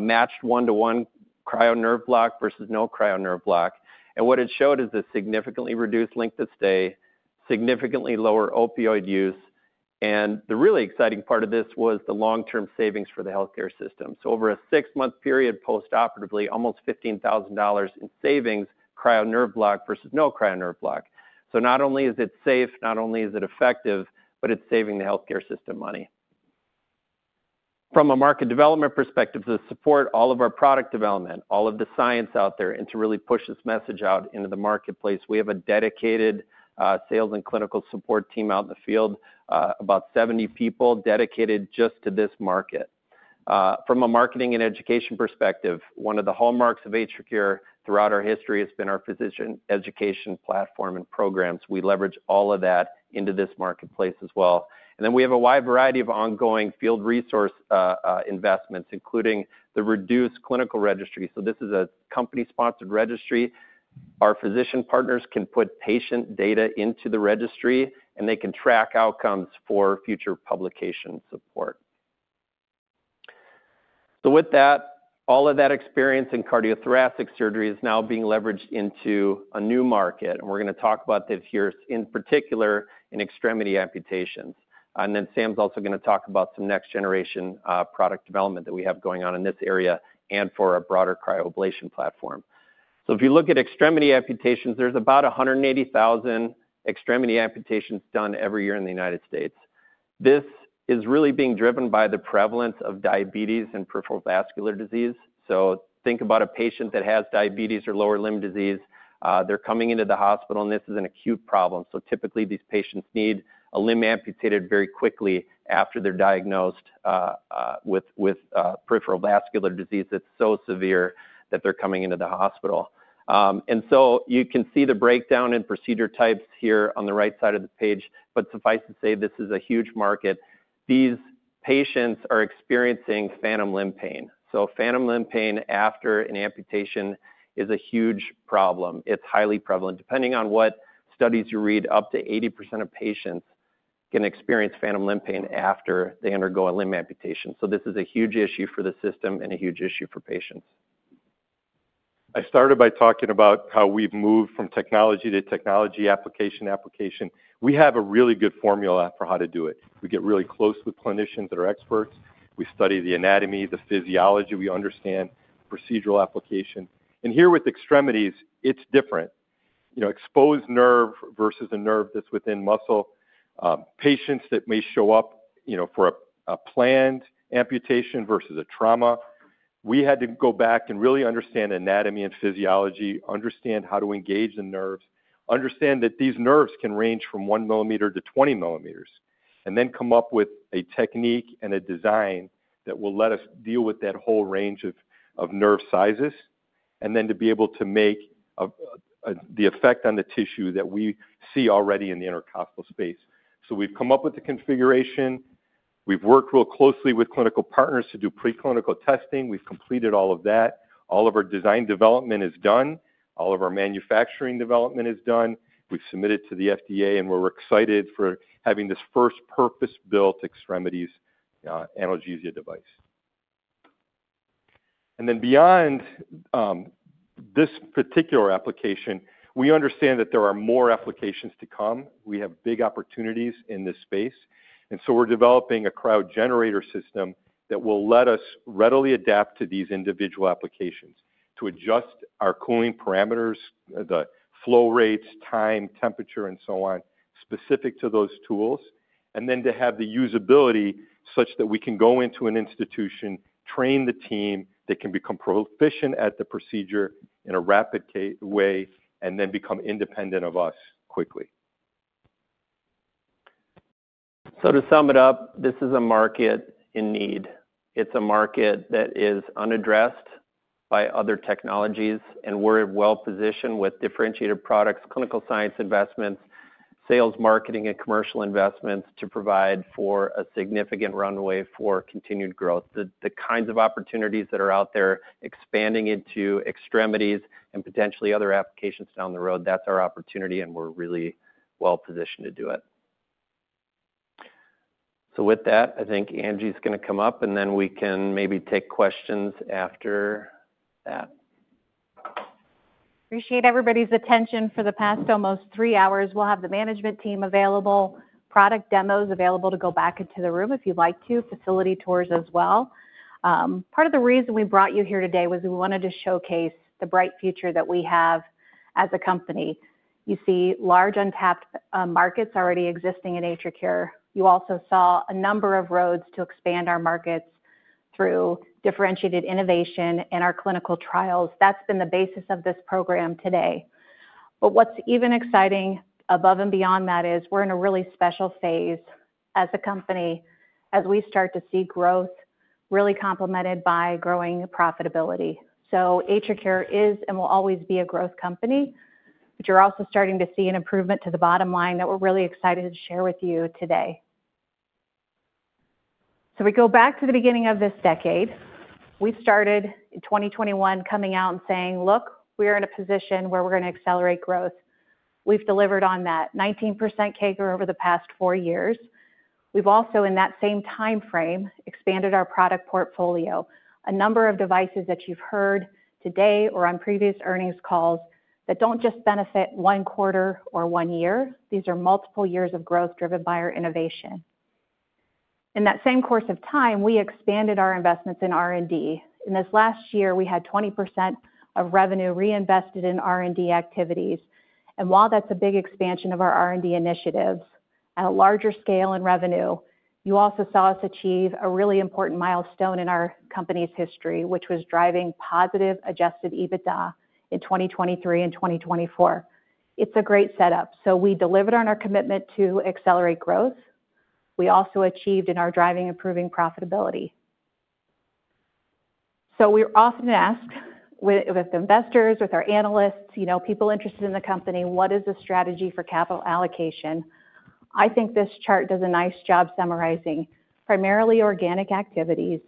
matched one-to-one cryo nerve block versus no cryo nerve block. It showed a significantly reduced length of stay, significantly lower opioid use. The really exciting part of this was the long-term savings for the healthcare system. Over a six-month period postoperatively, almost $15,000 in savings, cryo nerve block versus no cryo nerve block. Not only is it safe, not only is it effective, but it's saving the healthcare system money. From a market development perspective, to support all of our product development, all of the science out there and to really push this message out into the marketplace, we have a dedicated sales and clinical support team out in the field, about 70 people dedicated just to this market. From a marketing and education perspective, one of the hallmarks of AtriCure throughout our history has been our physician education platform and programs. We leverage all of that into this marketplace as well. We have a wide variety of ongoing field resource investments, including the Reduce Clinical Registry. This is a company-sponsored registry. Our physician partners can put patient data into the registry, and they can track outcomes for future publication support. With that, all of that experience in cardiothoracic surgery is now being leveraged into a new market. We're going to talk about this here, in particular, in extremity amputations. Sam is also going to talk about some next-generation product development that we have going on in this area and for a broader cryo ablation platform. If you look at extremity amputations, there's about 180,000 extremity amputations done every year in the United States. This is really being driven by the prevalence of diabetes and peripheral vascular disease. Think about a patient that has diabetes or lower limb disease. They're coming into the hospital, and this is an acute problem. Typically, these patients need a limb amputated very quickly after they're diagnosed with peripheral vascular disease that's so severe that they're coming into the hospital. You can see the breakdown in procedure types here on the right side of the page. Suffice to say, this is a huge market. These patients are experiencing phantom limb pain. Phantom limb pain after an amputation is a huge problem. It is highly prevalent. Depending on what studies you read, up to 80% of patients can experience phantom limb pain after they undergo a limb amputation. This is a huge issue for the system and a huge issue for patients. I started by talking about how we've moved from technology to technology, application to application. We have a really good formula for how to do it. We get really close with clinicians that are experts. We study the anatomy, the physiology. We understand procedural application. Here with extremities, it is different. Exposed nerve versus a nerve that is within muscle. Patients that may show up for a planned amputation versus a trauma. We had to go back and really understand anatomy and physiology, understand how to engage the nerves, understand that these nerves can range from 1 millimeter to 20 millimeters, and then come up with a technique and a design that will let us deal with that whole range of nerve sizes, and then to be able to make the effect on the tissue that we see already in the intercostal space. We have come up with the configuration. We have worked real closely with clinical partners to do preclinical testing. We have completed all of that. All of our design development is done. All of our manufacturing development is done. We have submitted to the FDA, and we are excited for having this first purpose-built extremities analgesia device. Then beyond this particular application, we understand that there are more applications to come. We have big opportunities in this space. We are developing a crowd generator system that will let us readily adapt to these individual applications to adjust our cooling parameters, the flow rates, time, temperature, and so on, specific to those tools, and then to have the usability such that we can go into an institution, train the team, they can become proficient at the procedure in a rapid way, and then become independent of us quickly. To sum it up, this is a market in need. It is a market that is unaddressed by other technologies, and we are well positioned with differentiated products, clinical science investments, sales, marketing, and commercial investments to provide for a significant runway for continued growth. The kinds of opportunities that are out there expanding into extremities and potentially other applications down the road, that's our opportunity, and we're really well positioned to do it. With that, I think Angie's going to come up, and then we can maybe take questions after that. Appreciate everybody's attention for the past almost three hours. We'll have the management team available, product demos available to go back into the room if you'd like to, facility tours as well. Part of the reason we brought you here today was we wanted to showcase the bright future that we have as a company. You see large untapped markets already existing in AtriCure. You also saw a number of roads to expand our markets through differentiated innovation and our clinical trials. That's been the basis of this program today. What's even exciting above and beyond that is we're in a really special phase as a company as we start to see growth really complemented by growing profitability. AtriCure is and will always be a growth company, but you're also starting to see an improvement to the bottom line that we're really excited to share with you today. We go back to the beginning of this decade. We started in 2021 coming out and saying, "Look, we are in a position where we're going to accelerate growth." We've delivered on that 19% CAGR over the past four years. We've also, in that same timeframe, expanded our product portfolio. A number of devices that you've heard today or on previous earnings calls that don't just benefit one quarter or one year. These are multiple years of growth driven by our innovation. In that same course of time, we expanded our investments in R&D. In this last year, we had 20% of revenue reinvested in R&D activities. While that's a big expansion of our R&D initiatives at a larger scale in revenue, you also saw us achieve a really important milestone in our company's history, which was driving positive adjusted EBITDA in 2023 and 2024. It's a great setup. We delivered on our commitment to accelerate growth. We also achieved in our driving improving profitability. We're often asked with investors, with our analysts, people interested in the company, "What is the strategy for capital allocation?" I think this chart does a nice job summarizing primarily organic activities,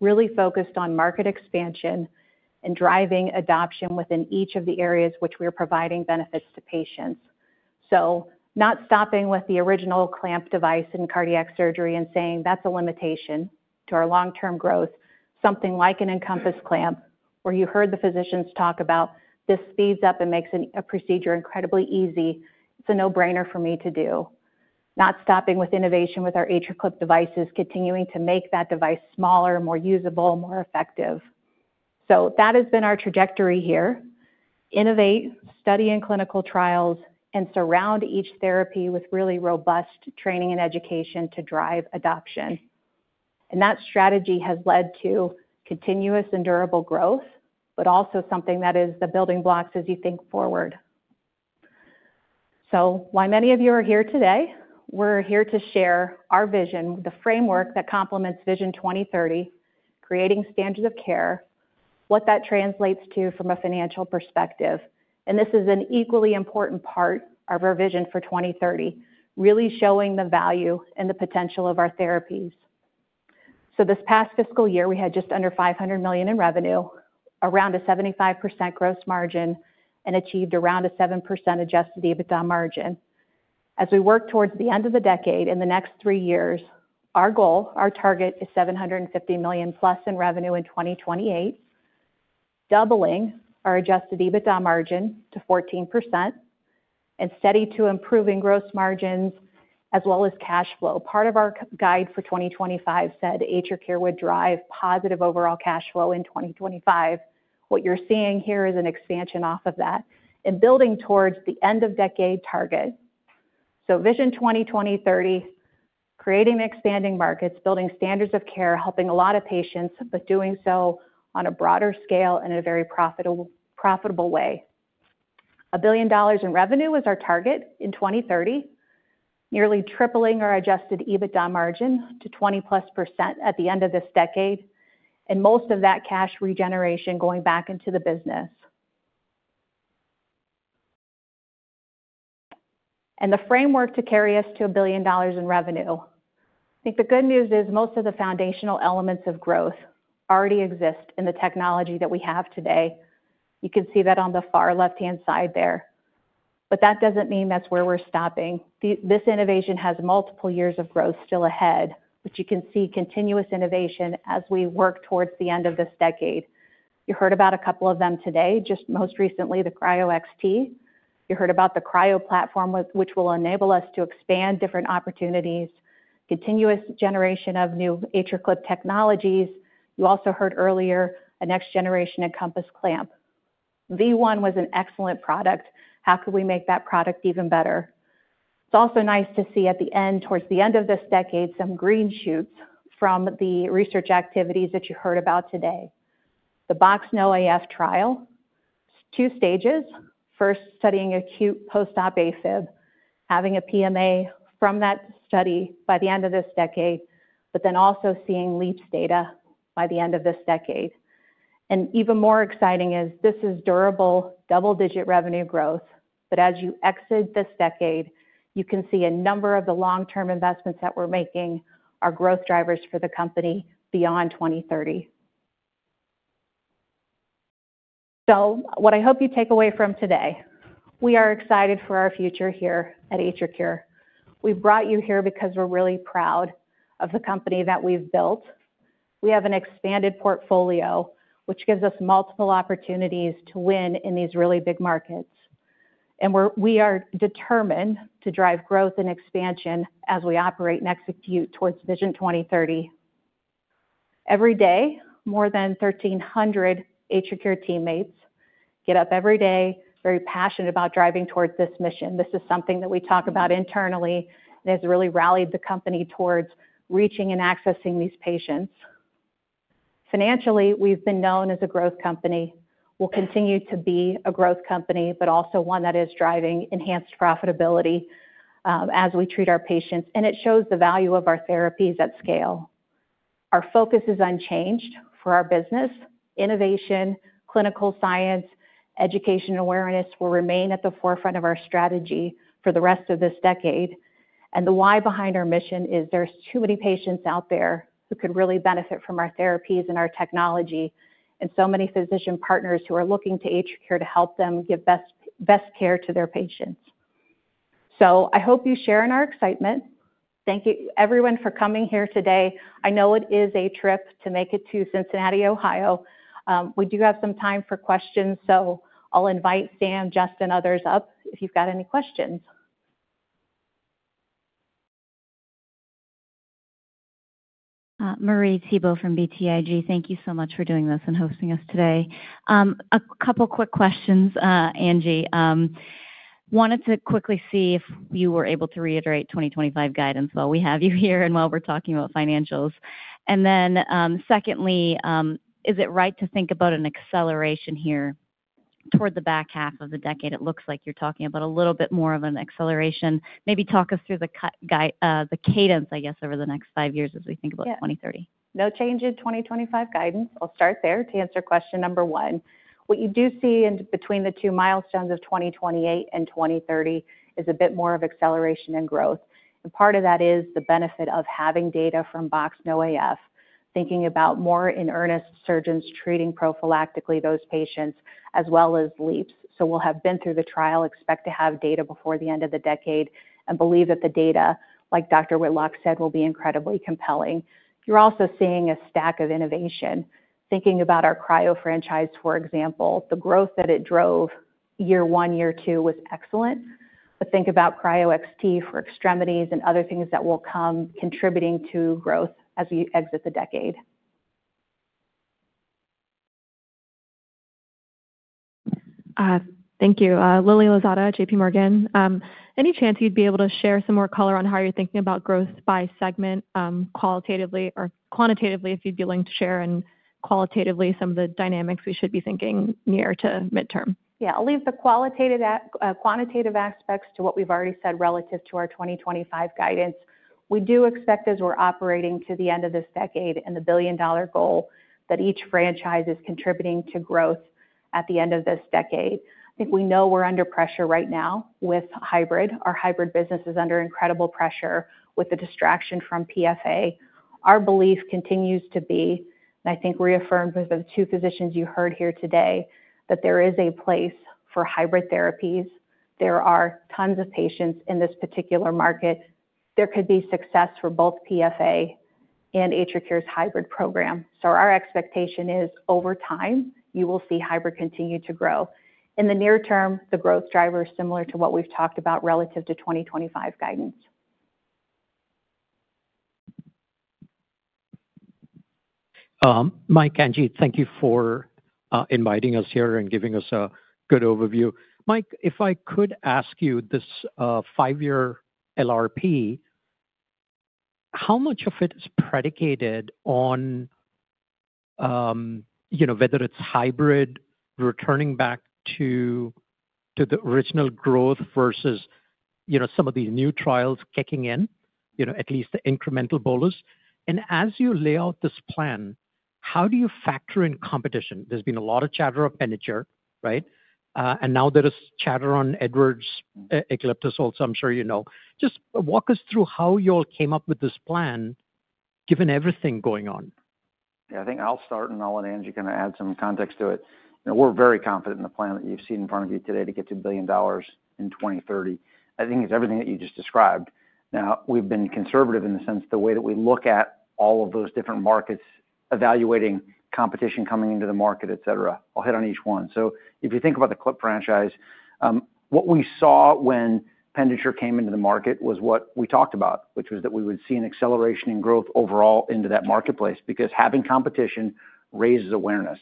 really focused on market expansion and driving adoption within each of the areas which we are providing benefits to patients. Not stopping with the original clamp device in cardiac surgery and saying, "That's a limitation to our long-term growth," something like an EnCompass clamp, where you heard the physicians talk about this speeds up and makes a procedure incredibly easy. It's a no-brainer for me to do. Not stopping with innovation with our HRClip devices, continuing to make that device smaller, more usable, more effective. That has been our trajectory here. Innovate, study in clinical trials, and surround each therapy with really robust training and education to drive adoption. That strategy has led to continuous and durable growth, but also something that is the building blocks as you think forward. Why many of you are here today? We're here to share our vision, the framework that complements Vision 2030, creating standards of care, what that translates to from a financial perspective. This is an equally important part of our vision for 2030, really showing the value and the potential of our therapies. This past fiscal year, we had just under $500 million in revenue, around a 75% gross margin, and achieved around a 7% adjusted EBITDA margin. As we work towards the end of the decade in the next three years, our goal, our target is $750 million-plus in revenue in 2028, doubling our adjusted EBITDA margin to 14% and steady to improving gross margins as well as cash flow. Part of our guide for 2025 said AtriCure would drive positive overall cash flow in 2025. What you're seeing here is an expansion off of that and building towards the end-of-decade target. Vision 2020-30, creating expanding markets, building standards of care, helping a lot of patients, but doing so on a broader scale and in a very profitable way. A billion dollars in revenue is our target in 2030, nearly tripling our adjusted EBITDA margin to 20+% at the end of this decade, and most of that cash regeneration going back into the business. The framework to carry us to a billion dollars in revenue. I think the good news is most of the foundational elements of growth already exist in the technology that we have today. You can see that on the far left-hand side there. That does not mean that's where we're stopping. This innovation has multiple years of growth still ahead, which you can see continuous innovation as we work towards the end of this decade. You heard about a couple of them today, just most recently the Cryo XT. You heard about the Cryo platform, which will enable us to expand different opportunities, continuous generation of new HRClip technologies. You also heard earlier a next-generation EnCompass clamp. V1 was an excellent product. How could we make that product even better? It is also nice to see at the end, towards the end of this decade, some green shoots from the research activities that you heard about today. The Box no AF trial, two stages, first studying acute post-op AFib, having a PMA from that study by the end of this decade, but then also seeing LEAPS data by the end of this decade. Even more exciting is this is durable double-digit revenue growth. As you exit this decade, you can see a number of the long-term investments that we're making are growth drivers for the company beyond 2030. What I hope you take away from today, we are excited for our future here at AtriCure. We brought you here because we're really proud of the company that we've built. We have an expanded portfolio, which gives us multiple opportunities to win in these really big markets. We are determined to drive growth and expansion as we operate and execute towards Vision 2030. Every day, more than 1,300 AtriCure teammates get up every day, very passionate about driving towards this mission. This is something that we talk about internally and has really rallied the company towards reaching and accessing these patients. Financially, we've been known as a growth company. We'll continue to be a growth company, but also one that is driving enhanced profitability as we treat our patients. It shows the value of our therapies at scale. Our focus is unchanged for our business. Innovation, clinical science, education, and awareness will remain at the forefront of our strategy for the rest of this decade. The why behind our mission is there's too many patients out there who could really benefit from our therapies and our technology and so many physician partners who are looking to AtriCure to help them give best care to their patients. I hope you share in our excitement. Thank you, everyone, for coming here today. I know it is a trip to make it to Cincinnati, Ohio. We do have some time for questions, so I'll invite Sam, Justin, others up if you've got any questions. Marie Thibault from BTIG, thank you so much for doing this and hosting us today. A couple of quick questions, Angie. Wanted to quickly see if you were able to reiterate 2025 guidance while we have you here and while we're talking about financials. Secondly, is it right to think about an acceleration here toward the back half of the decade? It looks like you're talking about a little bit more of an acceleration. Maybe talk us through the cadence, I guess, over the next five years as we think about 2030. No change in 2025 guidance. I'll start there to answer question number one. What you do see between the two milestones of 2028 and 2030 is a bit more of acceleration and growth. Part of that is the benefit of having data from Box no AF, thinking about more in earnest surgeons treating prophylactically those patients as well as LEAPS. We will have been through the trial, expect to have data before the end of the decade, and believe that the data, like Dr. Whitlock said, will be incredibly compelling. You're also seeing a stack of innovation. Thinking about our Cryo franchise, for example, the growth that it drove year one, year two was excellent. Think about Cryo XT for extremities and other things that will come contributing to growth as we exit the decade. Thank you. Lily Lozada, JPMorgan, any chance you'd be able to share some more color on how you're thinking about growth by segment qualitatively or quantitatively if you'd be willing to share and qualitatively some of the dynamics we should be thinking near to midterm? Yeah, I'll leave the qualitative quantitative aspects to what we've already said relative to our 2025 guidance. We do expect, as we're operating to the end of this decade and the billion-dollar goal, that each franchise is contributing to growth at the end of this decade. I think we know we're under pressure right now with hybrid. Our hybrid business is under incredible pressure with the distraction from PFA. Our belief continues to be, and I think reaffirmed with the two physicians you heard here today, that there is a place for hybrid therapies. There are tons of patients in this particular market. There could be success for both PFA and AtriCure's hybrid program. Our expectation is over time, you will see hybrid continue to grow. In the near term, the growth driver is similar to what we've talked about relative to 2025 guidance. Mike, Angie, thank you for inviting us here and giving us a good overview. Mike, if I could ask you this five-year LRP, how much of it is predicated on whether it's hybrid returning back to the original growth versus some of these new trials kicking in, at least the incremental bolus? As you lay out this plan, how do you factor in competition? There's been a lot of chatter of Pinnacle, right? Now there is chatter on Edwards' Ecliptus also, I'm sure you know. Just walk us through how you all came up with this plan given everything going on. Yeah, I think I'll start, and I'll let Angie kind of add some context to it. We're very confident in the plan that you've seen in front of you today to get to a billion dollars in 2030. I think it's everything that you just described. Now, we've been conservative in the sense the way that we look at all of those different markets, evaluating competition coming into the market, et cetera. I'll hit on each one. If you think about the CLIP franchise, what we saw when Pinnacle came into the market was what we talked about, which was that we would see an acceleration in growth overall into that marketplace because having competition raises awareness.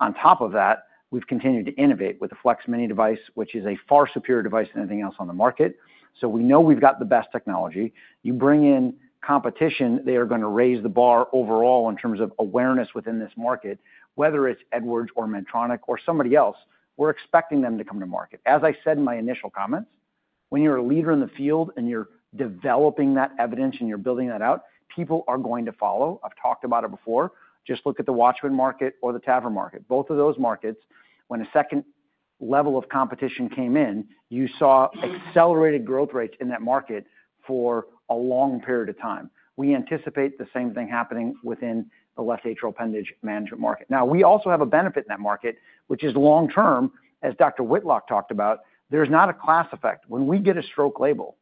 On top of that, we've continued to innovate with the FlexMini device, which is a far superior device than anything else on the market. We know we've got the best technology. You bring in competition, they are going to raise the bar overall in terms of awareness within this market, whether it's Edwards or Medtronic or somebody else. We're expecting them to come to market. As I said in my initial comments, when you're a leader in the field and you're developing that evidence and you're building that out, people are going to follow. I've talked about it before. Just look at the WATCHMAN market or the TAVR market. Both of those markets, when a second level of competition came in, you saw accelerated growth rates in that market for a long period of time. We anticipate the same thing happening within the left atrial appendage management market. Now, we also have a benefit in that market, which is long-term, as Dr. Whitlock talked about. There's not a class effect. When we get a stroke label,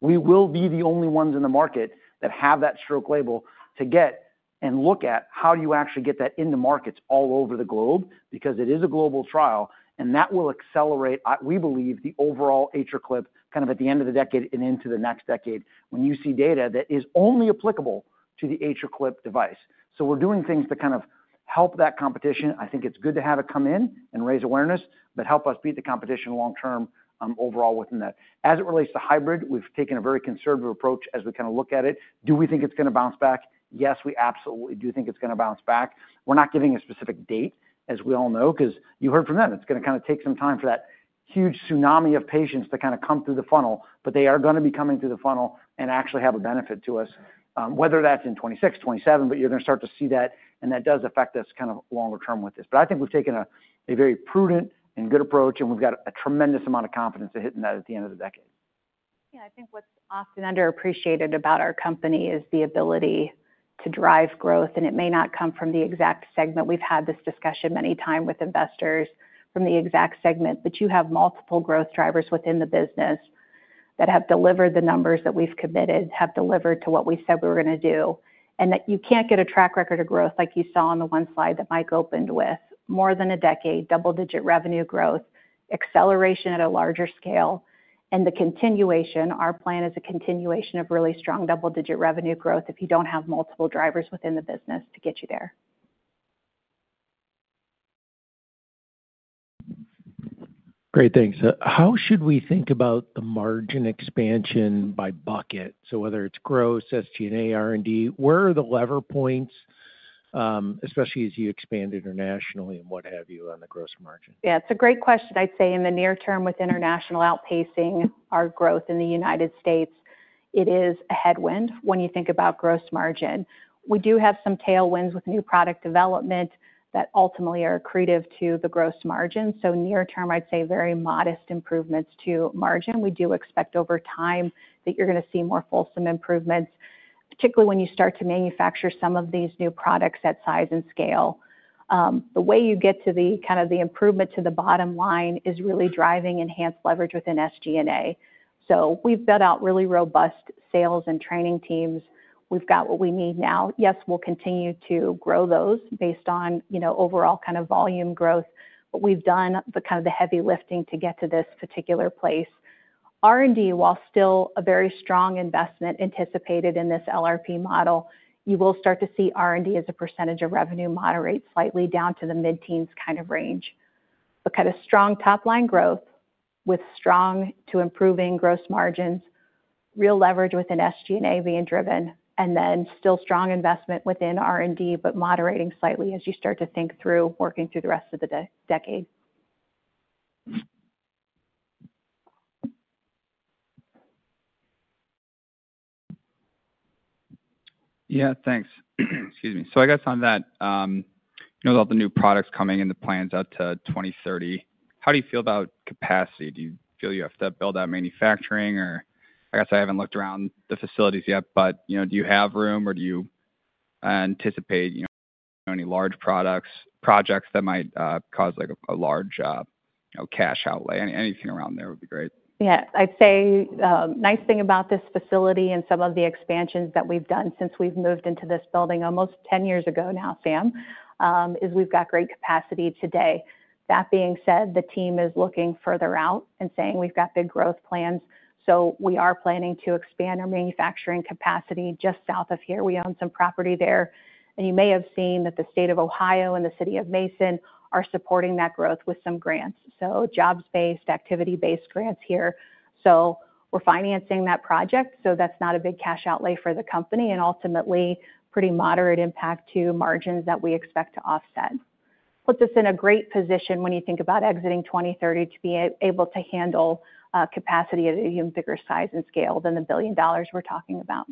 we will be the only ones in the market that have that stroke label to get and look at how do you actually get that into markets all over the globe because it is a global trial. That will accelerate, we believe, the overall AtriClip kind of at the end of the decade and into the next decade when you see data that is only applicable to the AtriClip device. We are doing things to kind of help that competition. I think it's good to have it come in and raise awareness, but help us beat the competition long-term overall within that. As it relates to hybrid, we've taken a very conservative approach as we kind of look at it. Do we think it's going to bounce back? Yes, we absolutely do think it's going to bounce back. We're not giving a specific date, as we all know, because you heard from them. It's going to kind of take some time for that huge tsunami of patients to kind of come through the funnel, but they are going to be coming through the funnel and actually have a benefit to us, whether that's in 2026, 2027, but you're going to start to see that. That does affect us kind of longer term with this. I think we've taken a very prudent and good approach, and we've got a tremendous amount of confidence to hit in that at the end of the decade. Yeah, I think what's often underappreciated about our company is the ability to drive growth. It may not come from the exact segment. We've had this discussion many times with investors from the exact segment, but you have multiple growth drivers within the business that have delivered the numbers that we've committed, have delivered to what we said we were going to do, and that you can't get a track record of growth like you saw on the one slide that Mike opened with. More than a decade, double-digit revenue growth, acceleration at a larger scale, and the continuation, our plan is a continuation of really strong double-digit revenue growth if you don't have multiple drivers within the business to get you there. Great, thanks. How should we think about the margin expansion by bucket? Whether it's gross, SG&A, R&D, where are the lever points, especially as you expand internationally and what have you on the gross margin? Yeah, it's a great question. I'd say in the near term with international outpacing our growth in the United States, it is a headwind when you think about gross margin. We do have some tailwinds with new product development that ultimately are accretive to the gross margin. Near term, I'd say very modest improvements to margin. We do expect over time that you're going to see more fulsome improvements, particularly when you start to manufacture some of these new products at size and scale. The way you get to the kind of the improvement to the bottom line is really driving enhanced leverage within SG&A. We've built out really robust sales and training teams. We've got what we need now. Yes, we'll continue to grow those based on overall kind of volume growth, but we've done the kind of the heavy lifting to get to this particular place. R&D, while still a very strong investment anticipated in this LRP model, you will start to see R&D as a percentage of revenue moderate slightly down to the mid-teens kind of range. Kind of strong top-line growth with strong to improving gross margins, real leverage within SG&A being driven, and then still strong investment within R&D, but moderating slightly as you start to think through working through the rest of the decade. Yeah, thanks. Excuse me. I guess on that, with all the new products coming and the plans out to 2030, how do you feel about capacity? Do you feel you have to build out manufacturing? I guess I haven't looked around the facilities yet, but do you have room or do you anticipate any large projects that might cause a large cash outlay? Anything around there would be great. Yeah, I'd say nice thing about this facility and some of the expansions that we've done since we've moved into this building almost 10 years ago now, Sam, is we've got great capacity today. That being said, the team is looking further out and saying we've got big growth plans. We are planning to expand our manufacturing capacity just south of here. We own some property there. You may have seen that the state of Ohio and the city of Mason are supporting that growth with some grants. Jobs-based, activity-based grants here. We're financing that project. That's not a big cash outlay for the company and ultimately pretty moderate impact to margins that we expect to offset. Put this in a great position when you think about exiting 2030 to be able to handle capacity at an even bigger size and scale than the billion dollars we're talking about.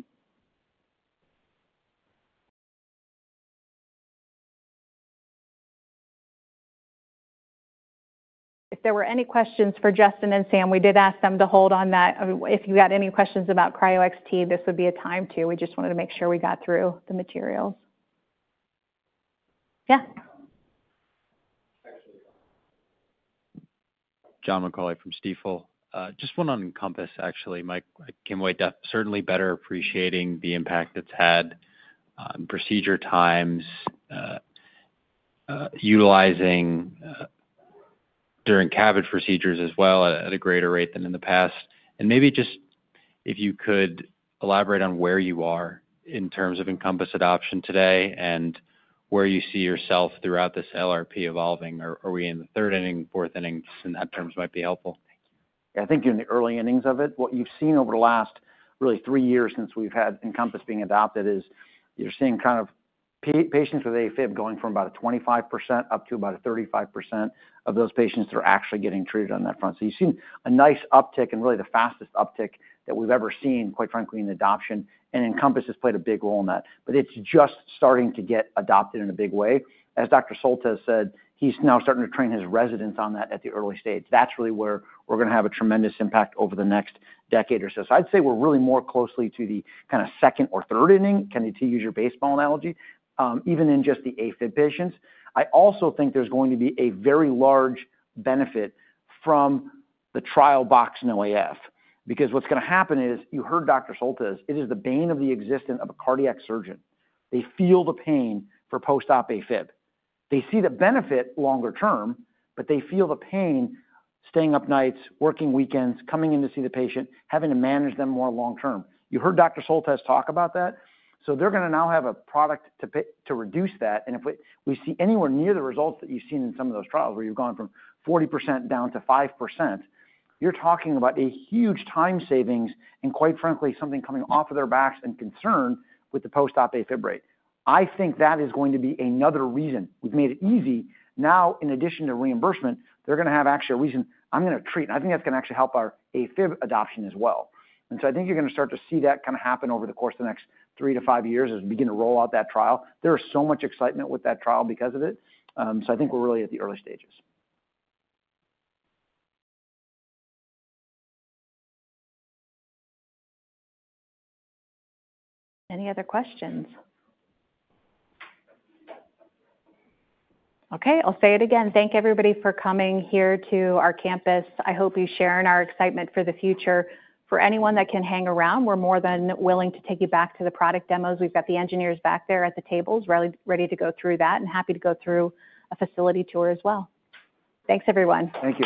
If there were any questions for Justin and Sam, we did ask them to hold on that. If you had any questions about Cryo XT, this would be a time too. We just wanted to make sure we got through the materials. Yeah. Actually, John McAulay from Stifel. Just one on Encompass, actually. Mike, I can't wait. Certainly better appreciating the impact it's had on procedure times, utilizing during CABG procedures as well at a greater rate than in the past. Maybe just if you could elaborate on where you are in terms of Encompass adoption today and where you see yourself throughout this LRP evolving. Are we in the third inning, fourth inning? In that terms, might be helpful. Yeah, I think in the early innings of it, what you've seen over the last really three years since we've had Encompass being adopted is you're seeing kind of patients with AFib going from about a 25% up to about a 35% of those patients that are actually getting treated on that front. You have seen a nice uptick and really the fastest uptick that we've ever seen, quite frankly, in adoption. Encompass has played a big role in that. It is just starting to get adopted in a big way. As Dr. Soltesz said, he's now starting to train his residents on that at the early stage. That's really where we're going to have a tremendous impact over the next decade or so. I'd say we're really more closely to the kind of second or third inning, to use your baseball analogy, even in just the AFib patients. I also think there's going to be a very large benefit from the trial Box no AF because what's going to happen is you heard Dr. Soltesz, it is the bane of the existence of a cardiac surgeon. They feel the pain for post-op AFib. They see the benefit longer term, but they feel the pain staying up nights, working weekends, coming in to see the patient, having to manage them more long-term. You heard Dr. Soltesz talk about that. They're going to now have a product to reduce that. If we see anywhere near the results that you've seen in some of those trials where you've gone from 40% down to 5%, you're talking about a huge time savings and, quite frankly, something coming off of their backs and concern with the post-op AFib rate. I think that is going to be another reason. We've made it easy. Now, in addition to reimbursement, they're going to have actually a reason, I'm going to treat. I think that's going to actually help our AFib adoption as well. I think you're going to start to see that kind of happen over the course of the next three to five years as we begin to roll out that trial. There is so much excitement with that trial because of it. I think we're really at the early stages. Any other questions? Okay, I'll say it again. Thank everybody for coming here to our campus. I hope you share in our excitement for the future. For anyone that can hang around, we're more than willing to take you back to the product demos. We've got the engineers back there at the tables ready to go through that and happy to go through a facility tour as well. Thanks, everyone. Thank you.